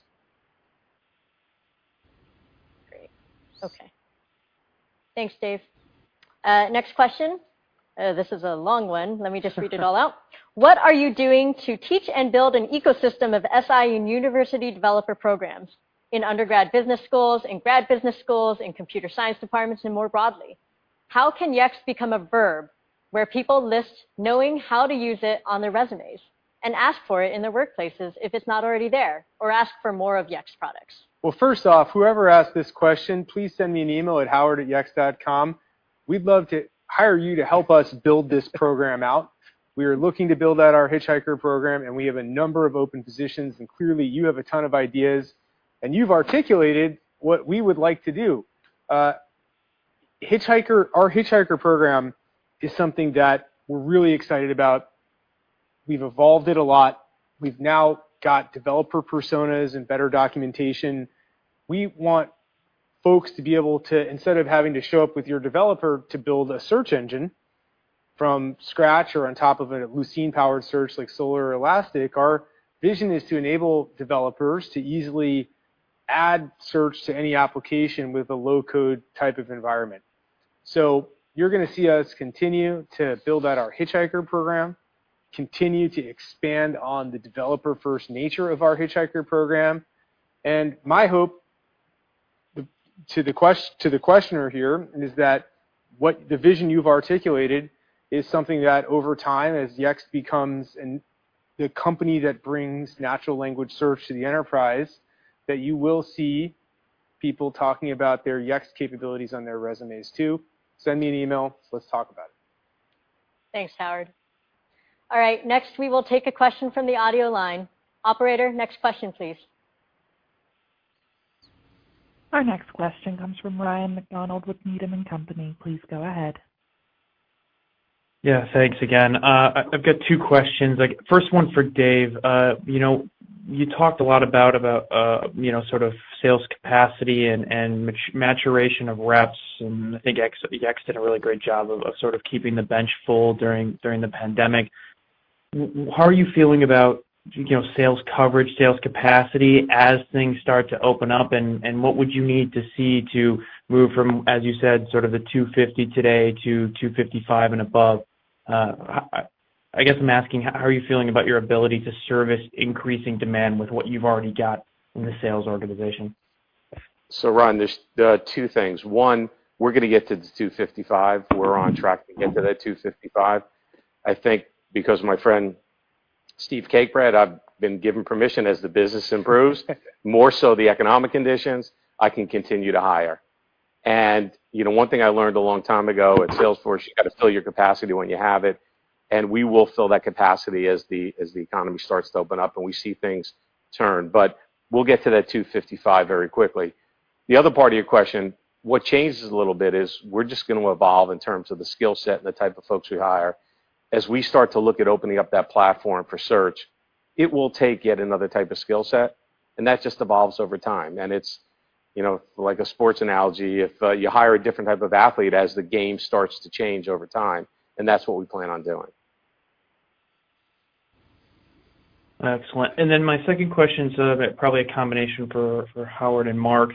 Great. Okay. Thanks, Dave. Next question, this is a long one. Let me just read it all out. "What are you doing to teach and build an ecosystem of SI in university developer programs, in undergrad business schools, in grad business schools, in computer science departments, and more broadly? How can Yext become a verb where people list knowing how to use it on their resumes and ask for it in their workplaces if it's not already there, or ask for more of Yext products? Well, first off, whoever asked this question, please send me an email at howard@yext.com. We'd love to hire you to help us build this program out. We are looking to build out our Hitchhikers program, and we have a number of open positions, and clearly you have a ton of ideas, and you've articulated what we would like to do. Our Hitchhikers program is something that we're really excited about. We've evolved it a lot. We've now got developer personas and better documentation. We want folks to be able to, instead of having to show up with your developer to build a search engine from scratch or on top of a Lucene-powered search like Solr or Elastic, our vision is to enable developers to easily add search to any application with a low-code type of environment. You're going to see us continue to build out our Hitchhiker program, continue to expand on the developer-first nature of our Hitchhiker program. My hope, to the questioner here, is that what the vision you've articulated is something that over time, as Yext becomes the company that brings natural language search to the enterprise, that you will see people talking about their Yext capabilities on their resumes, too. Send me an email so let's talk about it. Thanks, Howard. All right. Next, we will take a question from the audio line. Operator, next question, please. Our next question comes from Ryan MacDonald with Needham & Company. Please go ahead. Yeah, thanks again. I've got two questions. First one for Dave. You know, you talked a lot about, you know, sort of sales capacity and maturation of reps, and I think Yext did a really great job of keeping the bench full during the pandemic. How are you feeling about sales coverage, sales capacity as things start to open up, and what would you need to see to move from, as you said, the 250 today to 255 and above? I guess I'm asking, how are you feeling about your ability to service increasing demand with what you've already got in the sales organization? Ryan, there are two things. One, we're going to get to the 255. We're on track to get to that 255. I think because my friend Steve Cakebread, I've been given permission as the business improves, more so the economic conditions, I can continue to hire, and one thing I learned a long time ago at Salesforce, you got to fill your capacity when you have it, and we will fill that capacity as the economy starts to open up and we see things turn. We'll get to that 255 very quickly. The other part of your question, what changes a little bit is we're just going to evolve in terms of the skill set and the type of folks we hire. As we start to look at opening up that platform for search, it will take yet another type of skill set, and that just evolves over time. It's like a sports analogy, if you hire a different type of athlete as the game starts to change over time, and that's what we plan on doing. Excellent. My second question, sort of probably a combination for Howard and Marc.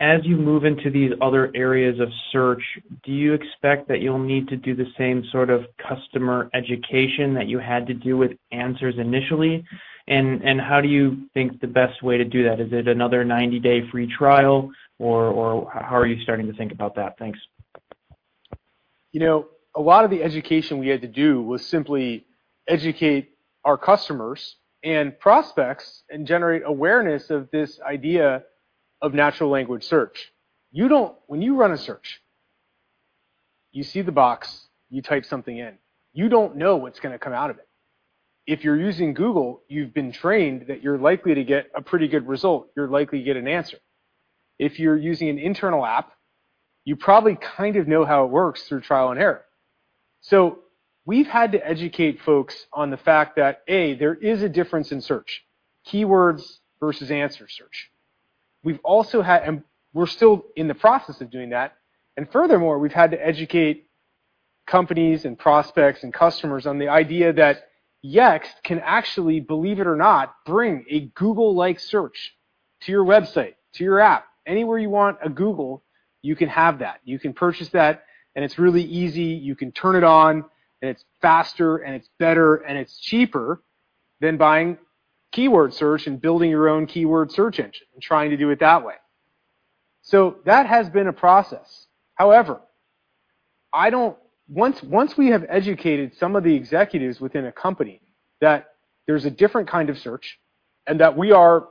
As you move into these other areas of search, do you expect that you'll need to do the same sort of customer education that you had to do with Answers initially? How do you think the best way to do that? Is it another 90-day free trial, or how are you starting to think about that? Thanks. You know, a lot of the education we had to do was simply educate our customers and prospects and generate awareness of this idea of natural language search. When you run a search, you see the box, and you type something in. You don't know what's going to come out of it. If you're using Google, you've been trained that you're likely to get a pretty good result, you're likely to get an answer. If you're using an internal app, you probably kind of know how it works through trial and error. We've had to educate folks on the fact that, A, there is a difference in search, keywords versus answer search. We're still in the process of doing that. Furthermore, we've had to educate companies and prospects and customers on the idea that Yext can actually, believe it or not, bring a Google-like search to your website, to your app. Anywhere you want a Google, you can have that. You can purchase that. It's really easy. You can turn it on. It's faster and it's better, and it's cheaper than buying keyword search and building your own keyword search engine and trying to do it that way. That has been a process. However, once we have educated some of the executives within a company that there's a different kind of search and that we are,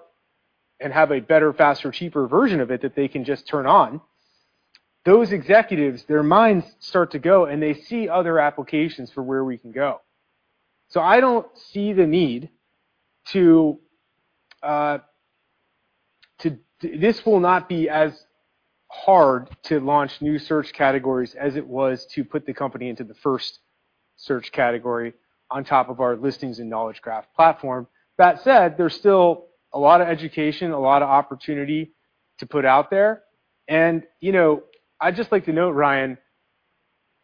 and have a better, faster, cheaper version of it that they can just turn on, those executives, their minds start to go, and they see other applications for where we can go. I don't see the need to, this will not be as hard to launch new search categories as it was to put the company into the first search category on top of our listings and knowledge graph platform. With that said, there's still a lot of education, a lot of opportunity to put out there. I'd just like to note, Ryan,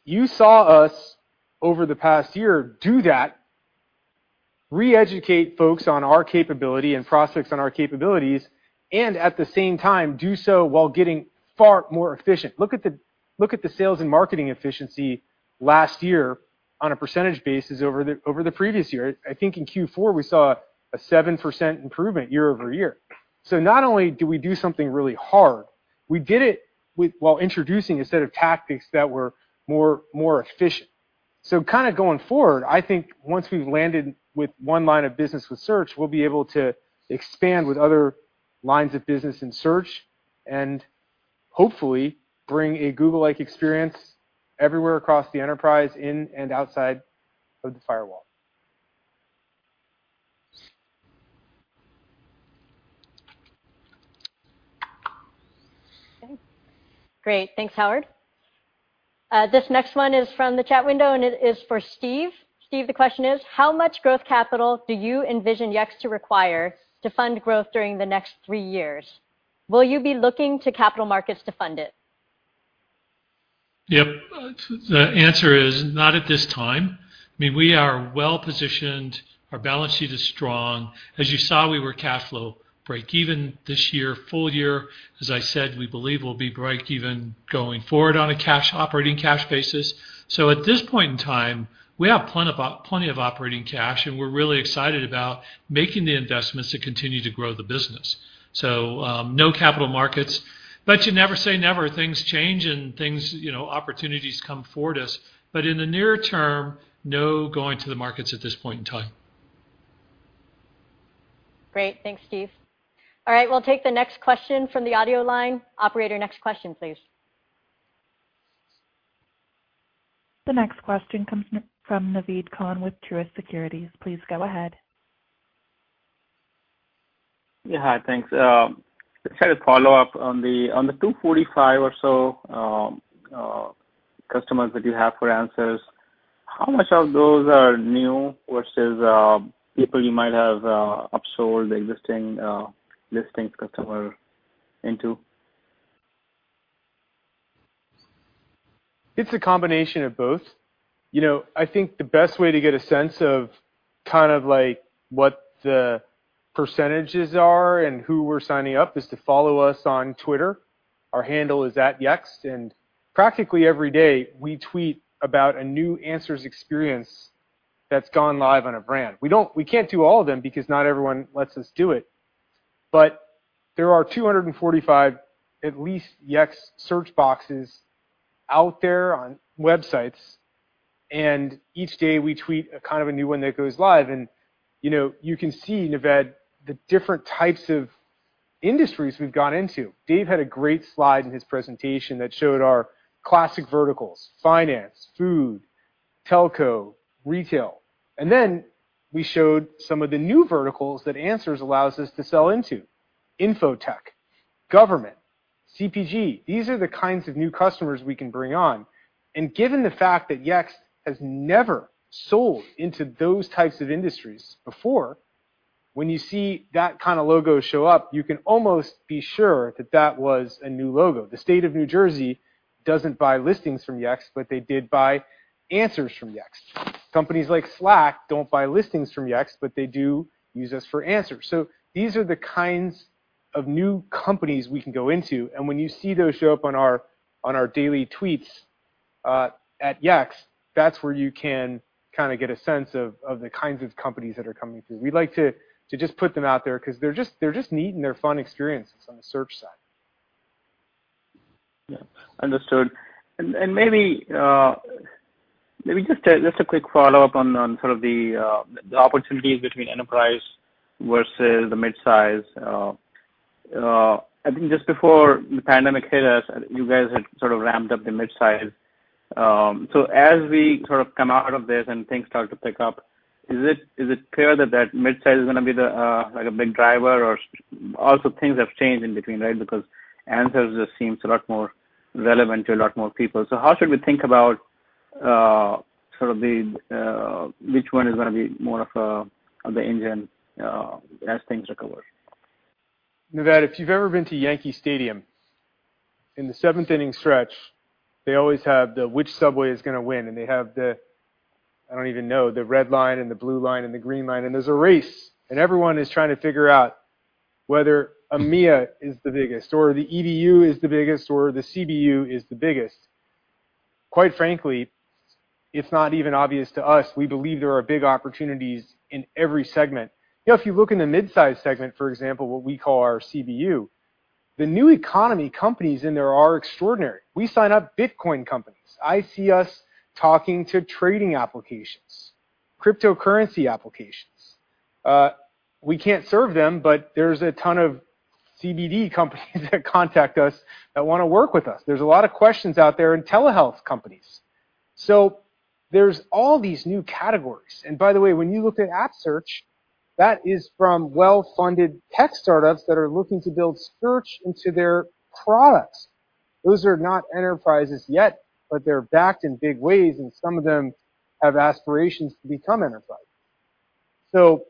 you saw us over the past year, do that, re-educate folks on our capability and prospects on our capabilities, and at the same time, do so while getting far more efficient. Look at the sales and marketing efficiency last year on a percentage basis over the previous year. I think in Q4, we saw a 7% improvement year-over-year. Not only did we do something really hard, we did it while introducing a set of tactics that were more efficient, so kind of going forward, I think once we've landed with one line of business with search, we'll be able to expand with other lines of business in search and hopefully bring a Google-like experience everywhere across the enterprise, in and outside of the firewall. Okay. Great. Thanks, Howard. This next one is from the chat window, and it is for Steve. Steve, the question is: how much growth capital do you envision Yext to require to fund growth during the next three years? Will you be looking to capital markets to fund it? Yep. The answer is not at this time. We are well-positioned. Our balance sheet is strong. As you saw, we were cash flow breakeven this year, full year. As I said, we believe we will be breakeven going forward on an operating cash basis. At this point in time, we have plenty of operating cash, and we are really excited about making the investments that continue to grow the business. No capital markets, but you never say never. Things change and opportunities come forward us, but in the near term, no going to the markets at this point in time. Great. Thanks, Steve. All right, we'll take the next question from the audio line. Operator, next question, please. The next question comes from Naved Khan with Truist Securities. Please go ahead. Yeah. Hi. Thanks, just had a follow-up on the 245 or so customers that you have for Answers. How much of those are new versus people you might have upsold existing Listings customer into? It's a combination of both. You know, I think the best way to get a sense of what the percentages are and who we're signing up is to follow us on Twitter. Our handle is @Yext. Practically every day we tweet about a new Answers experience that's gone live on a brand. We can't do all of them because not everyone lets us do it. There are 245, at least, Yext search boxes out there on websites, and each day we tweet a new one that goes live. You can see, Naved, the different types of industries we've gone into. Dave had a great slide in his presentation that showed our classic verticals: finance, food, telco, retail, and then we showed some of the new verticals that Answers allows us to sell into: infotech, government, CPG. These are the kinds of new customers we can bring on. Given the fact that Yext has never sold into those types of industries before, when you see that kind of logo show up, you can almost be sure that that was a new logo. The State of New Jersey doesn't buy Listings from Yext, but they did buy Answers from Yext. Companies like Slack don't buy Listings from Yext, but they do use us for Answers. These are the kinds of new companies we can go into, and when you see those show up on our daily tweets, @Yext, that's where you can get a sense of the kinds of companies that are coming through. We like to just put them out there because they're just neat and they're fun experiences on the search side. Yeah, understood, and maybe just a quick follow-up on sort of the opportunities between enterprise versus the mid-size. I think just before the pandemic hit us, you guys had sort of ramped up the mid-size. As we sort of come out of this and things start to pick up, is it clear that that mid-size is going to be a big driver, or also things have changed in between, right? Answers just seems a lot more relevant to a lot more people. How should we think about which one is going to be more of the engine as things recover? Naved, if you've ever been to Yankee Stadium, in the seventh inning stretch, they always have the which subway is going to win, and they have the I don't even know, the red line and the blue line and the green line, and there's a race. Everyone is trying to figure out whether EMEA is the biggest or the EDU is the biggest or the CBU is the biggest. Quite frankly, it's not even obvious to us. We believe there are big opportunities in every segment. If you look in the mid-size segment, for example, what we call our CBU, the new economy companies in there are extraordinary. We sign up Bitcoin companies. I see us talking to trading applications, cryptocurrency applications. We can't serve them, but there's a ton of CBD companies that contact us that want to work with us. There's a lot of questions out there in telehealth companies. There's all these new categories. By the way, when you look at app search, that is from well-funded tech startups that are looking to build search into their products. Those are not enterprises yet, but they're backed in big ways, and some of them have aspirations to become enterprise. With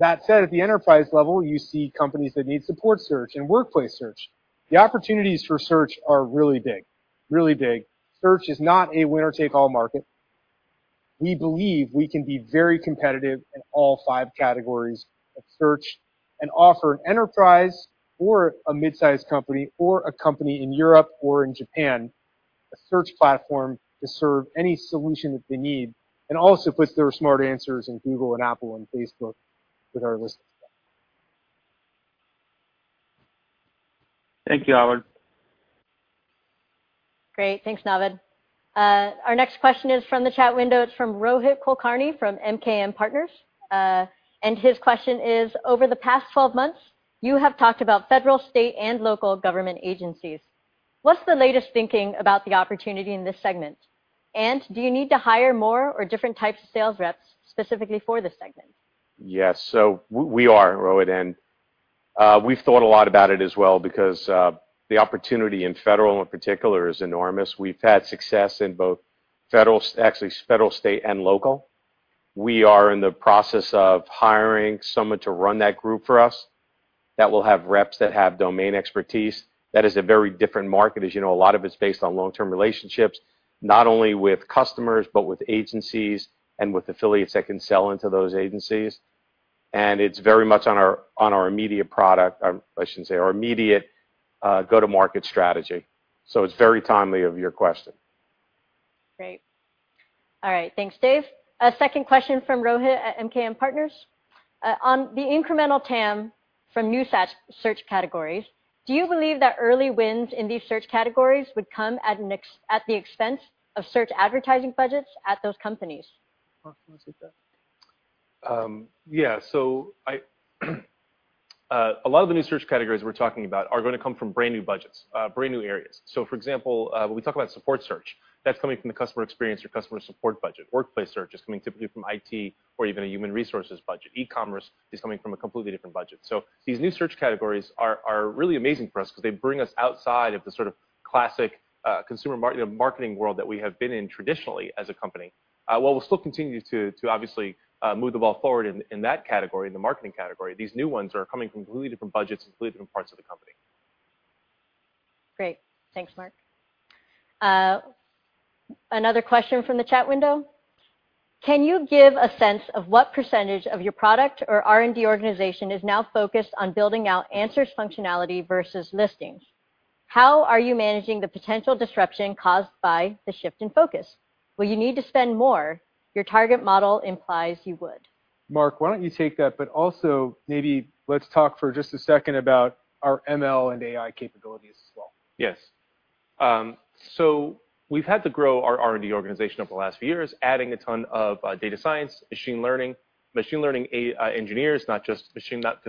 that said, at the enterprise level, you see companies that need support search and workplace search. The opportunities for search are really big, really big. Search is not a winner-take-all market. We believe we can be very competitive in all five categories of search and offer an enterprise or a mid-size company or a company in Europe or in Japan, a search platform to serve any solution that they need, and also puts their smart answers in Google and Apple and Facebook with our listings. Thank you, Howard. Great. Thanks, Naved. Our next question is from the chat window. It's from Rohit Kulkarni from MKM Partners. His question is: over the past 12 months, you have talked about federal, state, and local government agencies. What's the latest thinking about the opportunity in this segment? Do you need to hire more or different types of sales reps specifically for this segment? Yes. We are, Rohit, and we've thought a lot about it as well because the opportunity in federal, in particular, is enormous. We've had success in both federal, state, and local. We are in the process of hiring someone to run that group for us that will have reps that have domain expertise. That is a very different market. As you know, a lot of it's based on long-term relationships, not only with customers, but with agencies and with affiliates that can sell into those agencies. It's very much on our immediate product, I should say, our immediate go-to-market strategy. It's very timely of your question. Great. All right. Thanks, Dave. A second question from Rohit at MKM Partners. On the incremental TAM from new search categories, do you believe that early wins in these search categories would come at the expense of search advertising budgets at those companies? Marc, do you want to take that? Yeah, a lot of the new search categories we're talking about are going to come from brand-new budgets, brand-new areas. For example, when we talk about support search, that's coming from the customer experience or customer support budget. Workplace search is coming typically from IT or even a human resources budget. E-commerce is coming from a completely different budget. These new search categories are really amazing for us because they bring us outside of the sort of classic consumer marketing world that we have been in traditionally as a company. While we'll still continue to obviously move the ball forward in that category, in the marketing category, these new ones are coming from completely different budgets and completely different parts of the company. Great. Thanks, Marc. Another question from the chat window. Can you give a sense of what % of your product or R&D organization is now focused on building out Answers functionality versus Listings? How are you managing the potential disruption caused by the shift in focus? Will you need to spend more? Your target model implies you would. Marc, why don't you take that, but also maybe let's talk for just a second about our ML and AI capabilities as well. Yes. We've had to grow our R&D organization over the last few years, adding a ton of data science, machine learning, machine learning engineers, not just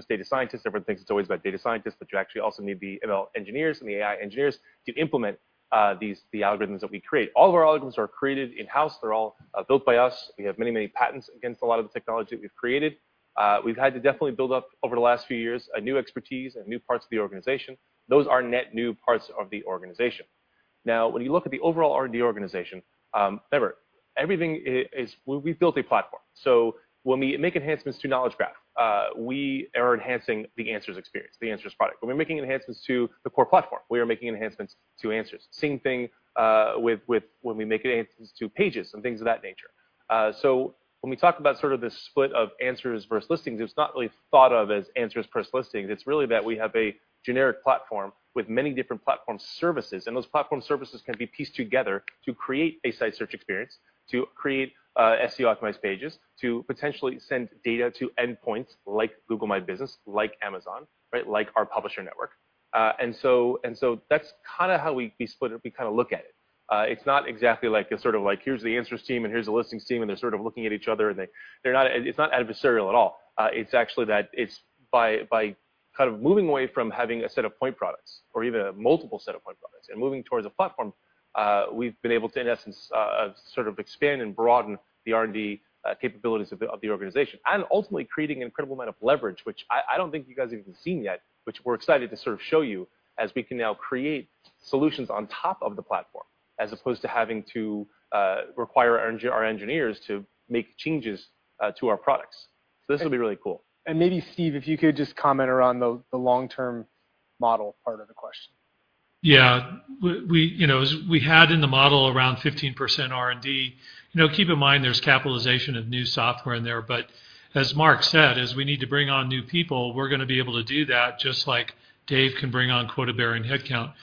data scientists. Everyone thinks it's always about data scientists, but you actually also need the ML engineers and the AI engineers to implement the algorithms that we create. All of our algorithms are created in-house. They're all built by us. We have many, many patents against a lot of the technology that we've created. We've had to definitely build up over the last few years a new expertise and new parts of the organization. Those are net new parts of the organization. When you look at the overall R&D organization, remember, we've built a platform. When we make enhancements to Knowledge Graph, we are enhancing the Answers experience, the Answers product. When we're making enhancements to the core platform, we are making enhancements to Answers. Same thing when we make enhancements to Pages and things of that nature. When we talk about sort of the split of Answers versus Listings, it's not really thought of as Answers versus Listings. It's really that we have a generic platform with many different platform services, those platform services can be pieced together to create a site search experience, to create SEO optimized Pages, to potentially send data to endpoints like Google My Business, like Amazon, like our publisher network, and so that's kind of how we kind of look at it. It's not exactly like it's sort of like here's the Answers team here's the Listings team, and they're sort of looking at each other. It's not adversarial at all. It's actually that it's by kind of moving away from having a set of point products or even a multiple set of point products and moving towards a platform, we've been able to, in essence, sort of expand and broaden the R&D capabilities of the organization. Ultimately creating an incredible amount of leverage, which I don't think you guys have even seen yet, which we're excited to sort of show you as we can now create solutions on top of the platform as opposed to having to require our engineers to make changes to our products. This will be really cool. Maybe Steve, if you could just comment around the long-term model part of the question. Yeah. We had in the model around 15% R&D. Keep in mind, there's capitalization of new software in there. As Marc said, as we need to bring on new people, we're going to be able to do that just like Dave can bring on quota-bearing headcount.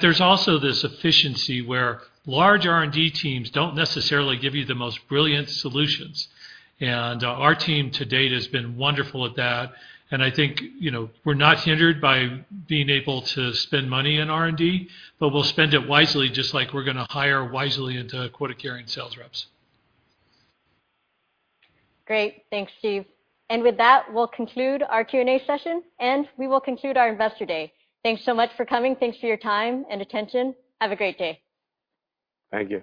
There's also this efficiency where large R&D teams don't necessarily give you the most brilliant solutions, and our team to date has been wonderful at that, and I think we're not hindered by being able to spend money in R&D, but we'll spend it wisely, just like we're going to hire wisely into quota-carrying sales reps. Great. Thanks, Steve. With that, we'll conclude our Q&A session, and we will conclude our Investor Day. Thanks so much for coming. Thanks for your time and attention. Have a great day. Thank you.